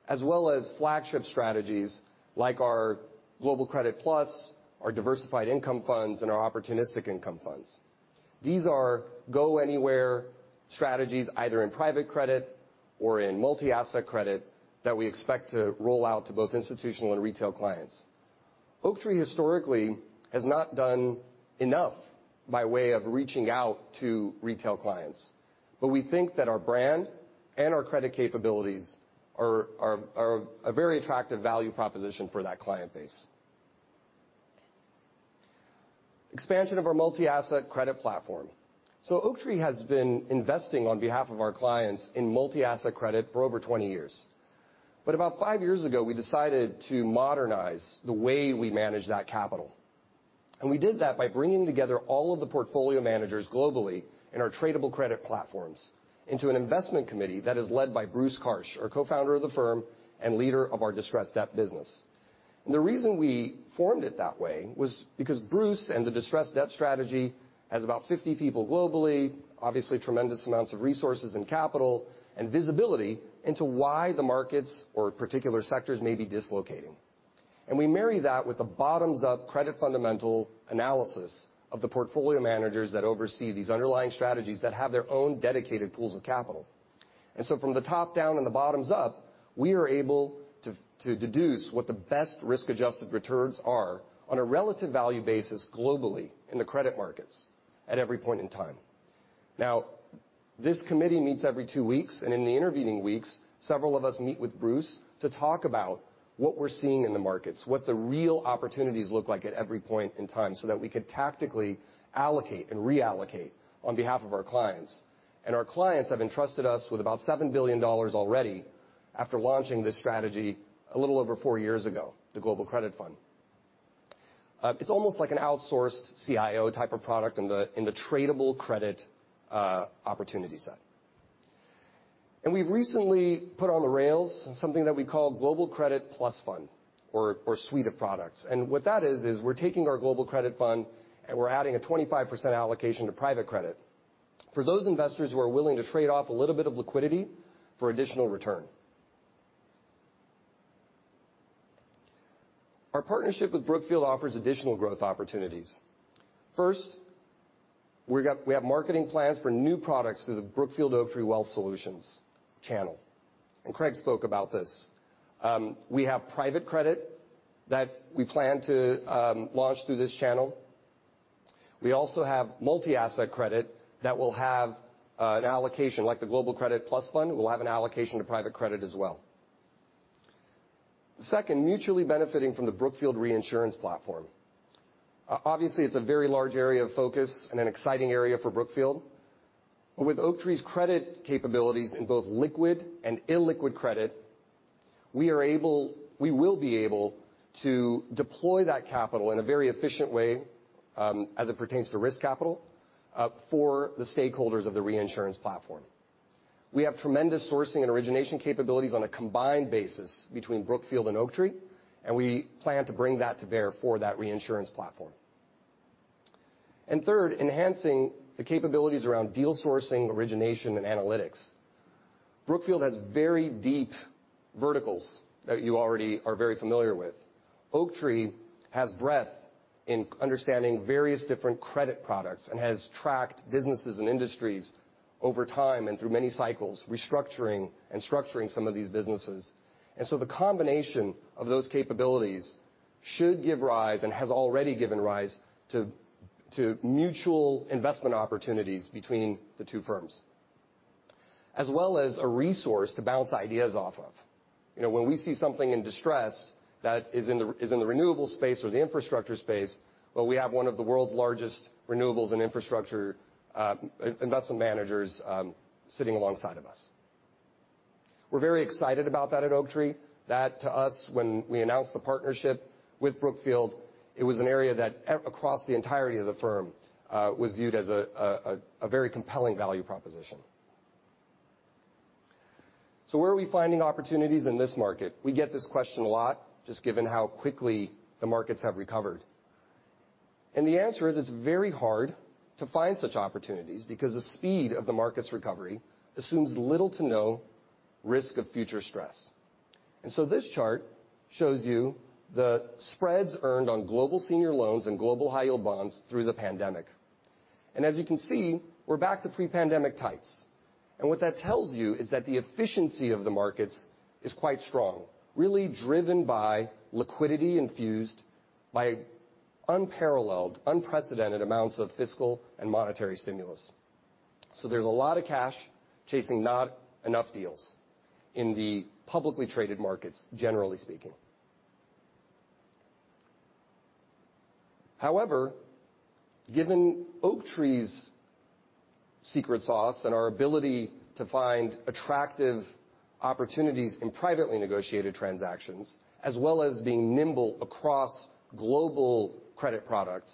as well as flagship strategies like our Global Credit Plus, our diversified income funds, and our opportunistic income funds. These are go-anywhere strategies, either in private credit or in multi-asset credit, that we expect to roll out to both institutional and retail clients. Oaktree historically has not done enough by way of reaching out to retail clients, but we think that our brand and our credit capabilities are a very attractive value proposition for that client base. Expansion of our multi-asset credit platform. Oaktree has been investing on behalf of our clients in multi-asset credit for over 20 years. About five years ago, we decided to modernize the way we manage that capital. We did that by bringing together all of the portfolio managers globally in our tradable credit platforms into an investment committee that is led by Bruce Karsh, our co-founder of the firm and leader of our distressed debt business. The reason we formed it that way was because Bruce and the distressed debt strategy has about 50 people globally, obviously tremendous amounts of resources and capital and visibility into why the markets or particular sectors may be dislocating. We marry that with the bottoms-up credit fundamental analysis of the portfolio managers that oversee these underlying strategies that have their own dedicated pools of capital. From the top down and the bottoms up, we are able to deduce what the best risk-adjusted returns are on a relative value basis globally in the credit markets at every point in time. This committee meets every two weeks, in the intervening weeks, several of us meet with Bruce to talk about what we're seeing in the markets, what the real opportunities look like at every point in time, so that we could tactically allocate and reallocate on behalf of our clients. Our clients have entrusted us with about $7 billion already after launching this strategy a little over four years ago, the Global Credit Fund. It's almost like an outsourced CIO type of product in the tradable credit opportunity set. We've recently put on the rails something that we call Global Credit Plus Fund or suite of products. What that is we're taking our Global Credit Fund and we're adding a 25% allocation to private credit for those investors who are willing to trade off a little bit of liquidity for additional return. Our partnership with Brookfield offers additional growth opportunities. First, we have marketing plans for new products through the Brookfield Oaktree Wealth Solutions channel. Craig spoke about this. We have private credit that we plan to launch through this channel. We also have multi-asset credit that will have an allocation like the Global Credit Plus Fund. We'll have an allocation to private credit as well. Second, mutually benefiting from the Brookfield Reinsurance platform. Obviously, it's a very large area of focus and an exciting area for Brookfield. With Oaktree's credit capabilities in both liquid and illiquid credit, we will be able to deploy that capital in a very efficient way as it pertains to risk capital for the stakeholders of the reinsurance platform. We have tremendous sourcing and origination capabilities on a combined basis between Brookfield and Oaktree, and we plan to bring that to bear for that reinsurance platform. Third, enhancing the capabilities around deal sourcing, origination, and analytics. Brookfield has very deep verticals that you already are very familiar with. Oaktree has breadth in understanding various different credit products and has tracked businesses and industries over time and through many cycles, restructuring and structuring some of these businesses. The combination of those capabilities should give rise and has already given rise to mutual investment opportunities between the two firms, as well as a resource to bounce ideas off of. When we see something in distress that is in the renewable space or the infrastructure space, well, we have one of the world's largest renewables and infrastructure investment managers sitting alongside of us. We're very excited about that at Oaktree. That to us, when we announced the partnership with Brookfield, it was an area that across the entirety of the firm, was viewed as a very compelling value proposition. Where are we finding opportunities in this market? We get this question a lot, just given how quickly the markets have recovered. The answer is it's very hard to find such opportunities because the speed of the market's recovery assumes little to no risk of future stress. This chart shows you the spreads earned on global senior loans and global high yield bonds through the pandemic. As you can see, we're back to pre-pandemic tights. What that tells you is that the efficiency of the markets is quite strong, really driven by liquidity infused by unparalleled, unprecedented amounts of fiscal and monetary stimulus. There's a lot of cash chasing not enough deals in the publicly traded markets, generally speaking. However, given Oaktree's secret sauce and our ability to find attractive opportunities in privately negotiated transactions, as well as being nimble across global credit products,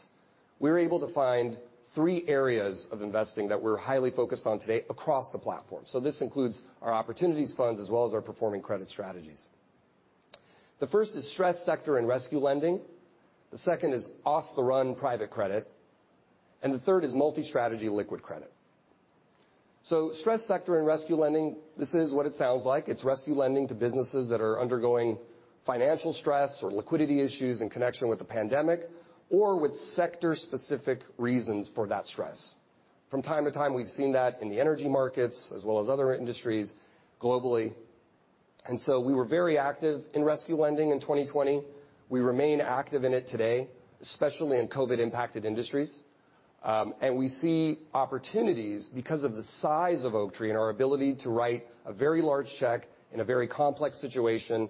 we're able to find three areas of investing that we're highly focused on today across the platform. This includes our opportunities funds as well as our performing credit strategies. The first is stressed sector and rescue lending, the second is off-the-run private credit, and the third is multi-strategy liquid credit. Stressed sector and rescue lending, this is what it sounds like. It's rescue lending to businesses that are undergoing financial stress or liquidity issues in connection with the pandemic, or with sector-specific reasons for that stress. From time to time, we've seen that in the energy markets as well as other industries globally. We were very active in rescue lending in 2020. We remain active in it today, especially in COVID-impacted industries. We see opportunities because of the size of Oaktree and our ability to write a very large check in a very complex situation,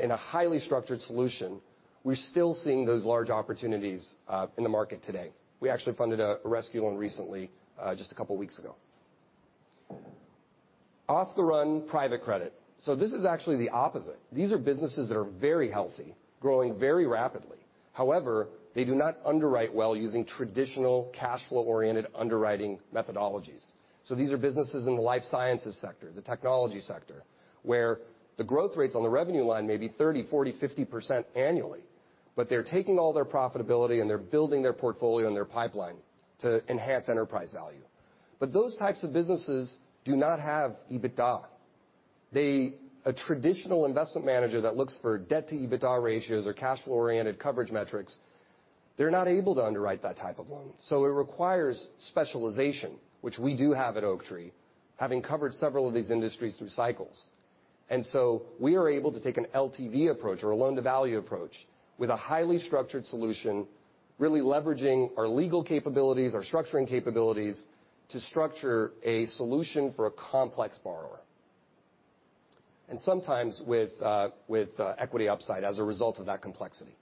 in a highly structured solution. We're still seeing those large opportunities in the market today. We actually funded a rescue loan recently, just a couple of weeks ago. Off-the-run private credit. This is actually the opposite. These are businesses that are very healthy, growing very rapidly. However, they do not underwrite well using traditional cash flow-oriented underwriting methodologies. These are businesses in the life sciences sector, the technology sector, where the growth rates on the revenue line may be 30%, 40%, 50% annually, but they're taking all their profitability, and they're building their portfolio and their pipeline to enhance enterprise value. Those types of businesses do not have EBITDA. A traditional investment manager that looks for debt to EBITDA ratios or cash flow-oriented coverage metrics, they're not able to underwrite that type of loan. It requires specialization, which we do have at Oaktree, having covered several of these industries through cycles. We are able to take an LTV approach or a loan-to-value approach with a highly structured solution, really leveraging our legal capabilities, our structuring capabilities to structure a solution for a complex borrower. Sometimes with equity upside as a result of that complexity.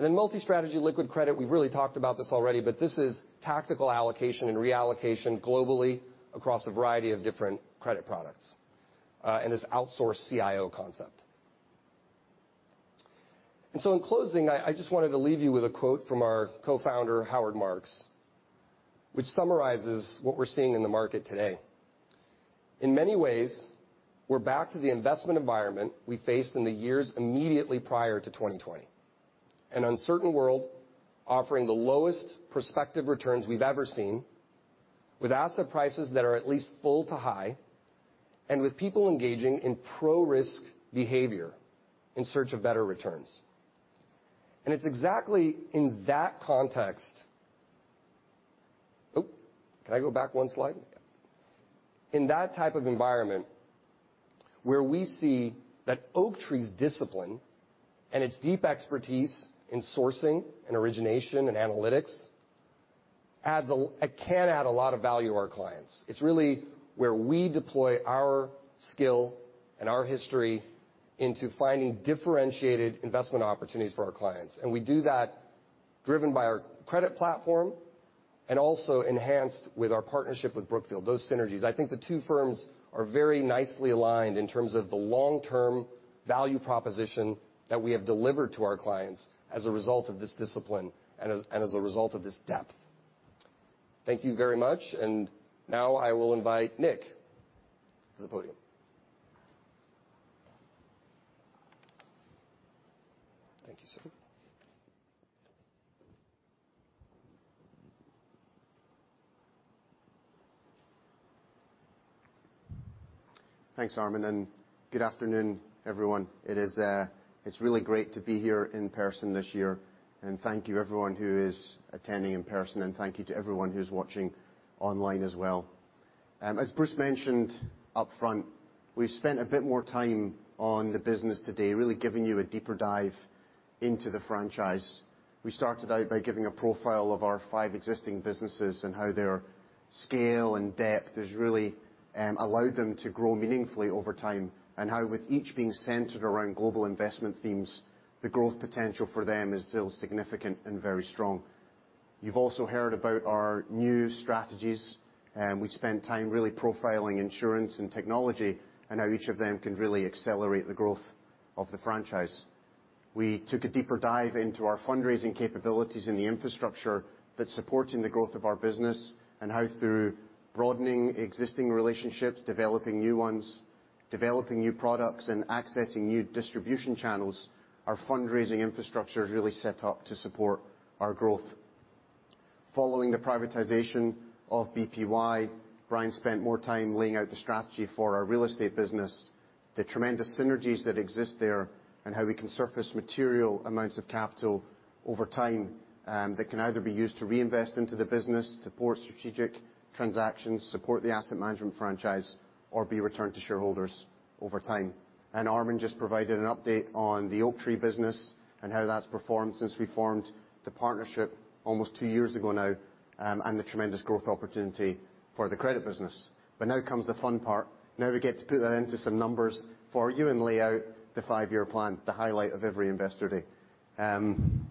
Multi-strategy liquid credit. We've really talked about this already, but this is tactical allocation and reallocation globally across a variety of different credit products, and this outsourced CIO concept. In closing, I just wanted to leave you with a quote from our co-founder, Howard Marks, which summarizes what we're seeing in the market today. In many ways, we're back to the investment environment we faced in the years immediately prior to 2020. An uncertain world offering the lowest prospective returns we've ever seen, with asset prices that are at least full to high, and with people engaging in pro-risk behavior in search of better returns. It's exactly in that context Oh, can I go back one slide? In that type of environment where we see that Oaktree's discipline and its deep expertise in sourcing and origination and analytics can add a lot of value to our clients. It's really where we deploy our skill and our history into finding differentiated investment opportunities for our clients. We do that driven by our credit platform and also enhanced with our partnership with Brookfield, those synergies. I think the two firms are very nicely aligned in terms of the long-term value proposition that we have delivered to our clients as a result of this discipline and as a result of this depth. Thank you very much. Now I will invite Nick to the podium. Thank you, sir. Thanks, Armen, and good afternoon, everyone. It's really great to be here in person this year. Thank you everyone who is attending in person, and thank you to everyone who's watching online as well. As Bruce mentioned upfront, we've spent a bit more time on the business today, really giving you a deeper dive into the franchise. We started out by giving a profile of our five existing businesses and how their scale and depth has really allowed them to grow meaningfully over time, and how with each being centered around global investment themes, the growth potential for them is still significant and very strong. You've also heard about our new strategies, and we spent time really profiling insurance and technology and how each of them can really accelerate the growth of the franchise. We took a deeper dive into our fundraising capabilities and the infrastructure that's supporting the growth of our business, and how through broadening existing relationships, developing new ones, developing new products, and accessing new distribution channels, our fundraising infrastructure is really set up to support our growth. Following the privatization of BPY, Brian spent more time laying out the strategy for our real estate business, the tremendous synergies that exist there, and how we can surface material amounts of capital over time, that can either be used to reinvest into the business, support strategic transactions, support the asset management franchise, or be returned to shareholders over time. Armen just provided an update on the Oaktree business and how that's performed since we formed the partnership almost two years ago now, and the tremendous growth opportunity for the credit business. Now comes the fun part. Now we get to put that into some numbers for you and lay out the five-year plan, the highlight of every investor day. I'm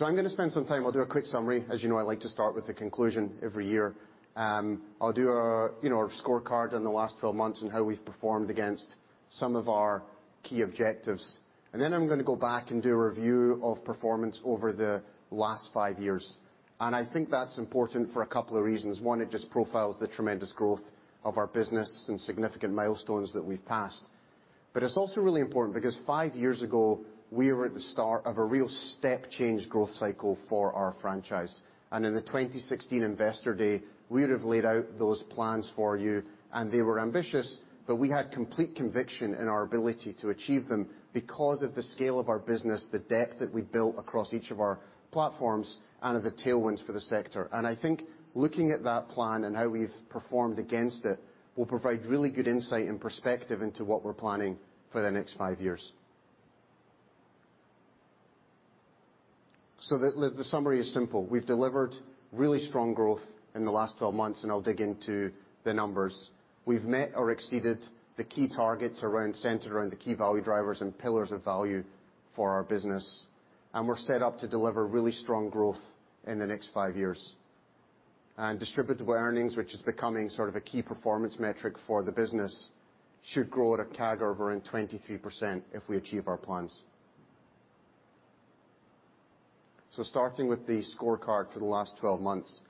going to spend some time. I'll do a quick summary. As you know, I like to start with the conclusion every year. I'll do our scorecard on the last 12 months and how we've performed against some of our key objectives. Then I'm going to go back and do a review of performance over the last five years. I think that's important for a couple of reasons. One, it just profiles the tremendous growth of our business and significant milestones that we've passed. It's also really important because five years ago, we were at the start of a real step change growth cycle for our franchise. In the 2016 Investor Day, we would have laid out those plans for you, and they were ambitious, but we had complete conviction in our ability to achieve them because of the scale of our business, the depth that we'd built across each of our platforms, and of the tailwinds for the sector. I think looking at that plan and how we've performed against it will provide really good insight and perspective into what we're planning for the next five years. The summary is simple. We've delivered really strong growth in the last 12 months, and I'll dig into the numbers. We've met or exceeded the key targets around centered around the key value drivers and pillars of value for our business. We're set up to deliver really strong growth in the next five years. Distributable earnings, which is becoming sort of a key performance metric for the business, should grow at a CAGR of around 23% if we achieve our plans. Starting with the scorecard for the last 12 months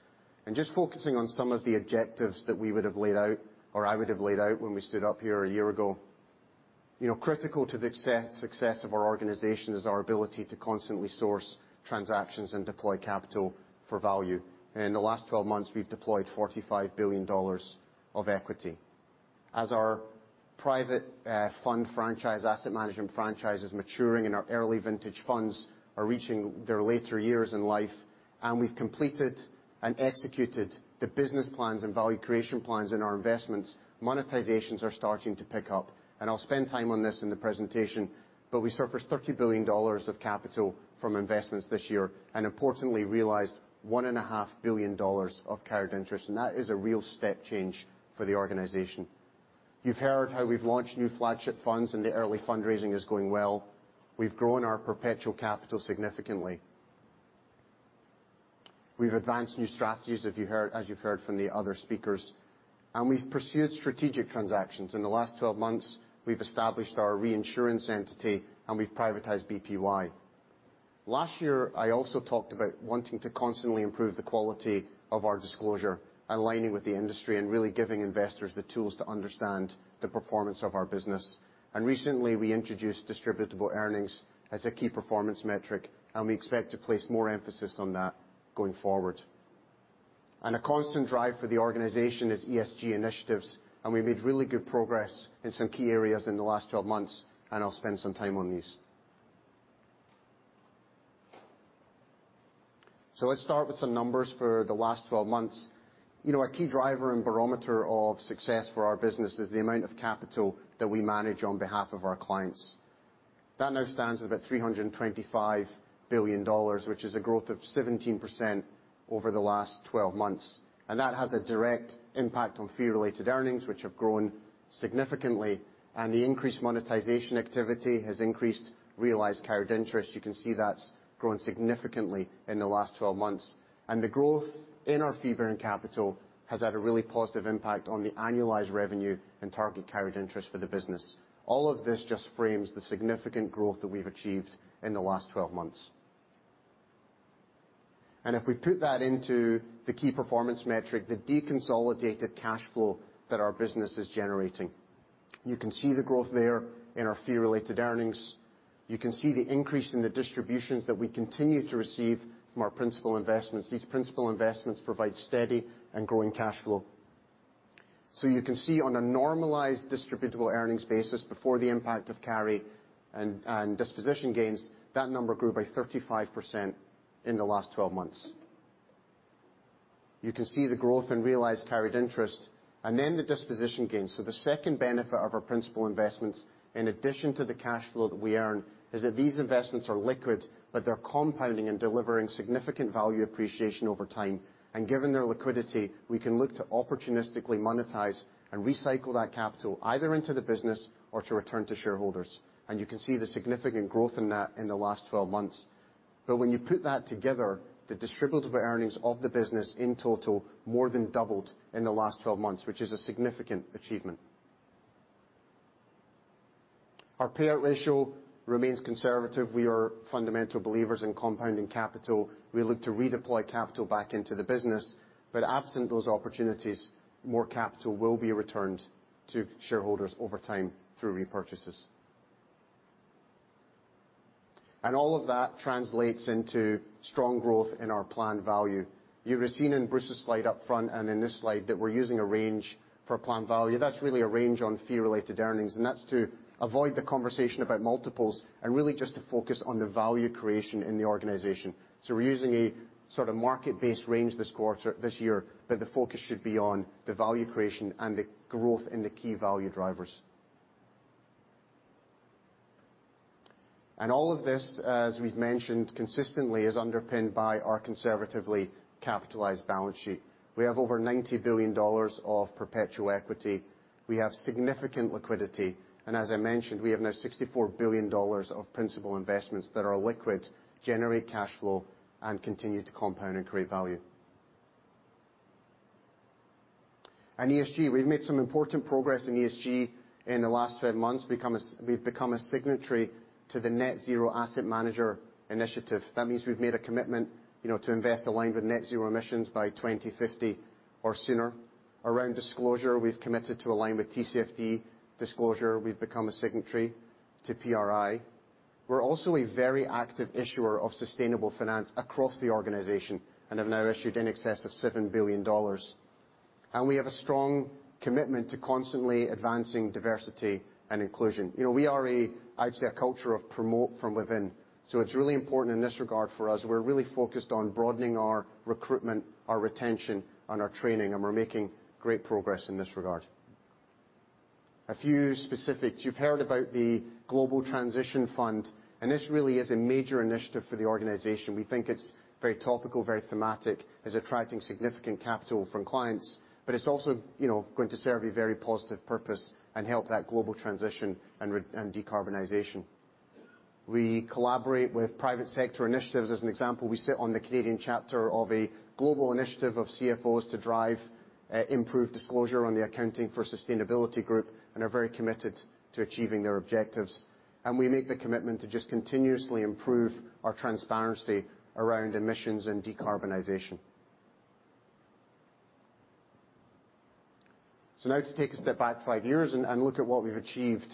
and just focusing on some of the objectives that we would have laid out, or I would have laid out when we stood up here a year ago. Critical to the success of our organization is our ability to constantly source transactions and deploy capital for value. In the last 12 months, we've deployed $45 billion of equity. As our private fund franchise, asset management franchise, is maturing and our early vintage funds are reaching their later years in life, and we've completed and executed the business plans and value creation plans in our investments, monetizations are starting to pick up. I'll spend time on this in the presentation, but we surfaced $30 billion of capital from investments this year, importantly realized $1.5 billion of carried interest. That is a real step change for the organization. You've heard how we've launched new flagship funds. The early fundraising is going well. We've grown our perpetual capital significantly. We've advanced new strategies, as you've heard from the other speakers. We've pursued strategic transactions. In the last 12 months, we've established our reinsurance entity. We've privatized BPY. Last year, I also talked about wanting to constantly improve the quality of our disclosure, aligning with the industry, and really giving investors the tools to understand the performance of our business. Recently, we introduced distributable earnings as a key performance metric. We expect to place more emphasis on that going forward. A constant drive for the organization is ESG initiatives, and we made really good progress in some key areas in the last 12 months, and I'll spend some time on these. Let's start with some numbers for the last 12 months. Our key driver and barometer of success for our business is the amount of capital that we manage on behalf of our clients. That now stands about $325 billion, which is a growth of 17% over the last 12 months. That has a direct impact on fee-related earnings, which have grown significantly, and the increased monetization activity has increased realized carried interest. You can see that's grown significantly in the last 12 months. The growth in our fee bearing capital has had a really positive impact on the annualized revenue and target carried interest for the business. All of this just frames the significant growth that we've achieved in the last 12 months. If we put that into the key performance metric, the deconsolidated cash flow that our business is generating. You can see the growth there in our fee-related earnings. You can see the increase in the distributions that we continue to receive from our principal investments. These principal investments provide steady and growing cash flow. You can see on a normalized distributable earnings basis before the impact of carry and disposition gains, that number grew by 35% in the last 12 months. You can see the growth in realized carried interest and then the disposition gains. The second benefit of our principal investments, in addition to the cash flow that we earn, is that these investments are liquid, but they're compounding and delivering significant value appreciation over time. Given their liquidity, we can look to opportunistically monetize and recycle that capital either into the business or to return to shareholders. You can see the significant growth in that in the last 12 months. When you put that together, the distributable earnings of the business in total more than doubled in the last 12 months, which is a significant achievement. Our payout ratio remains conservative. We are fundamental believers in compounding capital. We look to redeploy capital back into the business, but absent those opportunities, more capital will be returned to shareholders over time through repurchases. All of that translates into strong growth in our plan value. You would have seen in Bruce's slide up front and in this slide that we're using a range for plan value. That's really a range on fee-related earnings, that's to avoid the conversation about multiples and really just to focus on the value creation in the organization. We're using a sort of market-based range this year, but the focus should be on the value creation and the growth in the key value drivers. All of this, as we've mentioned consistently, is underpinned by our conservatively capitalized balance sheet. We have over $90 billion of perpetual equity. We have significant liquidity, as I mentioned, we have now $64 billion of principal investments that are liquid, generate cash flow, and continue to compound and create value. ESG. We've made some important progress in ESG in the last 12 months. We've become a signatory to the Net Zero Asset Managers initiative. That means we've made a commitment to invest aligned with net-zero emissions by 2050 or sooner. Around disclosure, we've committed to align with TCFD disclosure. We've become a signatory to PRI. We're also a very active issuer of sustainable finance across the organization and have now issued in excess of $7 billion. We have a strong commitment to constantly advancing diversity and inclusion. We are, I'd say, a culture of promote from within, so it's really important in this regard for us. We're really focused on broadening our recruitment, our retention, and our training, and we're making great progress in this regard. A few specifics. You've heard about the Global Transition Fund, and this really is a major initiative for the organization. We think it's very topical, very thematic. It's attracting significant capital from clients, but it's also going to serve a very positive purpose and help that global transition and decarbonization. We collaborate with private sector initiatives. As an example, we sit on the Canadian chapter of a global initiative of CFOs to drive improved disclosure on the Accounting for Sustainability Group and are very committed to achieving their objectives. We make the commitment to just continuously improve our transparency around emissions and decarbonization. Now to take a step back five years and look at what we've achieved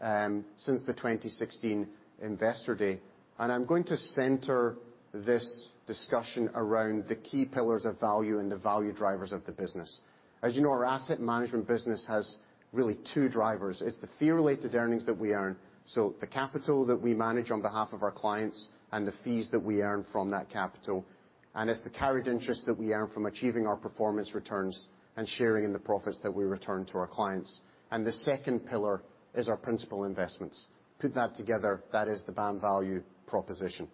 since the 2016 Investor Day. I'm going to center this discussion around the key pillars of value and the value drivers of the business. As you know, our asset management business has really two drivers. It's the fee-related earnings that we earn, so the capital that we manage on behalf of our clients and the fees that we earn from that capital, and it's the carried interest that we earn from achieving our performance returns and sharing in the profits that we return to our clients. The second pillar is our principal investments. Put that together, that is the BAM value proposition.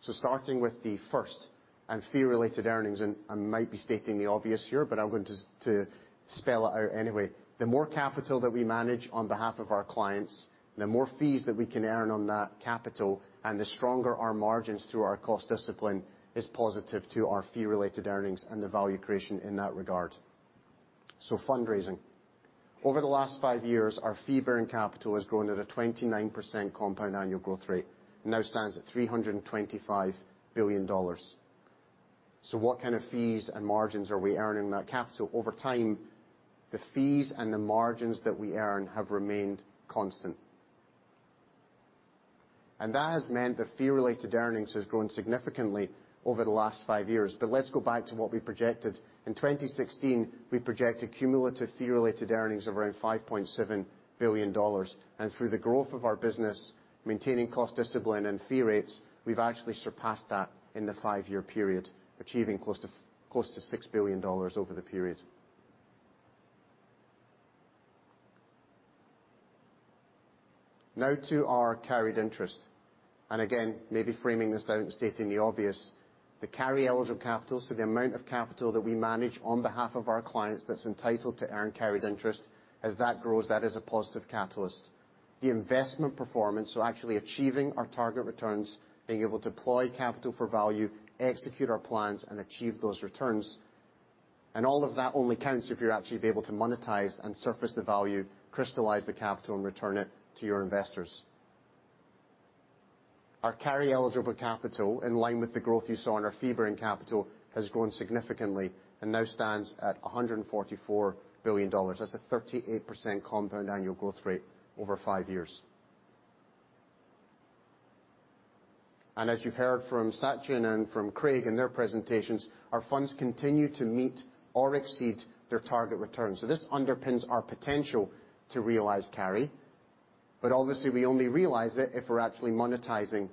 Starting with the first, and fee-related earnings, and I might be stating the obvious here, but I'm going to spell it out anyway. The more capital that we manage on behalf of our clients, the more fees that we can earn on that capital, and the stronger our margins through our cost discipline is positive to our fee-related earnings and the value creation in that regard. Fundraising. Over the last five years, our fee-bearing capital has grown at a 29% compound annual growth rate, and now stands at $325 billion. What kind of fees and margins are we earning on that capital? Over time, the fees and the margins that we earn have remained constant. That has meant the fee-related earnings has grown significantly over the last five years. Let's go back to what we projected. In 2016, we projected cumulative fee-related earnings of around $5.7 billion. Through the growth of our business, maintaining cost discipline and fee rates, we've actually surpassed that in the five-year period, achieving close to $6 billion over the period. Now to our carried interest. Again, maybe framing this out and stating the obvious. The carry eligible capital, so the amount of capital that we manage on behalf of our clients that is entitled to earn carried interest, as that grows, that is a positive catalyst. The investment performance, so actually achieving our target returns, being able to deploy capital for value, execute our plans, and achieve those returns. All of that only counts if you're actually able to monetize and surface the value, crystallize the capital, and return it to your investors. Our carry eligible capital, in line with the growth you saw in our fee-bearing capital, has grown significantly and now stands at $144 billion. That's a 38% compound annual growth rate over five years. As you've heard from Sachin and from Craig in their presentations, our funds continue to meet or exceed their target returns. This underpins our potential to realize carry. Obviously, we only realize it if we're actually monetizing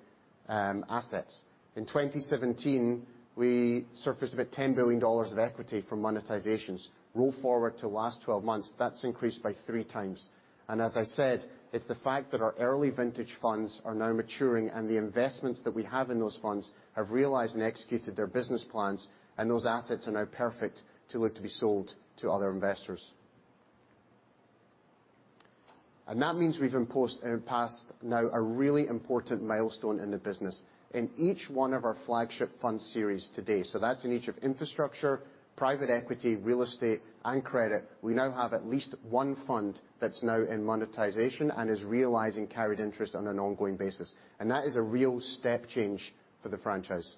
assets. In 2017, we surfaced about $10 billion of equity from monetizations. Roll forward to the last 12 months, that's increased by three times. As I said, it's the fact that our early vintage funds are now maturing, and the investments that we have in those funds have realized and executed their business plans, and those assets are now perfect to look to be sold to other investors. That means we've passed now a really important milestone in the business. In each one of our flagship fund series to date, so that's in each of infrastructure, private equity, real estate, and credit, we now have at least one fund that's now in monetization and is realizing carried interest on an ongoing basis. That is a real step change for the franchise.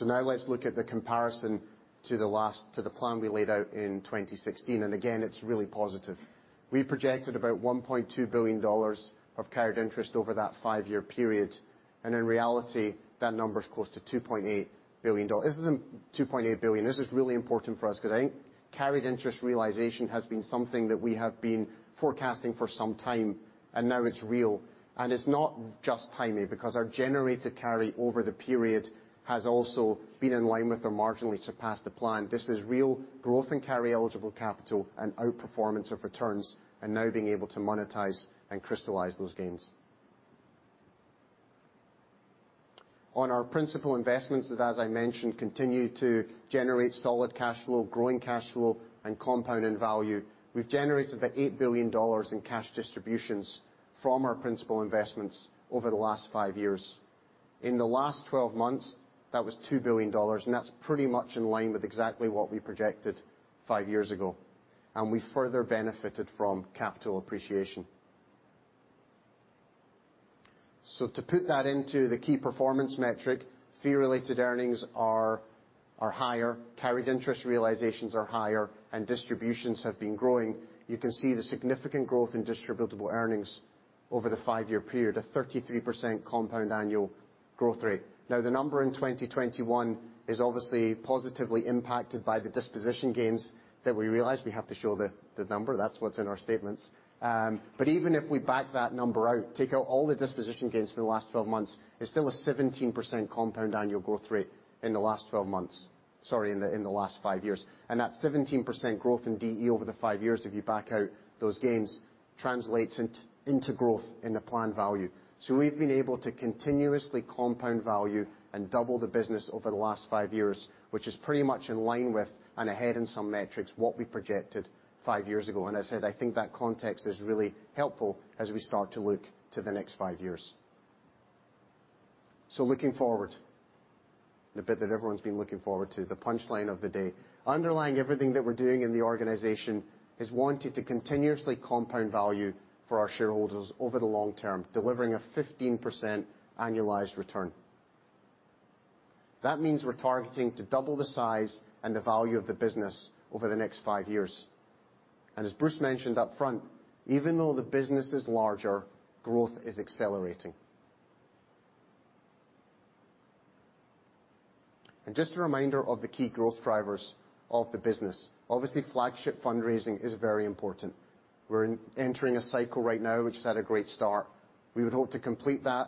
Now let's look at the comparison to the plan we laid out in 2016. Again, it's really positive. We projected about $1.2 billion of carried interest over that five-year period. In reality, that number is close to $2.8 billion. This is really important for us because I think carried interest realization has been something that we have been forecasting for some time, and now it's real. It's not just timing, because our generated carry over the period has also been in line with or marginally surpassed the plan. This is real growth in carry eligible capital and outperformance of returns, and now being able to monetize and crystallize those gains. On our principal investments that, as I mentioned, continue to generate solid cash flow, growing cash flow, and compound in value. We've generated about $8 billion in cash distributions from our principal investments over the last five years. In the last 12 months, that was $2 billion, that's pretty much in line with exactly what we projected five years ago. We further benefited from capital appreciation. To put that into the key performance metric, fee-related earnings are higher, carried interest realizations are higher, and distributions have been growing. You can see the significant growth in distributable earnings over the five-year period, a 33% compound annual growth rate. Now, the number in 2021 is obviously positively impacted by the disposition gains that we realized. We have to show the number. That's what's in our statements. Even if we back that number out, take out all the disposition gains for the last 12 months, it's still a 17% compound annual growth rate in the last 12 months. Sorry, in the last five years. That 17% growth in DE over the five years, if you back out those gains, translates into growth in the plan value. We've been able to continuously compound value and double the business over the last five years, which is pretty much in line with, and ahead in some metrics, what we projected five years ago. As I said, I think that context is really helpful as we start to look to the next five years. Looking forward. The bit that everyone's been looking forward to, the punchline of the day. Underlying everything that we're doing in the organization is wanting to continuously compound value for our shareholders over the long term, delivering a 15% annualized return. That means we're targeting to double the size and the value of the business over the next five years. As Bruce mentioned up front, even though the business is larger, growth is accelerating. Just a reminder of the key growth drivers of the business. Obviously, flagship fundraising is very important. We're entering a cycle right now which has had a great start. We would hope to complete that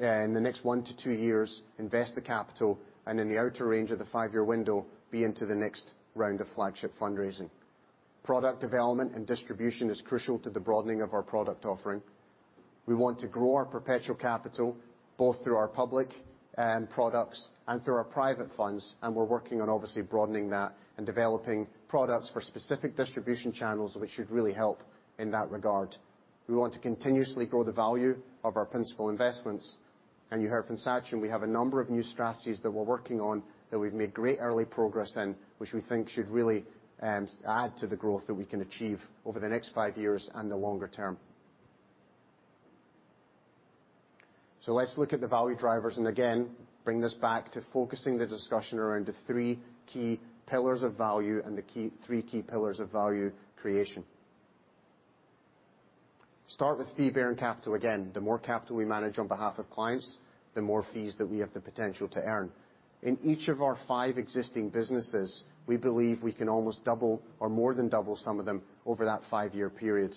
in the next one to two years, invest the capital, and in the outer range of the five-year window, be into the next round of flagship fundraising. Product development and distribution is crucial to the broadening of our product offering. We want to grow our perpetual capital, both through our public end products and through our private funds. We're working on obviously broadening that and developing products for specific distribution channels, which should really help in that regard. We want to continuously grow the value of our principal investments. You heard from Sachin, we have a number of new strategies that we're working on that we've made great early progress in, which we think should really add to the growth that we can achieve over the next five years and the longer term. Let's look at the value drivers, and again, bring this back to focusing the discussion around the three key pillars of value and the three key pillars of value creation. Start with fee-bearing capital. Again, the more capital we manage on behalf of clients, the more fees that we have the potential to earn. In each of our five existing businesses, we believe we can almost double or more than double some of them over that five-year period.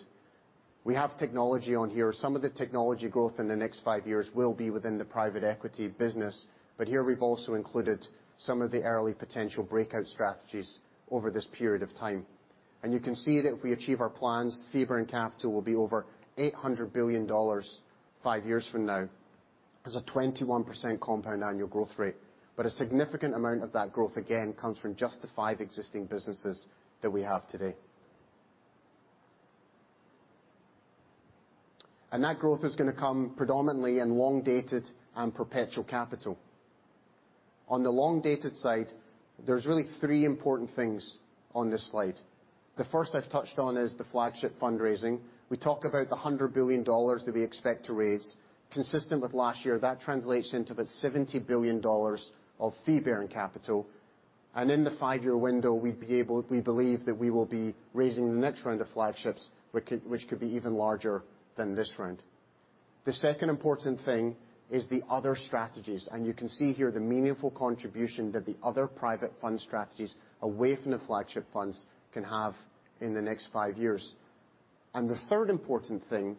We have technology on here. Some of the technology growth in the next five years will be within the private equity business. Here we've also included some of the early potential breakout strategies over this period of time. You can see that if we achieve our plans, fee-bearing capital will be over $800 billion five years from now. That's a 21% compound annual growth rate. A significant amount of that growth, again, comes from just the five existing businesses that we have today. That growth is going to come predominantly in long-dated and perpetual capital. On the long-dated side, there's really three important things on this slide. The first I've touched on is the flagship fundraising. We talk about the $100 billion that we expect to raise. Consistent with last year, that translates into about $70 billion of fee-bearing capital. In the five-year window, we believe that we will be raising the next round of flagships, which could be even larger than this round. The second important thing is the other strategies. You can see here the meaningful contribution that the other private fund strategies away from the flagship funds can have in the next five years. The third important thing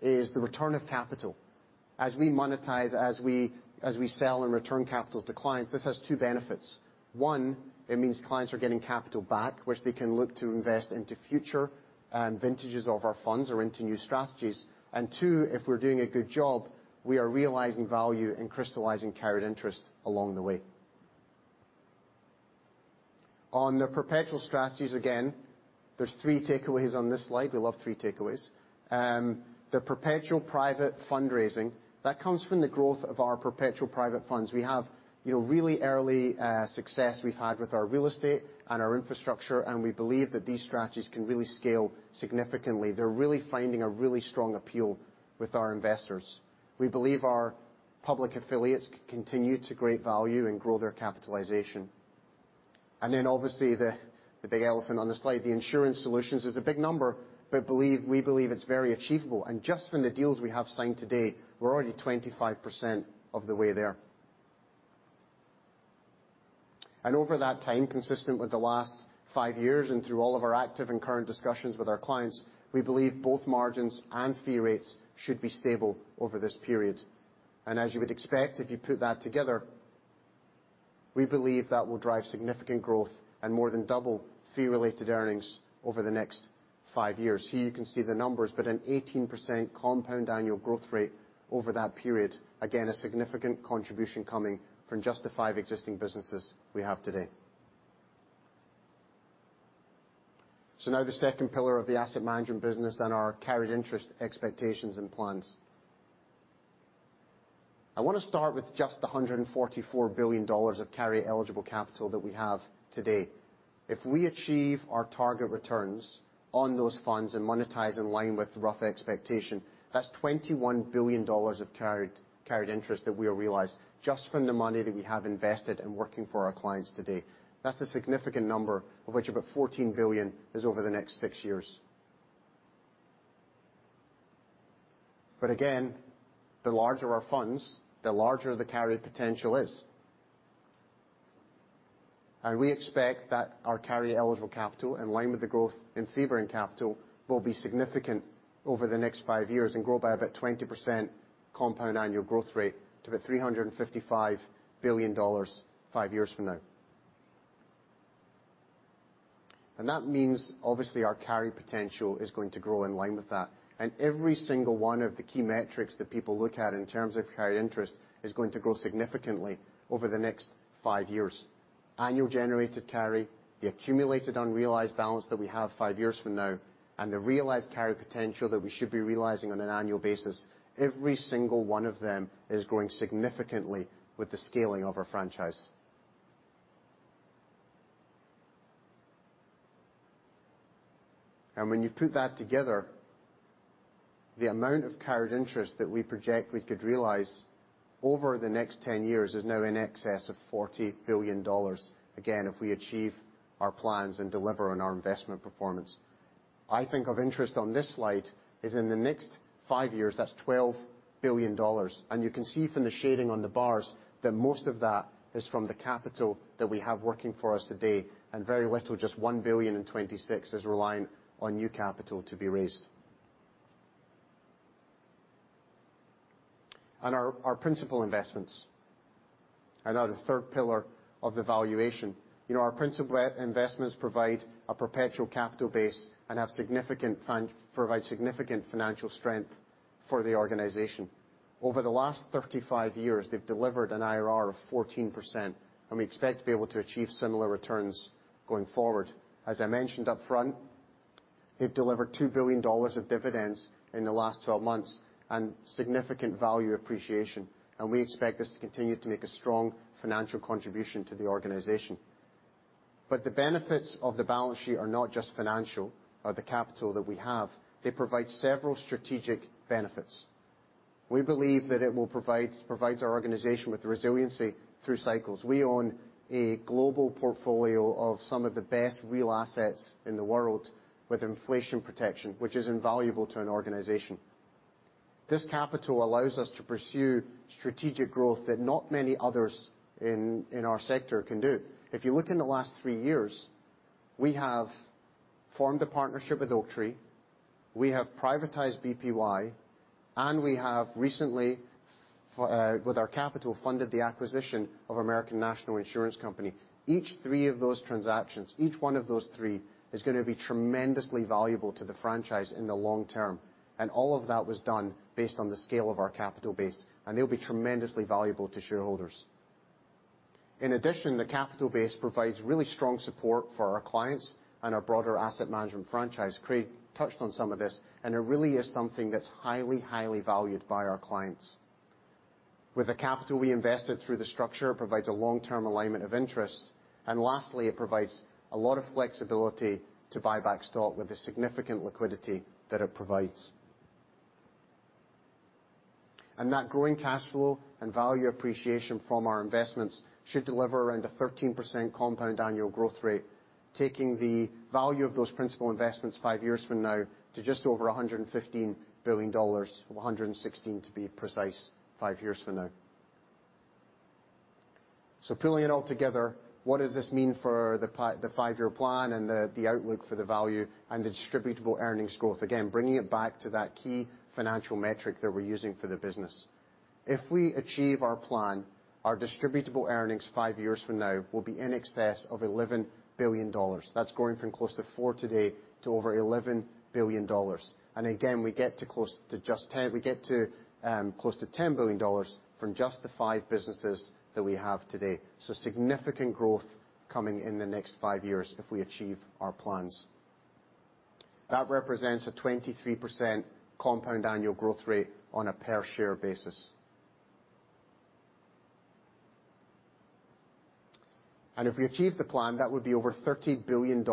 is the return of capital. As we monetize, as we sell and return capital to clients, this has two benefits. One, it means clients are getting capital back, which they can look to invest into future vintages of our funds or into new strategies. Two, if we're doing a good job, we are realizing value and crystallizing carried interest along the way. On the perpetual strategies, again, there's three takeaways on this slide. We love three takeaways. The perpetual private fundraising. That comes from the growth of our perpetual private funds. We have really early success we've had with our Real Estate and our Infrastructure, and we believe that these strategies can really scale significantly. They're really finding a really strong appeal with our investors. We believe our public affiliates can continue to create value and grow their capitalization. Then obviously the big elephant on the slide, the insurance solutions, is a big number, but we believe it's very achievable. Just from the deals we have signed to date, we're already 25% of the way there. Over that time, consistent with the last five years and through all of our active and current discussions with our clients, we believe both margins and fee rates should be stable over this period. As you would expect, if you put that together, we believe that will drive significant growth and more than double fee-related earnings over the next five years. Here you can see the numbers, an 18% compound annual growth rate over that period. A significant contribution coming from just the 5 existing businesses we have today. Now the second pillar of the asset management business and our carried interest expectations and plans. I want to start with just the $144 billion of carry eligible capital that we have today. If we achieve our target returns on those funds and monetize in line with rough expectation, that's $21 billion of carried interest that we will realize just from the money that we have invested in working for our clients today. That's a significant number, of which about $14 billion is over the next 6 years. Again, the larger our funds, the larger the carry potential is. We expect that our carry eligible capital, in line with the growth in fee-bearing capital, will be significant over the next five years and grow by about 20% Compound Annual Growth Rate to about $355 billion five years from now. That means obviously our carry potential is going to grow in line with that. Every single one of the key metrics that people look at in terms of carried interest is going to grow significantly over the next five years. Annual generated carry, the accumulated unrealized balance that we have five years from now, and the realized carry potential that we should be realizing on an annual basis, every single one of them is growing significantly with the scaling of our franchise. When you put that together, the amount of carried interest that we project we could realize over the next 10 years is now in excess of $40 billion, again, if we achieve our plans and deliver on our investment performance. I think of interest on this slide is in the next five years, that's $12 billion. You can see from the shading on the bars that most of that is from the capital that we have working for us today, and very little, just $1 billion in 2026, is reliant on new capital to be raised. Our principal investments are now the third pillar of the valuation. Our principal investments provide a perpetual capital base and provide significant financial strength for the organization. Over the last 35 years, they've delivered an IRR of 14%, and we expect to be able to achieve similar returns going forward. As I mentioned up front, they've delivered $2 billion of dividends in the last 12 months and significant value appreciation. We expect this to continue to make a strong financial contribution to the organization. The benefits of the balance sheet are not just financial or the capital that we have. They provide several strategic benefits. We believe that it provides our organization with resiliency through cycles. We own a global portfolio of some of the best real assets in the world with inflation protection, which is invaluable to an organization. This capital allows us to pursue strategic growth that not many others in our sector can do. If you look in the last three years, we have formed a partnership with Oaktree, we have privatized BPY, and we have recently, with our capital, funded the acquisition of American National Insurance Company. Each three of those transactions, each one of those three is gonna be tremendously valuable to the franchise in the long term. All of that was done based on the scale of our capital base. They'll be tremendously valuable to shareholders. In addition, the capital base provides really strong support for our clients and our broader asset management franchise. Craig touched on some of this, and it really is something that's highly valued by our clients. With the capital we invested through the structure, it provides a long-term alignment of interests. Lastly, it provides a lot of flexibility to buy back stock with the significant liquidity that it provides. That growing cash flow and value appreciation from our investments should deliver around a 13% compound annual growth rate, taking the value of those principal investments five years from now to just over $115 billion, $116 billion to be precise, five years from now. Pulling it all together, what does this mean for the five-year plan and the outlook for the value and the distributable earnings growth? Again, bringing it back to that key financial metric that we're using for the business. If we achieve our plan, our distributable earnings five years from now will be in excess of $11 billion. That's growing from close to $4 billion today to over $11 billion. Again, we get to close to $10 billion from just the five businesses that we have today. Significant growth coming in the next five years if we achieve our plans. That represents a 23% Compound Annual Growth Rate on a per share basis. If we achieve the plan, that would be over $30 billion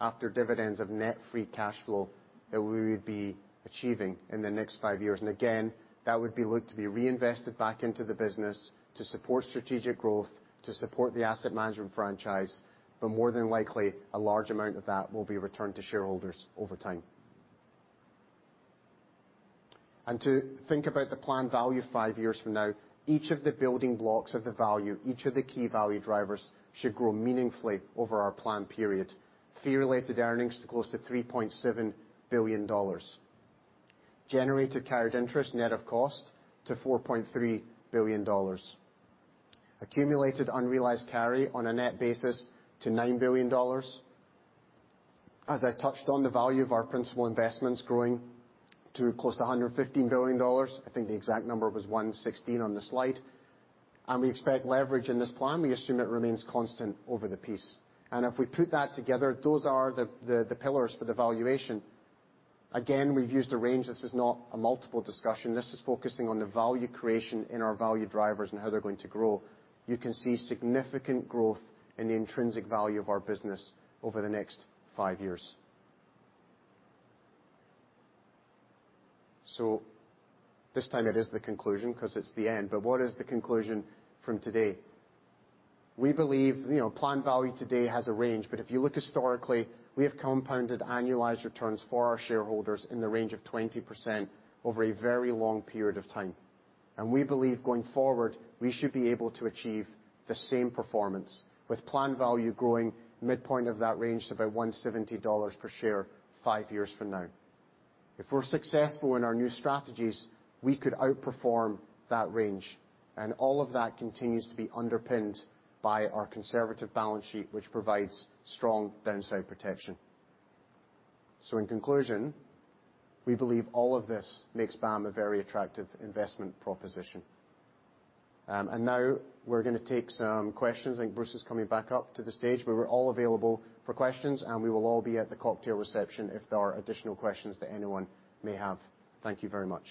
after dividends of net free cash flow that we would be achieving in the next five years. Again, that would be looked to be reinvested back into the business to support strategic growth, to support the asset management franchise. More than likely, a large amount of that will be returned to shareholders over time. To think about the plan value five years from now, each of the building blocks of the value, each of the key value drivers should grow meaningfully over our plan period. fee-related earnings to close to $3.7 billion. Generated carried interest net of cost to $4.3 billion. Accumulated unrealized carry on a net basis to $9 billion. As I touched on the value of our principal investment's growing to close to $115 billion, I think the exact number was 116 on the slide. We expect leverage in this plan. We assume it remains constant over the piece. If we put that together, those are the pillars for the valuation. Again, we've used a range. This is not a multiple discussion. This is focusing on the value creation in our value drivers and how they're going to grow. You can see significant growth in the intrinsic value of our business over the next five years. This time it is the conclusion because it's the end. What is the conclusion from today? We believe plan value today has a range, but if you look historically, we have compounded annualized returns for our shareholders in the range of 20% over a very long period of time. We believe going forward, we should be able to achieve the same performance with plan value growing midpoint of that range to about $170 per share five years from now. If we're successful in our new strategies, we could outperform that range, and all of that continues to be underpinned by our conservative balance sheet, which provides strong downside protection. In conclusion, we believe all of this makes BAM a very attractive investment proposition. Now we're going to take some questions. I think Bruce is coming back up to the stage. We were all available for questions, and we will all be at the cocktail reception if there are additional questions that anyone may have. Thank you very much.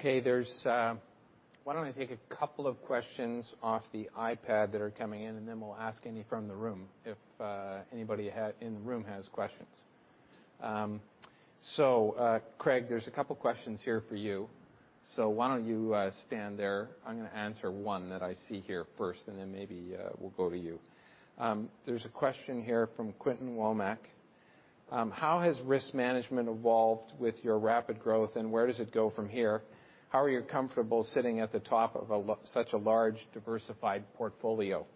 Okay. Why don't I take a couple of questions off the iPad that are coming in, and then we'll ask any from the room, if anybody in the room has questions. Craig, there's a couple questions here for you. Why don't you stand there? I'm going to answer one that I see here first, and then maybe we'll go to you. There's a question here from Quentin Womack. How has risk management evolved with your rapid growth, and where does it go from here? How are you comfortable sitting at the top of such a large, diversified portfolio?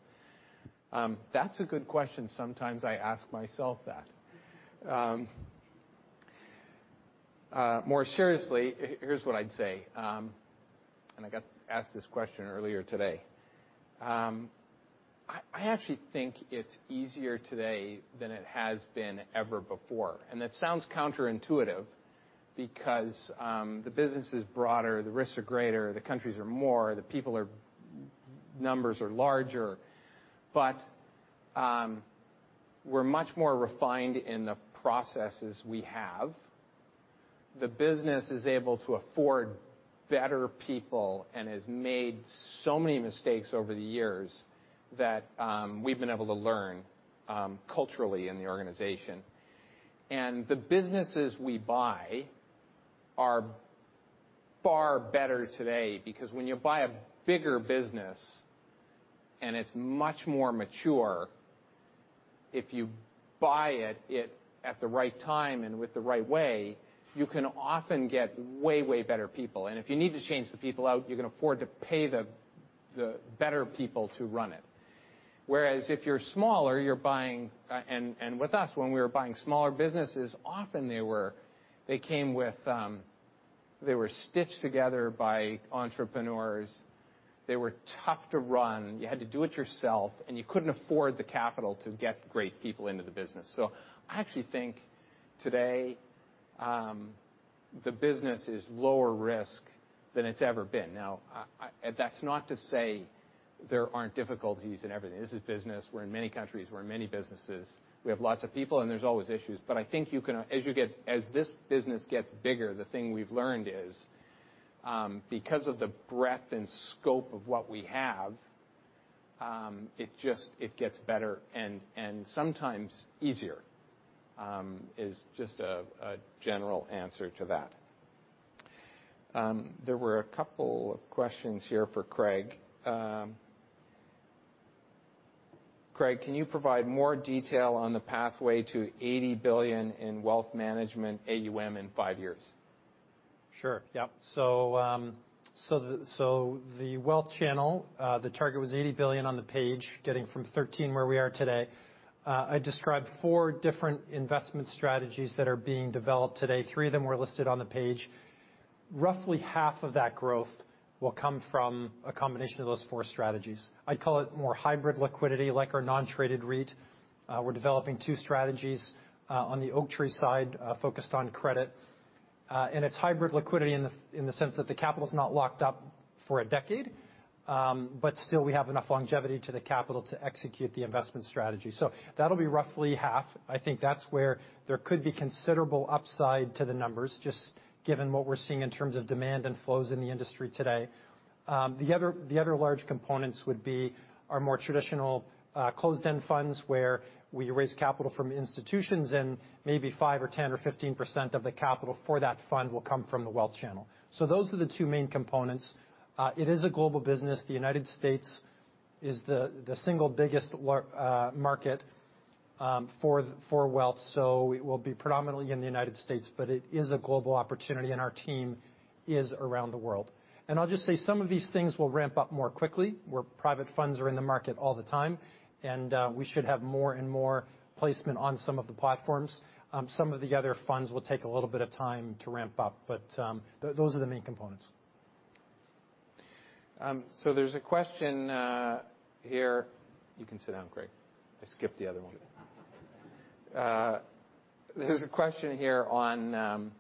That's a good question. Sometimes I ask myself that. More seriously, here's what I'd say. I got asked this question earlier today. I actually think it's easier today than it has been ever before. That sounds counterintuitive because the business is broader, the risks are greater, the countries are more, the people numbers are larger. We're much more refined in the processes we have. The business is able to afford better people and has made so many mistakes over the years that we've been able to learn culturally in the organization. The businesses we buy are far better today because when you buy a bigger business and it's much more mature, if you buy it at the right time and with the right way, you can often get way better people. If you need to change the people out, you can afford to pay the better people to run it. Whereas if you're smaller, with us, when we were buying smaller businesses, often they were stitched together by entrepreneurs. They were tough to run. You had to do it yourself, and you couldn't afford the capital to get great people into the business. I actually think today, the business is lower risk than it's ever been. That's not to say there aren't difficulties in everything. This is business. We're in many countries. We're in many businesses. We have lots of people, and there's always issues. I think as this business gets bigger, the thing we've learned is, because of the breadth and scope of what we have, it gets better and sometimes easier. Is just a general answer to that. There were a couple of questions here for Craig. Craig, can you provide more detail on the pathway to $80 billion in wealth management AUM in five years? Sure. Yep. The wealth channel, the target was $80 billion on the page, getting from $13 billion where we are today. I described four different investment strategies that are being developed today. Three of them were listed on the page. Roughly half of that growth will come from a combination of those four strategies. I'd call it more hybrid liquidity, like our non-traded REIT. We're developing two strategies on the Oaktree side focused on credit. It's hybrid liquidity in the sense that the capital's not locked up for a decade. Still, we have enough longevity to the capital to execute the investment strategy. That'll be roughly half. I think that's where there could be considerable upside to the numbers, just given what we're seeing in terms of demand and flows in the industry today. The other large components would be our more traditional closed-end funds where we raise capital from institutions and maybe five or 10 or 15% of the capital for that fund will come from the wealth channel. Those are the two main components. It is a global business. The U.S. is the single biggest market for wealth. We will be predominantly in the U.S., but it is a global opportunity, and our team is around the world. I'll just say some of these things will ramp up more quickly, where private funds are in the market all the time, and we should have more and more placement on some of the platforms. Some of the other funds will take a little bit of time to ramp up, those are the main components. There's a question here. You can sit down, Craig. I skipped the other one. There's a question here on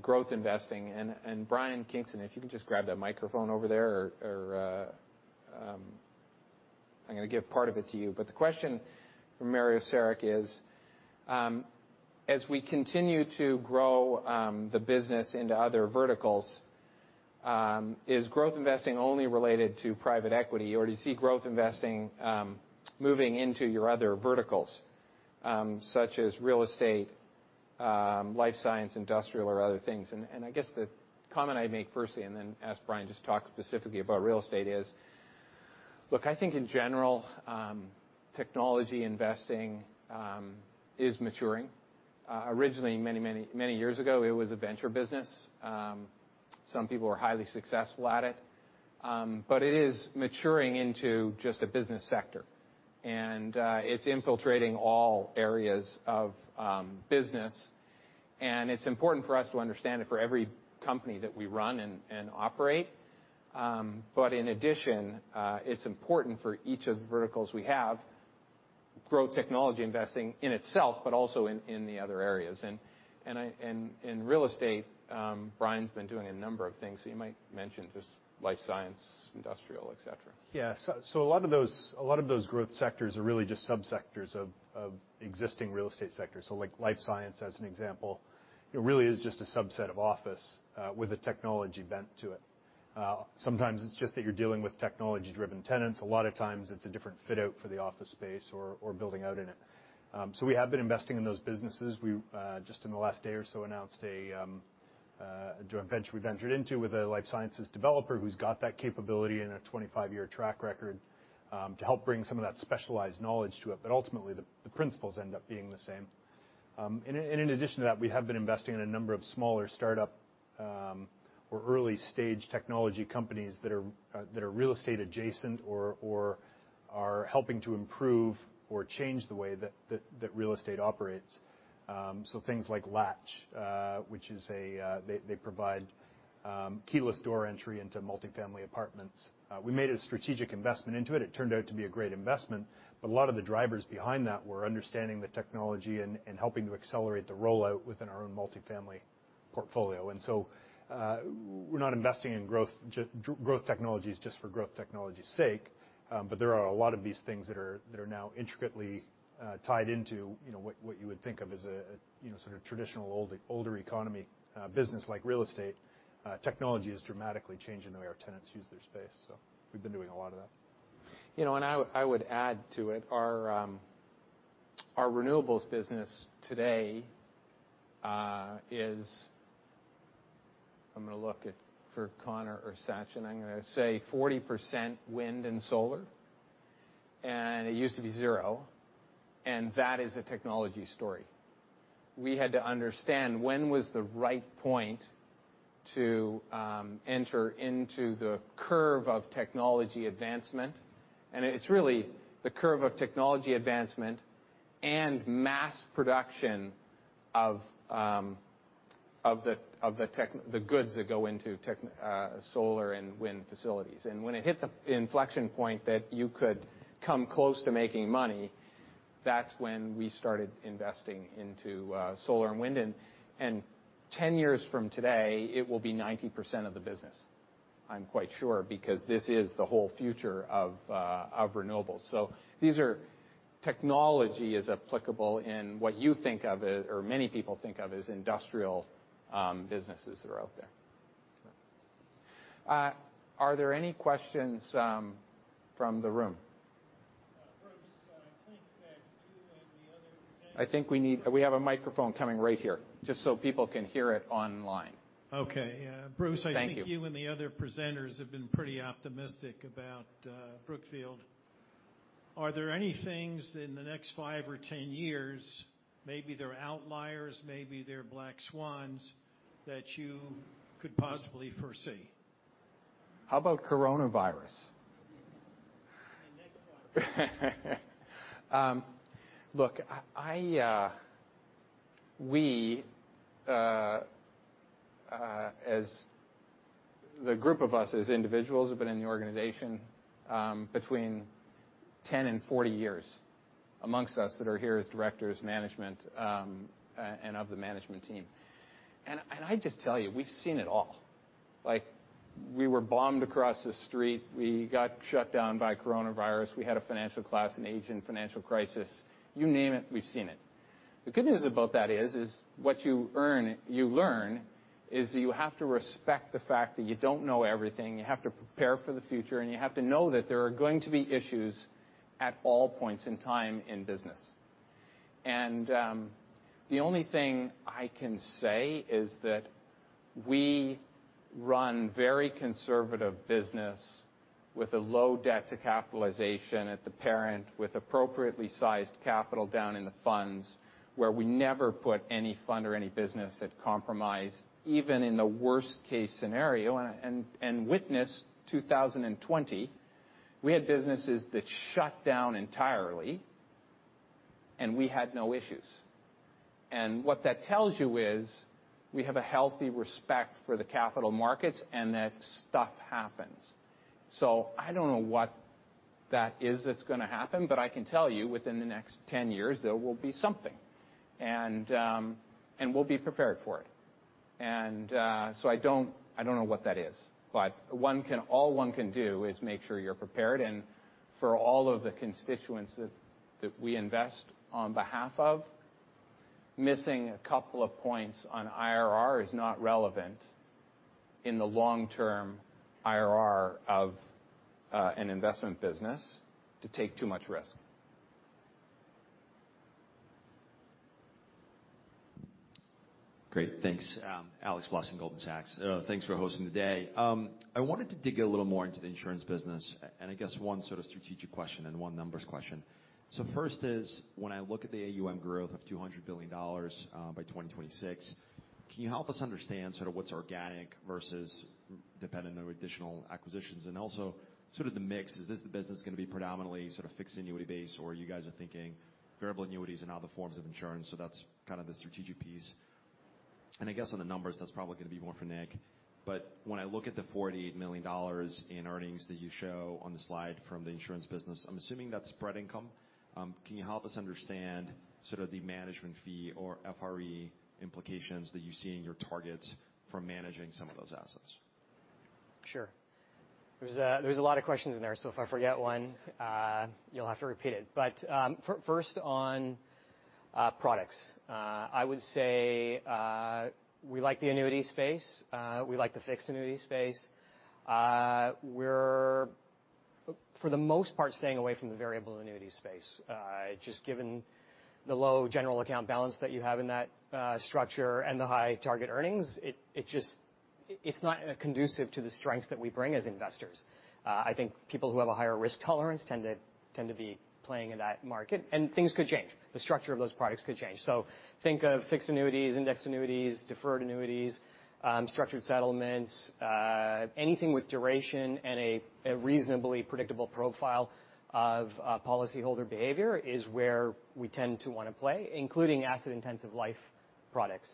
growth investing. Brian Kingston, if you can just grab that microphone over there. I'm going to give part of it to you. The question from Mario Saric is, As we continue to grow the business into other verticals, is growth investing only related to private equity, or do you see growth investing moving into your other verticals, such as real estate, life science, industrial, or other things? I guess the comment I'd make firstly, and then ask Brian just talk specifically about real estate is, look, I think in general, technology investing is maturing. Originally many years ago, it was a venture business. Some people were highly successful at it. It is maturing into just a business sector. It's infiltrating all areas of business. It's important for us to understand it for every company that we run and operate. In addition, it's important for each of the verticals we have, growth technology investing in itself, but also in the other areas. In real estate, Brian's been doing a number of things that you might mention, just life science, industrial, et cetera. Yeah. A lot of those growth sectors are really just sub-sectors of existing real estate sectors. Like life science as an example, it really is just a subset of office, with a technology bent to it. Sometimes it's just that you're dealing with technology-driven tenants. A lot of times it's a different fit out for the office space or building out in it. We have been investing in those businesses. We, just in the last day or so, announced a joint venture we ventured into with a life sciences developer who's got that capability and a 25-year track record to help bring some of that specialized knowledge to it. Ultimately, the principles end up being the same. In addition to that, we have been investing in a number of smaller startup, or early-stage technology companies that are real estate adjacent or are helping to improve or change the way that real estate operates. Things like Latch, they provide keyless door entry into multifamily apartments. We made a strategic investment into it. It turned out to be a great investment, but a lot of the drivers behind that were understanding the technology and helping to accelerate the rollout within our own multifamily portfolio. We're not investing in growth technologies just for growth technology's sake. There are a lot of these things that are now intricately tied into what you would think of as a sort of traditional older economy business like real estate. Technology is dramatically changing the way our tenants use their space. We've been doing a lot of that. I would add to it, our renewables business today is I'm going to look at for Connor or Sachin, I'm going to say 40% wind and solar, and it used to be zero, and that is a technology story. We had to understand when was the right point to enter into the curve of technology advancement, and it's really the curve of technology advancement and mass production of the goods that go into solar and wind facilities. When it hit the inflection point that you could come close to making money, that's when we started investing into solar and wind, and 10 years from today, it will be 90% of the business. I'm quite sure, because this is the whole future of renewables. Technology is applicable in what you think of as, or many people think of as industrial businesses that are out there. Are there any questions from the room? Bruce, I think that you and the other presenters. I think we have a microphone coming right here, just so people can hear it online. Okay. Yeah. Bruce- Thank you. I think you and the other presenters have been pretty optimistic about Brookfield. Are there any things in the next five or 10 years, maybe they're outliers, maybe they're black swans, that you could possibly foresee? How about coronavirus? The next one. Look, the group of us as individuals have been in the organization between 10 and 40 years amongst us that are here as directors, management, and of the management team. I just tell you, we've seen it all. We were bombed across the street. We got shut down by coronavirus. We had a financial crisis, an Asian financial crisis. You name it, we've seen it. The good news about that is what you learn is that you have to respect the fact that you don't know everything. You have to prepare for the future, and you have to know that there are going to be issues at all points in time in business. The only thing I can say is that we run very conservative business with a low debt to capitalization at the parent, with appropriately sized capital down in the funds, where we never put any fund or any business at compromise, even in the worst case scenario. Witness 2020, we had businesses that shut down entirely, and we had no issues. What that tells you is we have a healthy respect for the capital markets and that stuff happens. I don't know what that is that's going to happen, but I can tell you within the next 10 years, there will be something, and we'll be prepared for it. I don't know what that is. All one can do is make sure you're prepared. For all of the constituents that we invest on behalf of, missing a couple of points on IRR is not relevant in the long term IRR of an investment business to take too much risk. Great. Thanks. Alex Blostein from Goldman Sachs. Thanks for hosting today. I wanted to dig a little more into the insurance business, and I guess one sort of strategic question and one numbers question. When I look at the AUM growth of $200 billion by 2026, can you help us understand sort of what's organic versus dependent on additional acquisitions? Also sort of the mix. Is this the business going to be predominantly sort of fixed annuity-based, or you guys are thinking variable annuities and other forms of insurance? That's kind of the strategic piece. I guess on the numbers, that's probably going to be more for Nick, when I look at the $48 million in earnings that you show on the slide from the insurance business, I'm assuming that's spread income. Can you help us understand sort of the management fee or FRE implications that you see in your targets from managing some of those assets? Sure. There's a lot of questions in there, so if I forget one you'll have to repeat it. First on products. I would say we like the annuity space. We like the fixed annuity space. We're, for the most part, staying away from the variable annuity space. Just given the low general account balance that you have in that structure and the high target earnings, it's not conducive to the strengths that we bring as investors. I think people who have a higher risk tolerance tend to be playing in that market. Things could change. The structure of those products could change. Think of fixed annuities, indexed annuities, deferred annuities, structured settlements. Anything with duration and a reasonably predictable profile of policyholder behavior is where we tend to want to play, including asset-intensive life products.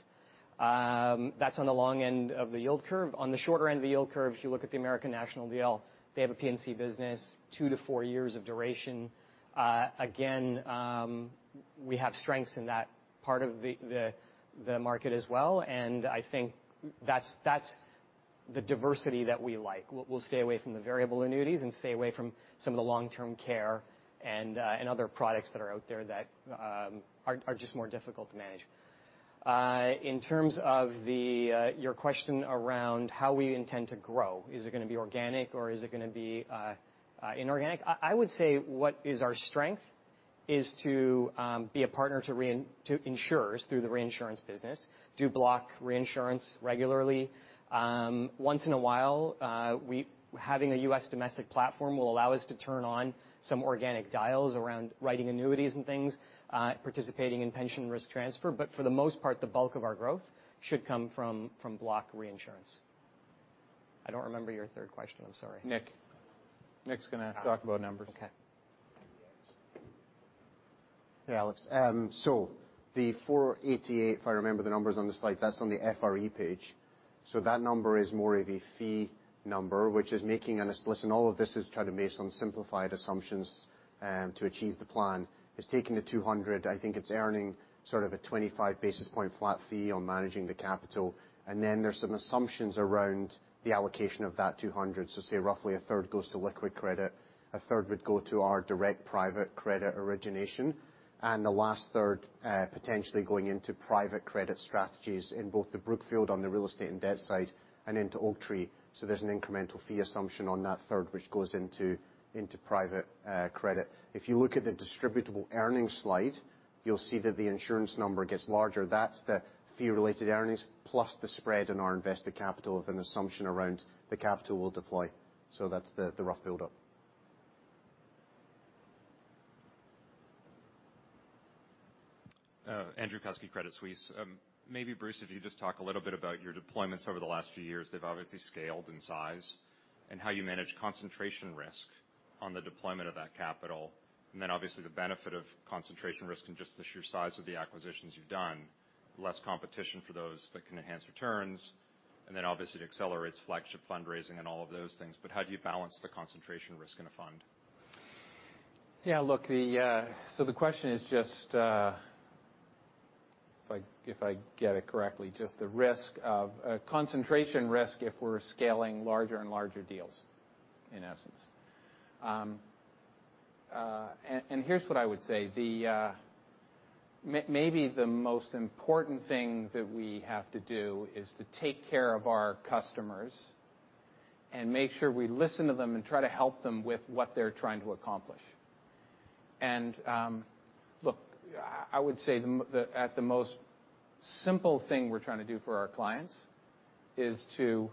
That's on the long end of the yield curve. On the shorter end of the yield curve, if you look at the American National deal, they have a P&C business, two to four years of duration. We have strengths in that part of the market as well, and I think that's the diversity that we like. We'll stay away from the variable annuities and stay away from some of the long-term care and other products that are out there that are just more difficult to manage. In terms of your question around how we intend to grow, is it going to be organic or is it going to be inorganic? I would say what is our strength is to be a partner to insurers through the reinsurance business. Do block reinsurance regularly. Once in a while, having a U.S. domestic platform will allow us to turn on some organic dials around writing annuities and things, participating in pension risk transfer. But for the most part, the bulk of our growth should come from block reinsurance. I do not remember your third question. I am sorry. Nick's going to talk about numbers. Okay. Hey, Alex. The 488, if I remember the numbers on the slides, that's on the FRE page. That number is more of a fee number. Listen, all of this is trying to be based on simplified assumptions to achieve the plan. It's taking the 200. I think it's earning sort of a 25 basis point flat fee on managing the capital. There's some assumptions around the allocation of that 200. Say roughly a third goes to liquid credit, a third would go to our direct private credit origination, and the last third potentially going into private credit strategies in both the Brookfield on the real estate and debt side and into Oaktree. There's an incremental fee assumption on that third which goes into private credit. If you look at the distributable earnings slide, you'll see that the insurance number gets larger. That's the fee-related earnings plus the spread in our invested capital of an assumption around the capital we'll deploy. That's the rough build-up. Andrew Kuske, Credit Suisse. Maybe, Bruce, if you just talk a little bit about your deployments over the last few years, they've obviously scaled in size, and how you manage concentration risk on the deployment of that capital. Obviously the benefit of concentration risk and just the sheer size of the acquisitions you've done, less competition for those that can enhance returns. Obviously it accelerates flagship fundraising and all of those things. How do you balance the concentration risk in a fund? Look, the question is just, if I get it correctly, just the concentration risk if we're scaling larger and larger deals, in essence. Here's what I would say. Maybe The Most Important Thing that we have to do is to take care of our customers and make sure we listen to them and try to help them with what they're trying to accomplish. Look, I would say, the most simple thing we're trying to do for our clients is to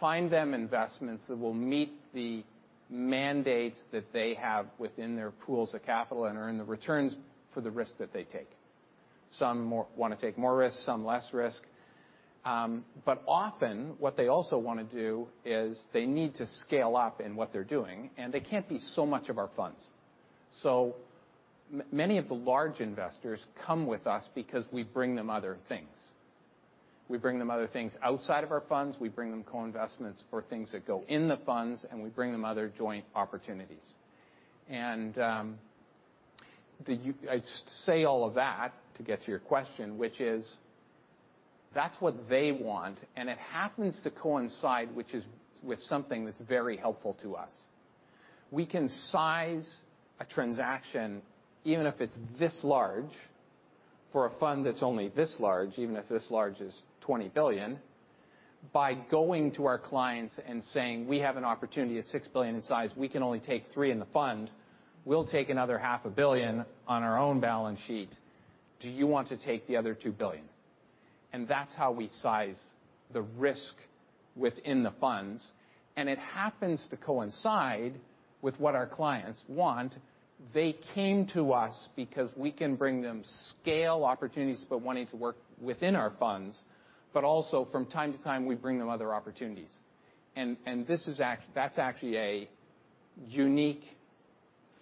find them investments that will meet the mandates that they have within their pools of capital and earn the returns for the risk that they take. Some want to take more risks, some less risk. Often, what they also want to do is they need to scale up in what they're doing, and they can't be so much of our funds. Many of the large investors come with us because we bring them other things. We bring them other things outside of our funds, we bring them co-investments for things that go in the funds, and we bring them other joint opportunities. I say all of that to get to your question, which is, that's what they want, and it happens to coincide with something that's very helpful to us. We can size a transaction, even if it's this large, for a fund that's only this large, even if this large is $20 billion, by going to our clients and saying, We have an opportunity at $6 billion in size. We can only take three in the fund. We'll take another $500,000,000 on our own balance sheet. Do you want to take the other $2 billion? That's how we size the risk within the funds, and it happens to coincide with what our clients want. They came to us because we can bring them scale opportunities, but wanting to work within our funds. Also from time to time, we bring them other opportunities. That's actually a unique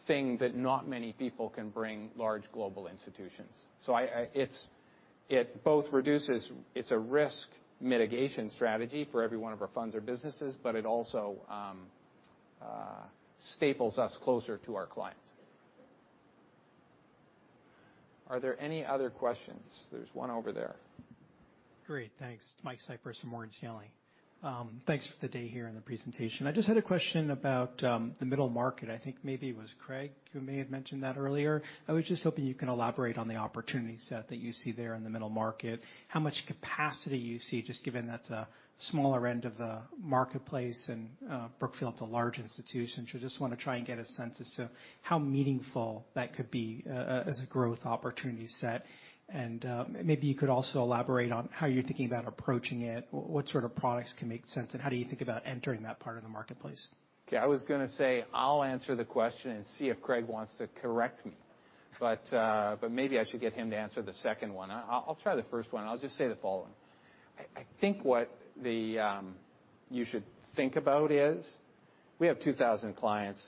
thing that not many people can bring large global institutions. It's a risk mitigation strategy for every one of our funds or businesses, but it also staples us closer to our clients. Are there any other questions? There's one over there. Great. Thanks. Michael Cyprys from Morgan Stanley. Thanks for the day here and the presentation. I just had a question about the middle market. I think maybe it was Craig who may have mentioned that earlier. I was just hoping you can elaborate on the opportunity set that you see there in the middle market, how much capacity you see, just given that's a smaller end of the marketplace and Brookfield's a large institution. Just want to try and get a sense as to how meaningful that could be as a growth opportunity set. Maybe you could also elaborate on how you're thinking about approaching it, what sort of products can make sense, and how do you think about entering that part of the marketplace? Okay. I was going to say, I'll answer the question and see if Craig wants to correct me. Maybe I should get him to answer the second one. I'll try the first one. I'll just say the following. I think what you should think about is we have 2,000 clients.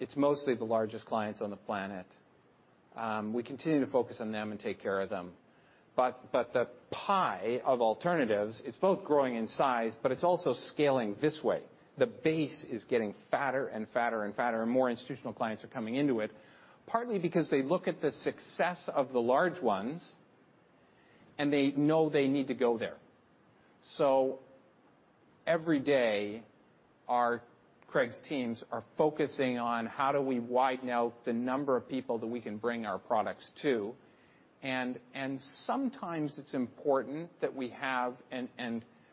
It's mostly the largest clients on the planet. We continue to focus on them and take care of them. The pie of alternatives, it's both growing in size, but it's also scaling this way. The base is getting fatter and fatter and fatter, and more institutional clients are coming into it, partly because they look at the success of the large ones, and they know they need to go there. Every day, Craig's teams are focusing on how do we widen out the number of people that we can bring our products to.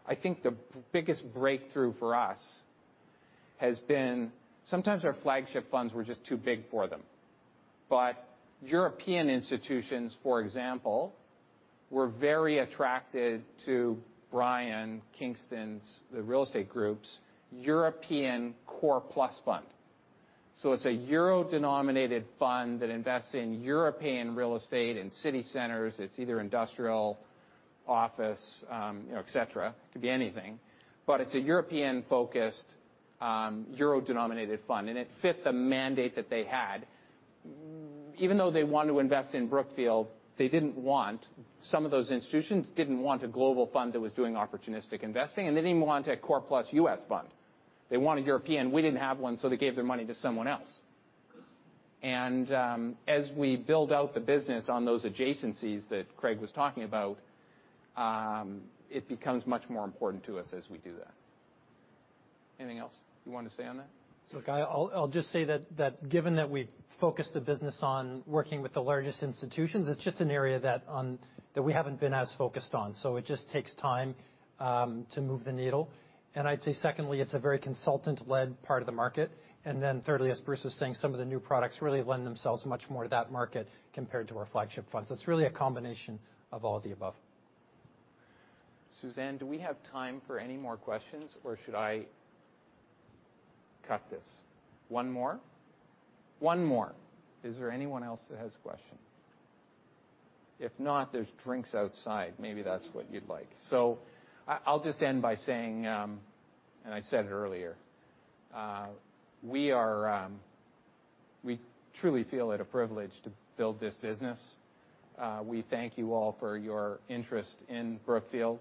I think the biggest breakthrough for us has been sometimes our flagship funds were just too big for them. European institutions, for example, were very attracted to Brian Kingston's, the real estate group's European Core Plus Fund. It's a euro-denominated fund that invests in European real estate and city centers. It's either industrial, office, et cetera. It could be anything. It's a European-focused, euro-denominated fund. It fit the mandate that they had. Even though they want to invest in Brookfield, some of those institutions didn't want a global fund that was doing opportunistic investing. They didn't even want a Core Plus U.S. fund. They wanted European. We didn't have one, so they gave their money to someone else. As we build out the business on those adjacencies that Craig was talking about, it becomes much more important to us as we do that. Anything else you want to say on that? Look, I'll just say that given that we focus the business on working with the largest institutions, it's just an area that we haven't been as focused on. It just takes time to move the needle. I'd say secondly, it's a very consultant-led part of the market. Thirdly, as Bruce is saying, some of the new products really lend themselves much more to that market compared to our flagship funds. It's really a combination of all of the above. Suzanne, do we have time for any more questions or should I cut this? One more? One more. Is there anyone else that has a question? If not, there's drinks outside. Maybe that's what you'd like. I'll just end by saying, and I said it earlier, we truly feel it a privilege to build this business. We thank you all for your interest in Brookfield.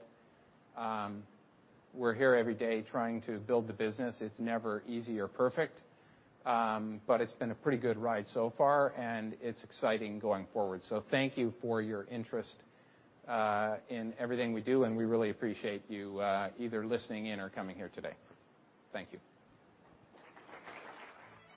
We're here every day trying to build the business. It's never easy or perfect, but it's been a pretty good ride so far, and it's exciting going forward. Thank you for your interest in everything we do, and we really appreciate you either listening in or coming here today. Thank you.